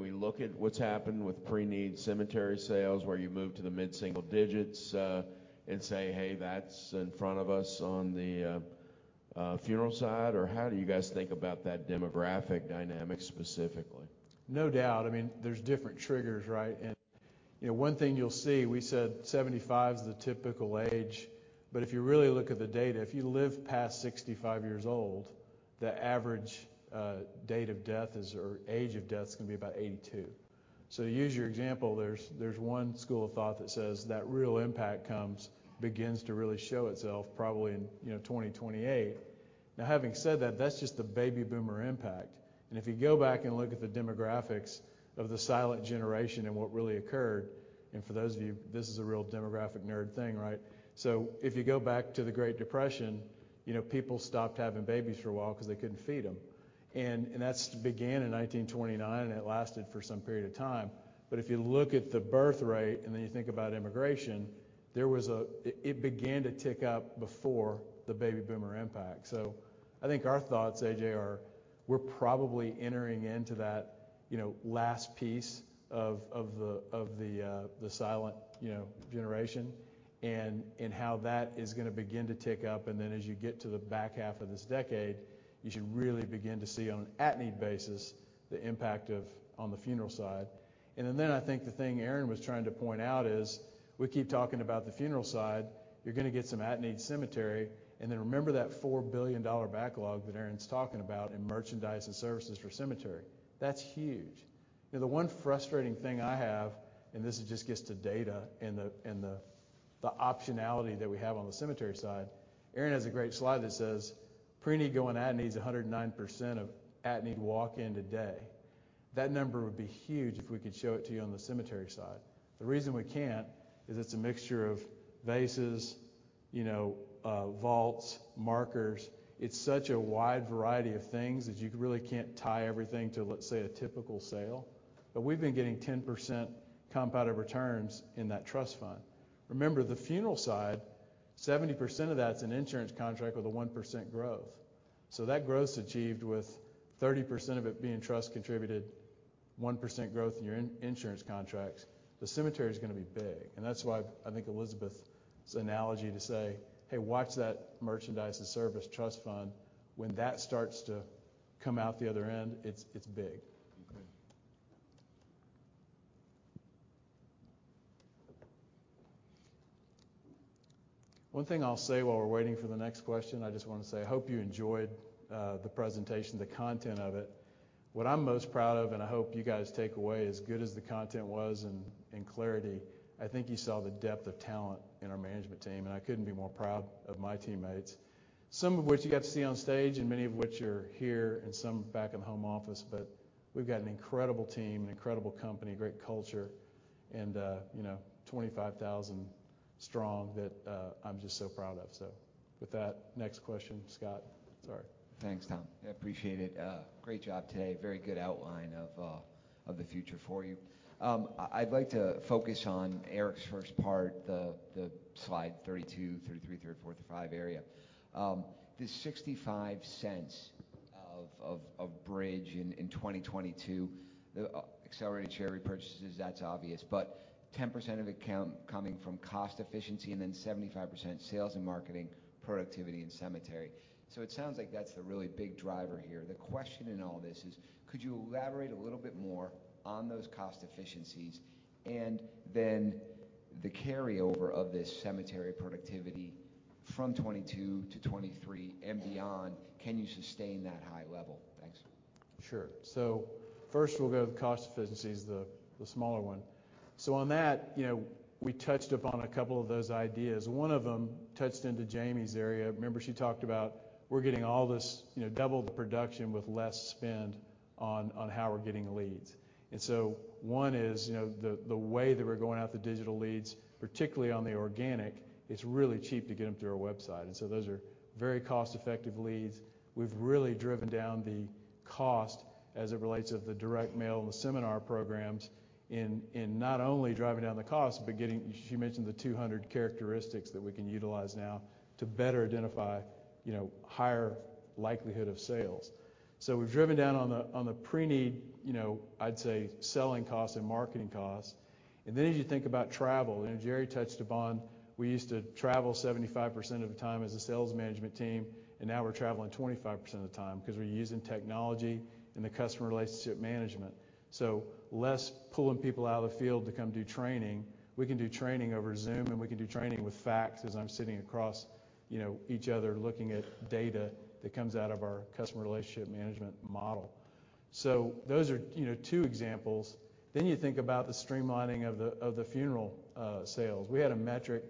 we look at what's happened with pre-need cemetery sales where you moved to the mid-single digits%, and say, "Hey, that's in front of us on the funeral side"? Or how do you guys think about that demographic dynamic specifically? No doubt. I mean, there's different triggers, right? You know, one thing you'll see, we said 75 is the typical age, but if you really look at the data, if you live past 65 years old, the average date of death is, or age of death is gonna be about 82. To use your example, there's one school of thought that says that real impact begins to really show itself probably in, you know, 2028. Now, having said that's just the baby boomer impact. If you go back and look at the demographics of the silent generation and what really occurred, for those of you, this is a real demographic nerd thing, right? If you go back to the Great Depression, you know, people stopped having babies for a while 'cause they couldn't feed them. That began in 1929, and it lasted for some period of time. If you look at the birth rate, and then you think about immigration, it began to tick up before the baby boomer impact. I think our thoughts, A.J., are we're probably entering into that, you know, last piece of the silent generation and how that is gonna begin to tick up. Then as you get to the back half of this decade, you should really begin to see on an at-need basis the impact on the funeral side. Then I think the thing Erin was trying to point out is we keep talking about the funeral side. You're gonna get some at-need cemetery, and then remember that $4 billion backlog that Aaron's talking about in merchandise and services for cemetery. That's huge. You know, the one frustrating thing I have, and this just gets to data and the optionality that we have on the cemetery side. Aaron has a great slide that says, "Pre-need going at-need is 109% of at-need walk-in today." That number would be huge if we could show it to you on the cemetery side. The reason we can't is it's a mixture of vases, you know, vaults, markers. It's such a wide variety of things that you really can't tie everything to, let's say, a typical sale. But we've been getting 10% compounded returns in that trust fund. Remember, the funeral side, 70% of that's an insurance contract with a 1% growth. That growth's achieved with 30% of it being trust contributed, 1% growth in your insurance contracts. The cemetery's gonna be big, and that's why I think Elisabeth's analogy to say, "Hey, watch that merchandise and service trust fund." When that starts to come out the other end, it's big. Okay. One thing I'll say while we're waiting for the next question, I just wanna say I hope you enjoyed the presentation, the content of it. What I'm most proud of, and I hope you guys take away as good as the content was in clarity, I think you saw the depth of talent in our management team, and I couldn't be more proud of my teammates, some of which you got to see on stage, and many of which are here, and some back in the home office. We've got an incredible team, an incredible company, great culture and, you know, 25,000 strong that, I'm just so proud of. With that, next question, Scott. Sorry. Thanks, Tom. I appreciate it. Great job today. Very good outline of the future for you. I'd like to focus on Eric's first part, the slide 32, 33, 34 and 35 area. The $0.65 of bridge in 2022, the accelerated share repurchases, that's obvious. 10% of it coming from cost efficiency and then 75% sales and marketing productivity in cemetery. It sounds like that's the really big driver here. The question in all this is, could you elaborate a little bit more on those cost efficiencies and then the carryover of this cemetery productivity from 2022 to 2023 and beyond? Can you sustain that high level? Thanks. Sure. First we'll go to the cost efficiencies, the smaller one. On that, you know, we touched upon a couple of those ideas. One of them touched into Jamie's area. Remember she talked about we're getting all this, you know, double the production with less spend on how we're getting leads. One is, you know, the way that we're going after digital leads, particularly on the organic. It's really cheap to get them through our website. Those are very cost-effective leads. We've really driven down the cost as it relates to the direct mail and the seminar programs in not only driving down the cost but getting, she mentioned the 200 characteristics that we can utilize now to better identify, you know, higher likelihood of sales. We've driven down on the preneed, you know, I'd say selling costs and marketing costs. As you think about travel, you know, Jerry touched upon, we used to travel 75% of the time as a sales management team, and now we're traveling 25% of the time 'cause we're using technology and the customer relationship management. Less pulling people out of the field to come do training. We can do training over Zoom, and we can do training with facts as I'm sitting across, you know, each other looking at data that comes out of our customer relationship management model. Those are, you know, two examples. You think about the streamlining of the funeral sales. We had a metric,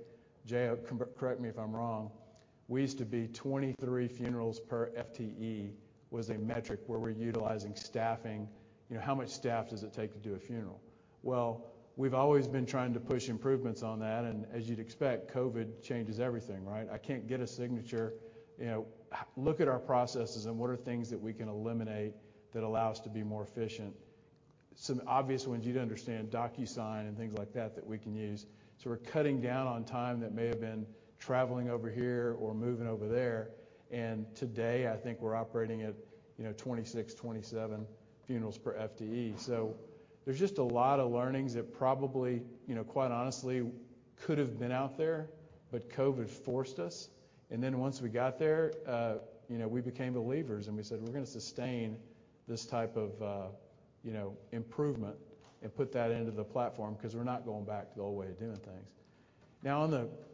Jay, correct me if I'm wrong, we used to be 23 funerals per FTE was a metric where we're utilizing staffing. You know, how much staff does it take to do a funeral? Well, we've always been trying to push improvements on that, and as you'd expect, COVID changes everything, right? I can't get a signature. You know, look at our processes and what are things that we can eliminate that allow us to be more efficient. Some obvious ones you'd understand, DocuSign and things like that that we can use. We're cutting down on time that may have been traveling over here or moving over there. Today, I think we're operating at, you know, 26, 27 funerals per FTE. There's just a lot of earnings that probably, you know, quite honestly could have been out there, but COVID forced us. Then once we got there, you know, we became believers, and we said, "We're gonna sustain this type of, you know, improvement and put that into the platform 'cause we're not going back to the old way of doing things." Now on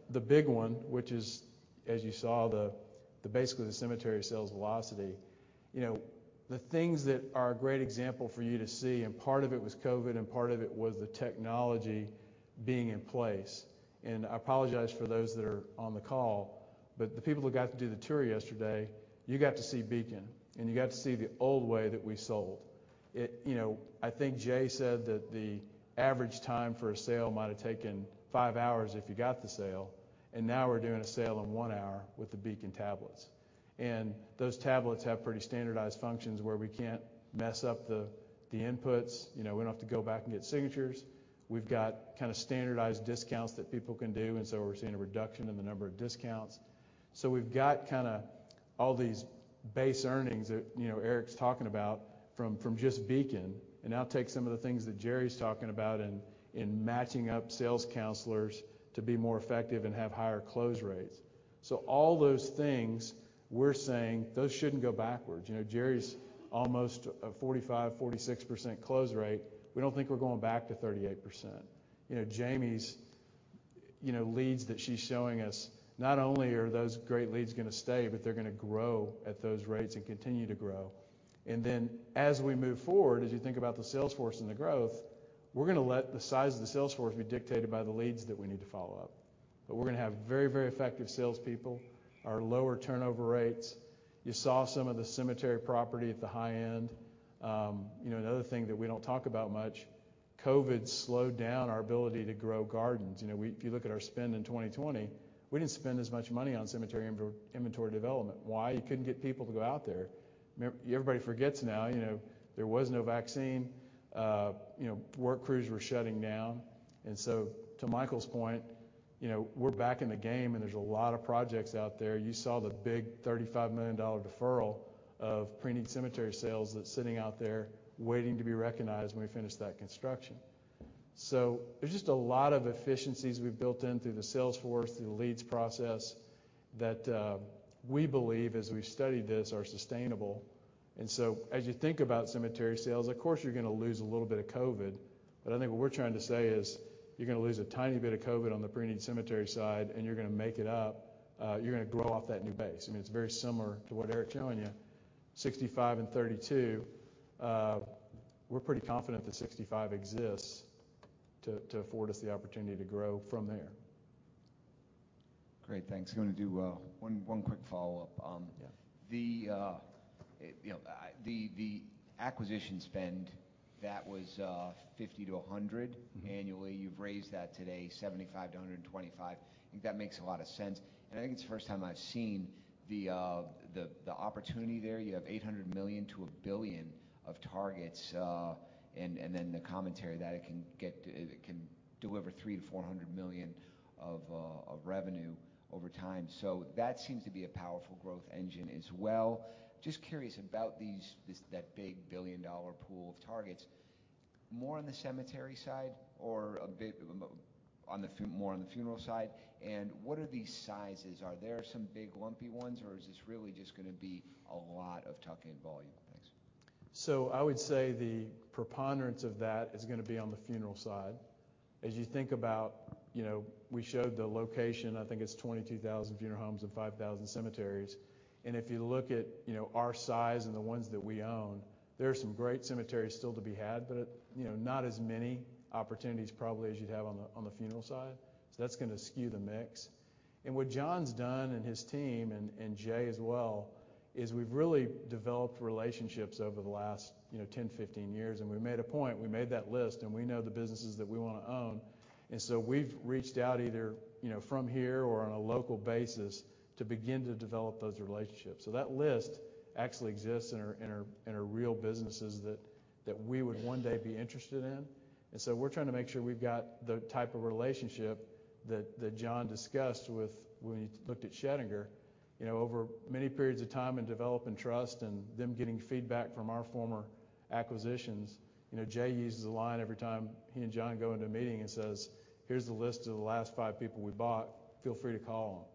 the big one, which is as you saw the basically the cemetery sales velocity, you know, the things that are a great example for you to see, and part of it was COVID, and part of it was the technology being in place. I apologize for those that are on the call, but the people that got to do the tour yesterday, you got to see Beacon, and you got to see the old way that we sold. You know, I think Jay said that the average time for a sale might have taken five hours if you got the sale, and now we're doing a sale in one hour with the Beacon tablets. Those tablets have pretty standardized functions where we can't mess up the inputs. You know, we don't have to go back and get signatures. We've got kind of standardized discounts that people can do, and so we're seeing a reduction in the number of discounts. We've got kind of all these base earnings that, you know, Eric's talking about from just Beacon. Now take some of the things that Jerry's talking about in matching up sales counselors to be more effective and have higher close rates. All those things, we're saying those shouldn't go backwards. You know, Jerry's almost a 45, 46% close rate. We don't think we're going back to 38%. You know, Jamie's, you know, leads that she's showing us, not only are those great leads gonna stay, but they're gonna grow at those rates and continue to grow. Then as we move forward, as you think about the sales force and the growth, we're gonna let the size of the sales force be dictated by the leads that we need to follow up. We're gonna have very, very effective salespeople, our lower turnover rates. You saw some of the cemetery property at the high end. You know, another thing that we don't talk about much, COVID slowed down our ability to grow gardens. You know, we if you look at our spend in 2020, we didn't spend as much money on cemetery inventory development. Why? You couldn't get people to go out there. Everybody forgets now, you know, there was no vaccine. You know, work crews were shutting down. To Michael's point, you know, we're back in the game, and there's a lot of projects out there. You saw the big $35 million deferral of pre-need cemetery sales that's sitting out there waiting to be recognized when we finish that construction. There's just a lot of efficiencies we've built in through the sales force, through the leads process that we believe as we've studied this are sustainable. As you think about cemetery sales, of course, you're gonna lose a little bit of COVID, but I think what we're trying to say is you're gonna lose a tiny bit of COVID on the pre-need cemetery side, and you're gonna make it up. You're gonna grow off that new base. I mean, it's very similar to what Eric's showing you, 65 and 32. We're pretty confident that 65 exists to afford us the opportunity to grow from there. Great. Thanks. Gonna do one quick follow-up. Yeah. You know, the acquisition spend that was $50-$100- Mm-hmm. Annually. You've raised that today $75-$125 million. I think that makes a lot of sense. I think it's the first time I've seen the opportunity there. You have $800 million-$1 billion of targets, and then the commentary that it can deliver $300-$400 million of revenue over time. That seems to be a powerful growth engine as well. Just curious about that big billion-dollar pool of targets. More on the cemetery side or a bit more on the funeral side? What are these sizes? Are there some big lumpy ones, or is this really just gonna be a lot of tuck-in volume? Thanks. I would say the preponderance of that is gonna be on the funeral side. As you think about, you know, we showed the location, I think it's 22,000 funeral homes and 5,000 cemeteries. If you look at, you know, our size and the ones that we own, there are some great cemeteries still to be had, but, you know, not as many opportunities probably as you'd have on the, on the funeral side. That's gonna skew the mix. What John's done and his team and Jay as well, is we've really developed relationships over the last, you know, 10, 15 years, and we made a point. We made that list, and we know the businesses that we wanna own. We've reached out either, you know, from here or on a local basis to begin to develop those relationships. That list actually exists and are real businesses that we would one day be interested in. We're trying to make sure we've got the type of relationship that John discussed when he looked at Schoedinger. You know, over many periods of time in developing trust and them getting feedback from our former acquisitions. You know, Jay uses a line every time he and John go into a meeting and says, "Here's the list of the last five people we bought. Feel free to call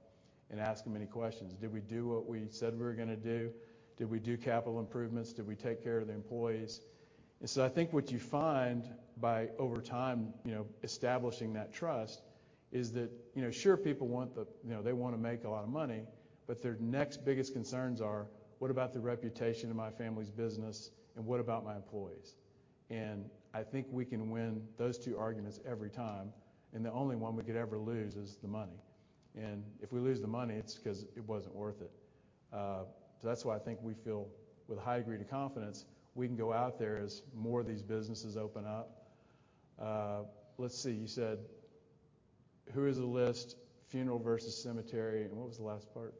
them and ask them any questions. Did we do what we said we were gonna do? Did we do capital improvements? Did we take care of the employees?" I think what you find by over time, you know, establishing that trust is that, you know, sure people want. You know, they wanna make a lot of money, but their next biggest concerns are what about the reputation of my family's business and what about my employees? I think we can win those two arguments every time, and the only one we could ever lose is the money. If we lose the money, it's 'cause it wasn't worth it. That's why I think we feel with a high degree of confidence we can go out there as more of these businesses open up. Let's see. You said, what's the list, funeral versus cemetery, and what was the last part?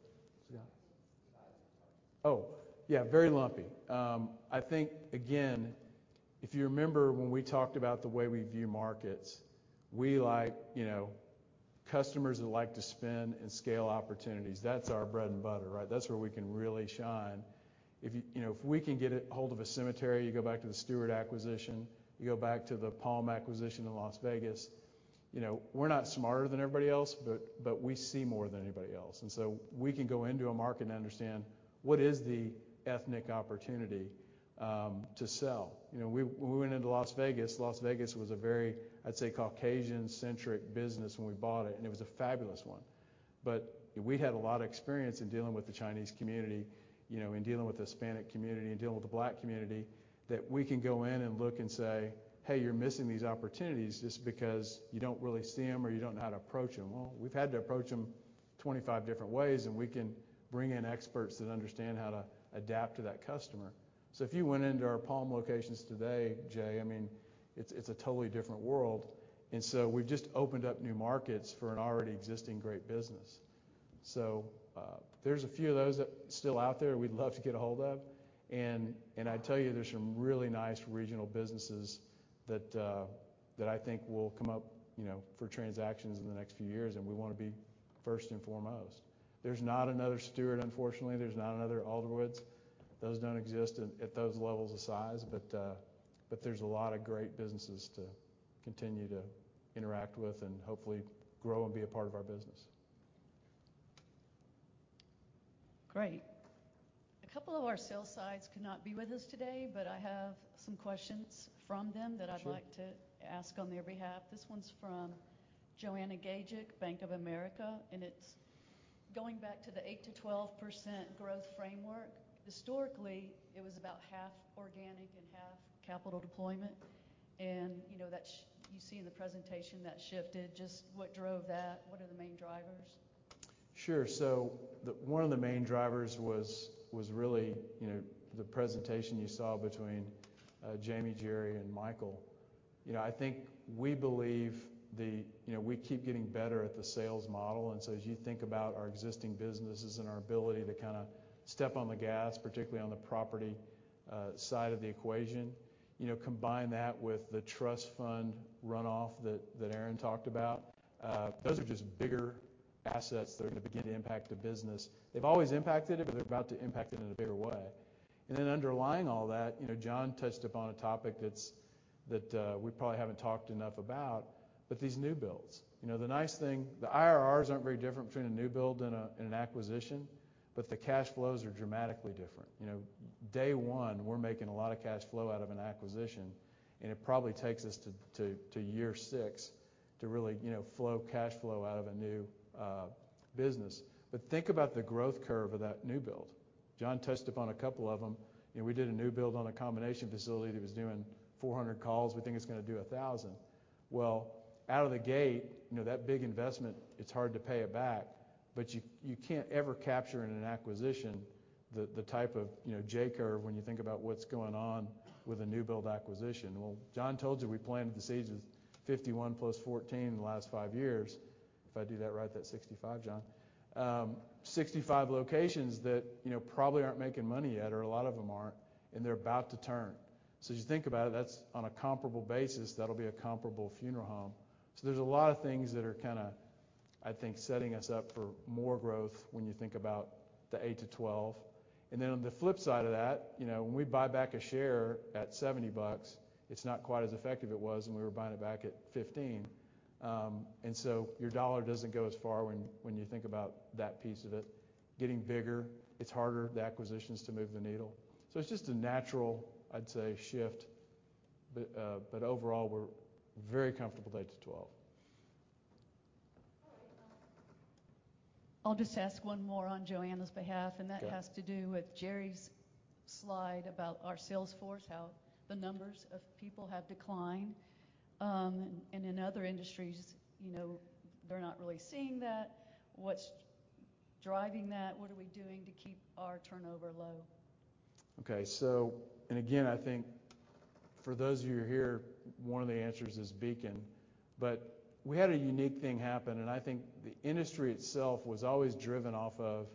Size of target. Oh, yeah, very lumpy. I think again, if you remember when we talked about the way we view markets, we like, you know, customers who like to spend and scale opportunities. That's our bread and butter, right? That's where we can really shine. If you know, if we can get a hold of a cemetery, you go back to the Stewart acquisition, you go back to the Palm acquisition in Las Vegas. You know, we're not smarter than everybody else, but we see more than anybody else. We can go into a market and understand what is the ethnic opportunity to sell. You know, we went into Las Vegas. Las Vegas was a very, I'd say, Caucasian-centric business when we bought it, and it was a fabulous one. We had a lot of experience in dealing with the Chinese community, you know, in dealing with the Hispanic community, in dealing with the Black community, that we can go in and look and say, "Hey, you're missing these opportunities just because you don't really see them or you don't know how to approach them." Well, we've had to approach them 25 different ways, and we can bring in experts that understand how to adapt to that customer. If you went into our Palm locations today, Jay, I mean it's a totally different world. We've just opened up new markets for an already existing great business. There's a few of those that still out there we'd love to get a hold of. I tell you, there's some really nice regional businesses that I think will come up, you know, for transactions in the next few years, and we wanna be first and foremost. There's not another Stewart, unfortunately. There's not another Alderwoods. Those don't exist at those levels of size. There's a lot of great businesses to continue to interact with and hopefully grow and be a part of our business. Great. A couple of our sell sides could not be with us today, but I have some questions from them. Sure. That I'd like to ask on their behalf. This one's from Joanna Gajuk, Bank of America, and it's going back to the 8%-12% growth framework. Historically, it was about half organic and half capital deployment. You know, you see in the presentation that shifted. Just what drove that? What are the main drivers? Sure. One of the main drivers was really, you know, the presentation you saw between Jamie, Jerry, and Michael. You know, I think we believe. You know, we keep getting better at the sales model, and so as you think about our existing businesses and our ability to kinda step on the gas, particularly on the property side of the equation. You know, combine that with the trust fund runoff that Aaron talked about. Those are just bigger assets that are gonna begin to impact the business. They've always impacted it, but they're about to impact it in a bigger way. Then underlying all that, you know, John touched upon a topic we probably haven't talked enough about, but these new builds. You know, the nice thing, the IRRs aren't very different between a new build and an acquisition, but the cash flows are dramatically different. You know, day one, we're making a lot of cash flow out of an acquisition, and it probably takes us to year six to really, you know, cash flow out of a new business. Think about the growth curve of that new build. John touched upon a couple of them, and we did a new build on a combination facility that was doing 400 calls. We think it's gonna do 1,000. Well, out of the gate, you know, that big investment, it's hard to pay it back. You can't ever capture in an acquisition the type of, you know, J curve when you think about what's going on with a new build acquisition. Well, John told you we planted the seeds with 51 + 14 in the last 5 years. If I do that right, that's 65, John. 65 locations that, you know, probably aren't making money yet, or a lot of them aren't, and they're about to turn. As you think about it, that's on a comparable basis, that'll be a comparable funeral home. There's a lot of things that are kinda, I think, setting us up for more growth when you think about the 8-12. Then on the flip side of that, you know, when we buy back a share at $70, it's not quite as effective it was when we were buying it back at $15. Your dollar doesn't go as far when you think about that piece of it. Getting bigger, it's harder for the acquisitions to move the needle. It's just a natural, I'd say, shift. Overall, we're very comfortable with 8%-12%. I'll just ask one more on Joanna's behalf. Yeah. That has to do with Jerry's slide about our sales force, how the numbers of people have declined. In other industries, you know, they're not really seeing that. What's driving that? What are we doing to keep our turnover low? Okay. Again, I think for those of you who are here, one of the answers is Beacon. We had a unique thing happen, and I think the industry itself was always driven off of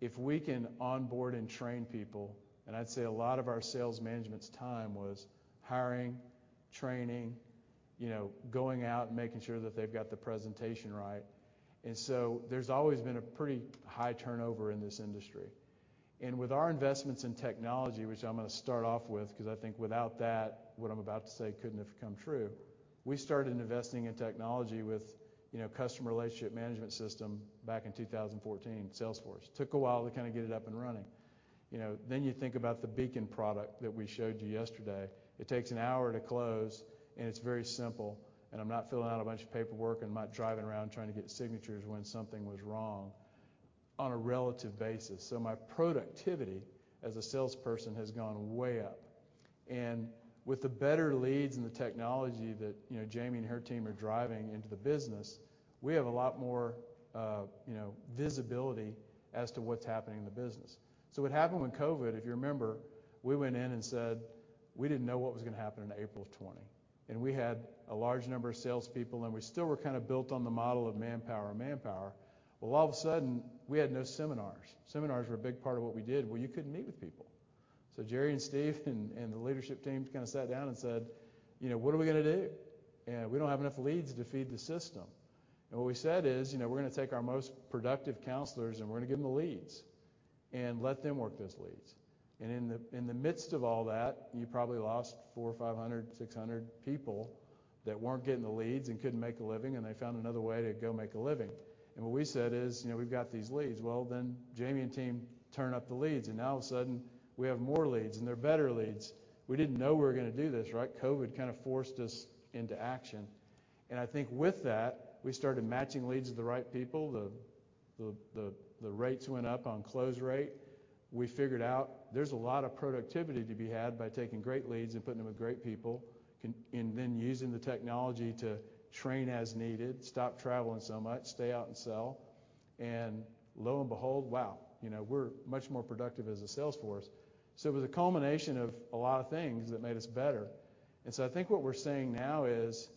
if we can onboard and train people. I'd say a lot of our sales management's time was hiring, training, you know, going out and making sure that they've got the presentation right. There's always been a pretty high turnover in this industry. With our investments in technology, which I'm gonna start off with, 'cause I think without that, what I'm about to say couldn't have come true. We started investing in technology with, you know, customer relationship management system back in 2014. Salesforce. Took a while to kinda get it up and running. You know, then you think about the Beacon product that we showed you yesterday. It takes an hour to close, and it's very simple, and I'm not filling out a bunch of paperwork and I'm not driving around trying to get signatures when something was wrong on a relative basis. My productivity as a salesperson has gone way up. With the better leads and the technology that, you know, Jamie and her team are driving into the business, we have a lot more, you know, visibility as to what's happening in the business. What happened with COVID, if you remember, we went in and said we didn't know what was gonna happen in April of 2020, and we had a large number of salespeople, and we still were kinda built on the model of manpower. All of a sudden, we had no seminars. Seminars were a big part of what we did where you couldn't meet with people. Jerry Heard and Steve Tidwell and the leadership team kind of sat down and said, you know, "What are we gonna do?" We don't have enough leads to feed the system. What we said is, you know, we're gonna take our most productive counselors, and we're gonna give them the leads and let them work those leads. In the midst of all that, you probably lost 400 or 500, 600 people that weren't getting the leads and couldn't make a living, and they found another way to go make a living. What we said is, you know, we've got these leads. Well, then Jamie Pierce and team turn up the leads, and now all of a sudden we have more leads, and they're better leads. We didn't know we were gonna do this, right? COVID kind of forced us into action. I think with that, we started matching leads with the right people. The rates went up on close rate. We figured out there's a lot of productivity to be had by taking great leads and putting them with great people and then using the technology to train as needed, stop traveling so much, stay out and sell. Lo and behold, wow, you know, we're much more productive as a sales force. It was a culmination of a lot of things that made us better. I think what we're saying now is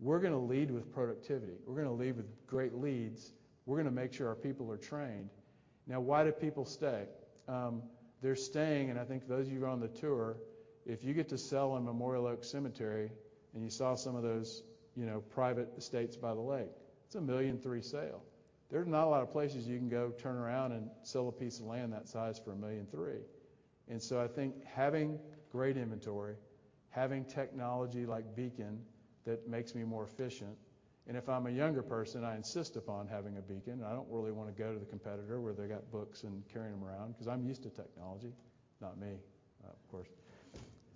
we're gonna lead with productivity. We're gonna lead with great leads. We're gonna make sure our people are trained. Now, why do people stay? They're staying, and I think those of you who are on the tour, if you get to sell on Memorial Oaks Cemetery and you saw some of those, you know, private estates by the lake, it's a $1.3 million sale. There are not a lot of places you can go turn around and sell a piece of land that size for $1.3 million. I think having great inventory, having technology like Beacon that makes me more efficient, and if I'm a younger person, I insist upon having a Beacon. I don't really wanna go to the competitor where they got books and carrying them around because I'm used to technology. Not me. Of course,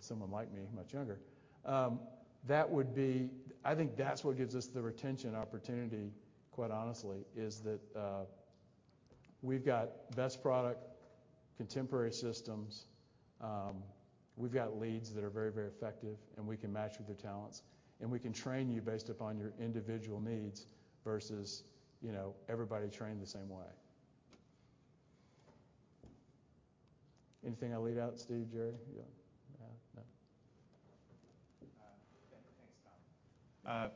someone like me, much younger. I think that's what gives us the retention opportunity, quite honestly, is that, we've got best product, contemporary systems. We've got leads that are very, very effective, and we can match with your talents, and we can train you based upon your individual needs versus, you know, everybody trained the same way. Anything I leave out, Steve, Jerry? Yeah. No. Yeah. Thanks, Tom.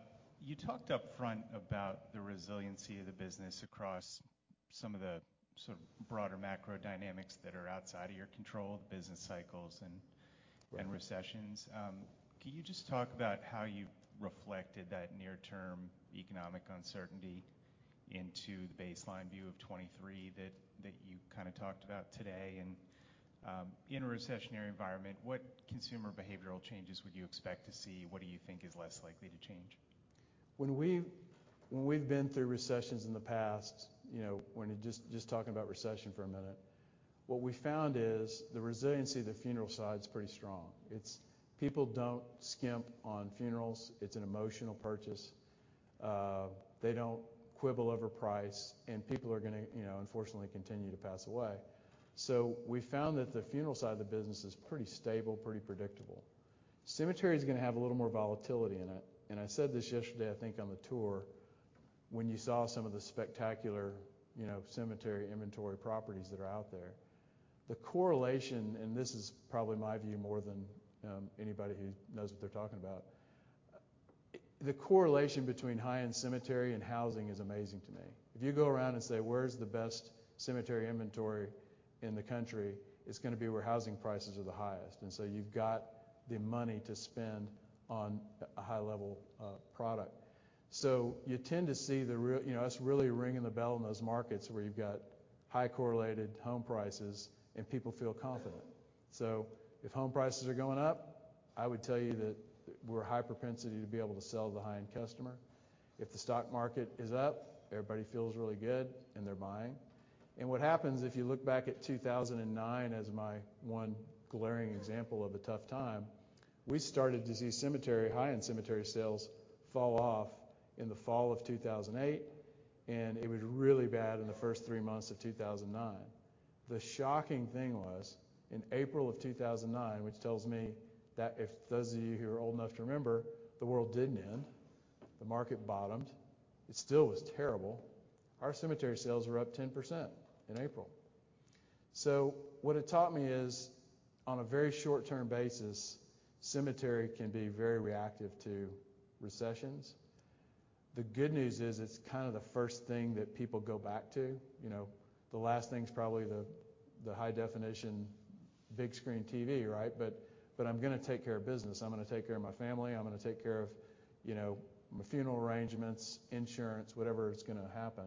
You talked up front about the resiliency of the business across some of the sort of broader macro dynamics that are outside of your control, the business cycles and recessions. Can you just talk about how you've reflected that near-term economic uncertainty into the baseline view of 2023 that you kinda talked about today? In a recessionary environment, what consumer behavioral changes would you expect to see? What do you think is less likely to change? When we've been through recessions in the past, you know, when you just talking about recession for a minute, what we found is the resiliency of the funeral side is pretty strong. It's people don't skimp on funerals. It's an emotional purchase. They don't quibble over price, and people are gonna, you know, unfortunately continue to pass away. We found that the funeral side of the business is pretty stable, pretty predictable. Cemetery is gonna have a little more volatility in it. I said this yesterday, I think, on the tour, when you saw some of the spectacular, you know, cemetery inventory properties that are out there. The correlation, and this is probably my view more than anybody who knows what they're talking about. The correlation between high-end cemetery and housing is amazing to me. If you go around and say, "Where's the best cemetery inventory in the country?" It's gonna be where housing prices are the highest. You've got the money to spend on a high-level product. You tend to see You know, that's really ringing the bell in those markets where you've got high correlated home prices and people feel confident. If home prices are going up, I would tell you that we're high propensity to be able to sell to the high-end customer. If the stock market is up, everybody feels really good and they're buying. What happens if you look back at 2009 as my one glaring example of a tough time, we started to see cemetery, high-end cemetery sales fall off in the fall of 2008, and it was really bad in the first three months of 2009. The shocking thing was, in April of 2009, which tells me that if those of you who are old enough to remember, the world didn't end, the market bottomed. It still was terrible. Our cemetery sales were up 10% in April. What it taught me is, on a very short-term basis, cemetery can be very reactive to recessions. The good news is it's kind of the first thing that people go back to. You know, the last thing's probably the high definition big screen TV, right? I'm gonna take care of business. I'm gonna take care of my family. I'm gonna take care of, you know, my funeral arrangements, insurance, whatever is gonna happen.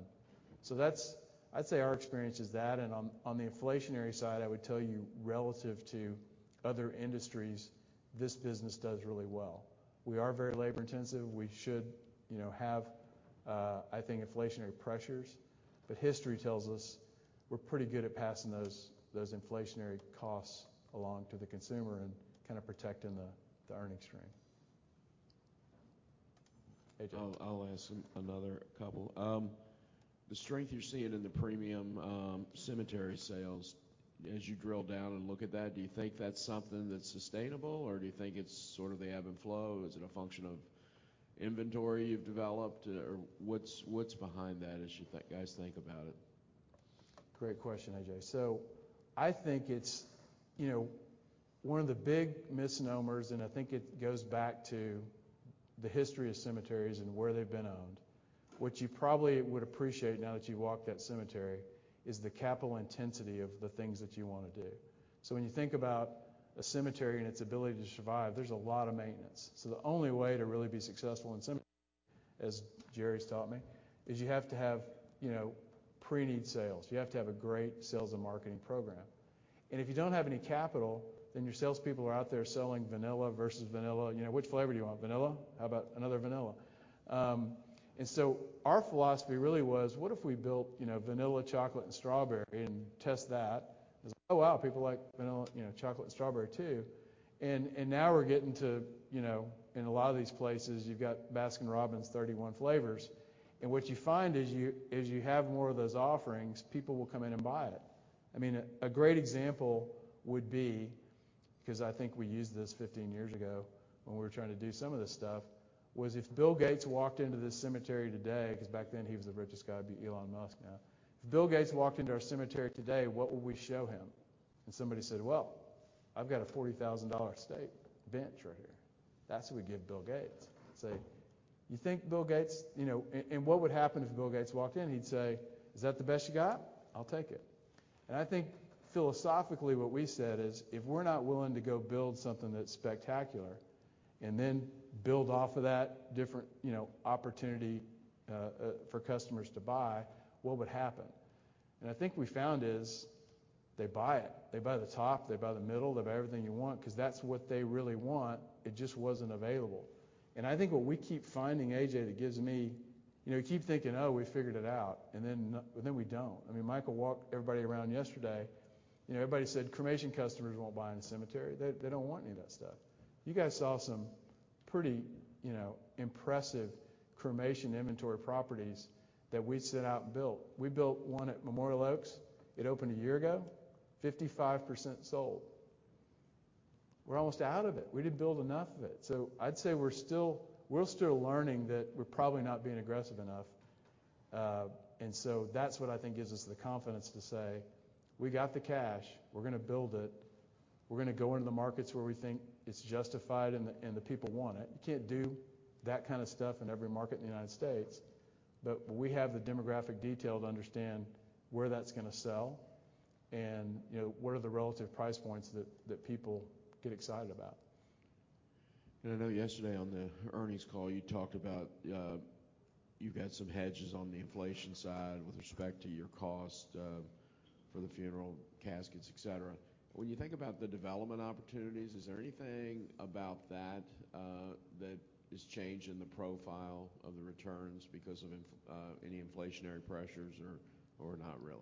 That's. I'd say our experience is that. On the inflationary side, I would tell you, relative to other industries, this business does really well. We are very labor intensive. We should, you know, have, I think inflationary pressures. History tells us we're pretty good at passing those inflationary costs along to the consumer and kind of protecting the earnings stream. A.J.? I'll ask another couple. The strength you're seeing in the premium cemetery sales, as you drill down and look at that, do you think that's something that's sustainable, or do you think it's sort of the ebb and flow? Is it a function of inventory you've developed? Or what's behind that as you guys think about it? Great question, A.J. I think it's, you know, one of the big misnomers, and I think it goes back to the history of cemeteries and where they've been owned. What you probably would appreciate now that you walked that cemetery is the capital intensity of the things that you wanna do. When you think about a cemetery and its ability to survive, there's a lot of maintenance. The only way to really be successful in cemeteries, as Jerry's taught me, is you have to have, you know, preneed sales. You have to have a great sales and marketing program. If you don't have any capital, then your salespeople are out there selling vanilla versus vanilla. You know, which flavor do you want? Vanilla? How about another vanilla? Our philosophy really was, what if we built, you know, vanilla, chocolate, and strawberry and test that? It's oh wow, people like vanilla, you know, chocolate and strawberry, too. Now we're getting to, you know, in a lot of these places, you've got Baskin-Robbins' 31 flavors. What you find is you, as you have more of those offerings, people will come in and buy it. I mean, a great example would be, 'cause I think we used this 15 years ago when we were trying to do some of this stuff, was if Bill Gates walked into this cemetery today, 'cause back then he was the richest guy, it'd be Elon Musk now. If Bill Gates walked into our cemetery today, what would we show him? Somebody said, "Well, I've got a $40,000 stake, bench right here." That's what we'd give Bill Gates. Say, you think Bill Gates. You know, and what would happen if Bill Gates walked in? He'd say, "Is that the best you got? I'll take it." I think philosophically, what we said is, if we're not willing to go build something that's spectacular and then build off of that different, you know, opportunity for customers to buy, what would happen? I think we found they buy it. They buy the top. They buy the middle. They buy everything you want 'cause that's what they really want. It just wasn't available. I think what we keep finding, AJ, that gives me. You know, you keep thinking, "Oh, we figured it out," and then but then we don't. I mean, Michael walked everybody around yesterday. You know, everybody said, "Cremation customers won't buy in a cemetery. They don't want any of that stuff." You guys saw some pretty, you know, impressive cremation inventory properties that we set out and built. We built one at Memorial Oaks. It opened a year ago, 55% sold. We're almost out of it. We didn't build enough of it. So I'd say we're still learning that we're probably not being aggressive enough. That's what I think gives us the confidence to say, "We got the cash. We're gonna build it. We're gonna go into the markets where we think it's justified and the people want it." You can't do that kind of stuff in every market in the United States. We have the demographic detail to understand where that's gonna sell and, you know, what are the relative price points that people get excited about. I know yesterday on the earnings call, you talked about you've had some hedges on the inflation side with respect to your cost for the funeral caskets, et cetera. When you think about the development opportunities, is there anything about that that is changing the profile of the returns because of any inflationary pressures or not really?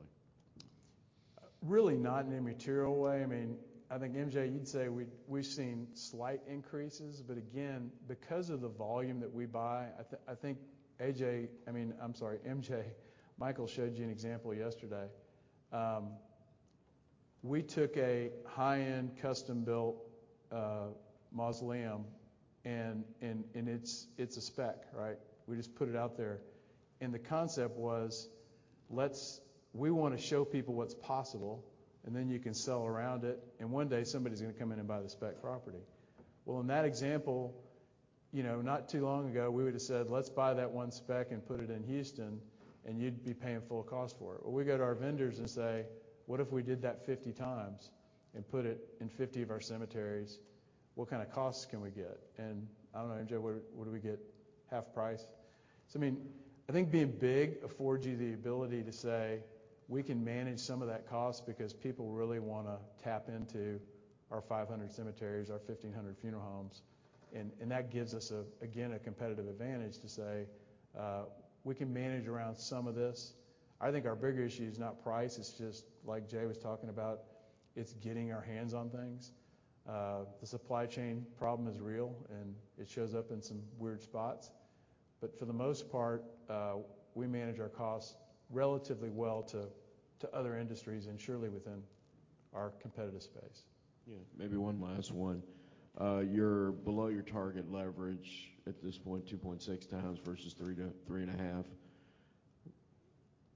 Really not in a material way. I mean, I think, M.J., you'd say we've seen slight increases. But again, because of the volume that we buy, I think A.J., I mean, I'm sorry, M.J., Michael showed you an example yesterday. We took a high-end custom-built mausoleum and it's a spec, right? We just put it out there. The concept was, we wanna show people what's possible, and then you can sell around it, and one day somebody's gonna come in and buy the spec property. Well, in that example, you know, not too long ago, we would've said, "Let's buy that one spec and put it in Houston, and you'd be paying full cost for it." Well, we go to our vendors and say, "What if we did that 50 times and put it in 50 of our cemeteries? What kind of costs can we get?" I don't know, MJ, what did we get? Half price? I mean, I think being big affords you the ability to say, we can manage some of that cost because people really wanna tap into our 500 cemeteries, our 1,500 funeral homes, and that gives us, again, a competitive advantage to say, we can manage around some of this. I think our bigger issue is not price. It's just like Jay was talking about, it's getting our hands on things. The supply chain problem is real, and it shows up in some weird spots. But for the most part, we manage our costs relative to other industries and surely within our competitive space. Yeah. Maybe one last one. You're below your target leverage at this point, 2.6x versus 3-3.5.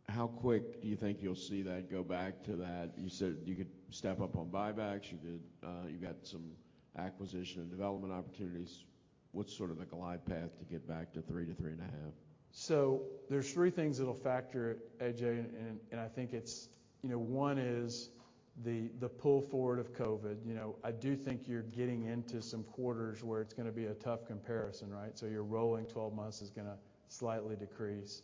How quick do you think you'll see that go back to that? You said you could step up on buybacks. You could, you got some acquisition and development opportunities. What's sort of the glide path to get back to 3-3.5? There's 3 things that'll factor, A.J. I think it's, you know, one is the pull forward of COVID. You know, I do think you're getting into some quarters where it's gonna be a tough comparison, right? Your rolling 12 months is gonna slightly decrease.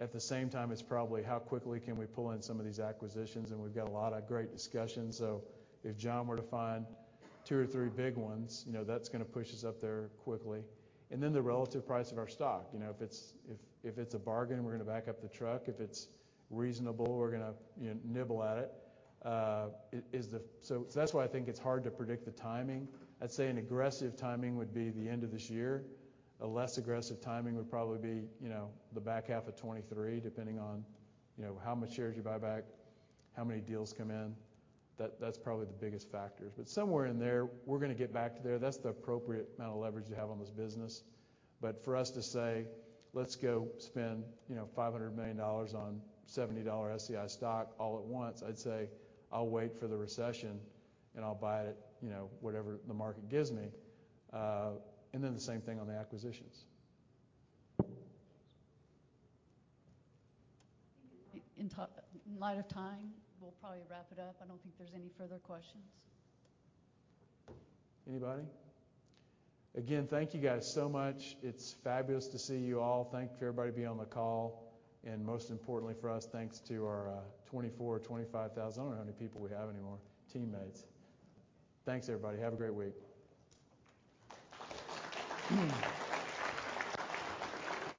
At the same time, it's probably how quickly can we pull in some of these acquisitions, and we've got a lot of great discussions. If John were to find 2 or 3 big ones, you know, that's gonna push us up there quickly. Then the relative price of our stock. You know, if it's a bargain, we're gonna back up the truck. If it's reasonable, we're gonna, you know, nibble at it. That's why I think it's hard to predict the timing. I'd say an aggressive timing would be the end of this year. A less aggressive timing would probably be, you know, the back half of 2023, depending on, you know, how much shares you buy back, how many deals come in. That's probably the biggest factors. Somewhere in there, we're gonna get back to there. That's the appropriate amount of leverage to have on this business. For us to say, "Let's go spend, you know, $500 million on $70 SCI stock all at once," I'd say I'll wait for the recession, and I'll buy it, you know, whatever the market gives me. The same thing on the acquisitions. I think in light of time, we'll probably wrap it up. I don't think there's any further questions. Anybody? Again, thank you guys so much. It's fabulous to see you all. Thank you for everybody being on the call. Most importantly for us, thanks to our 24 or 25 thousand, I don't know how many people we have anymore, teammates. Thanks, everybody. Have a great week.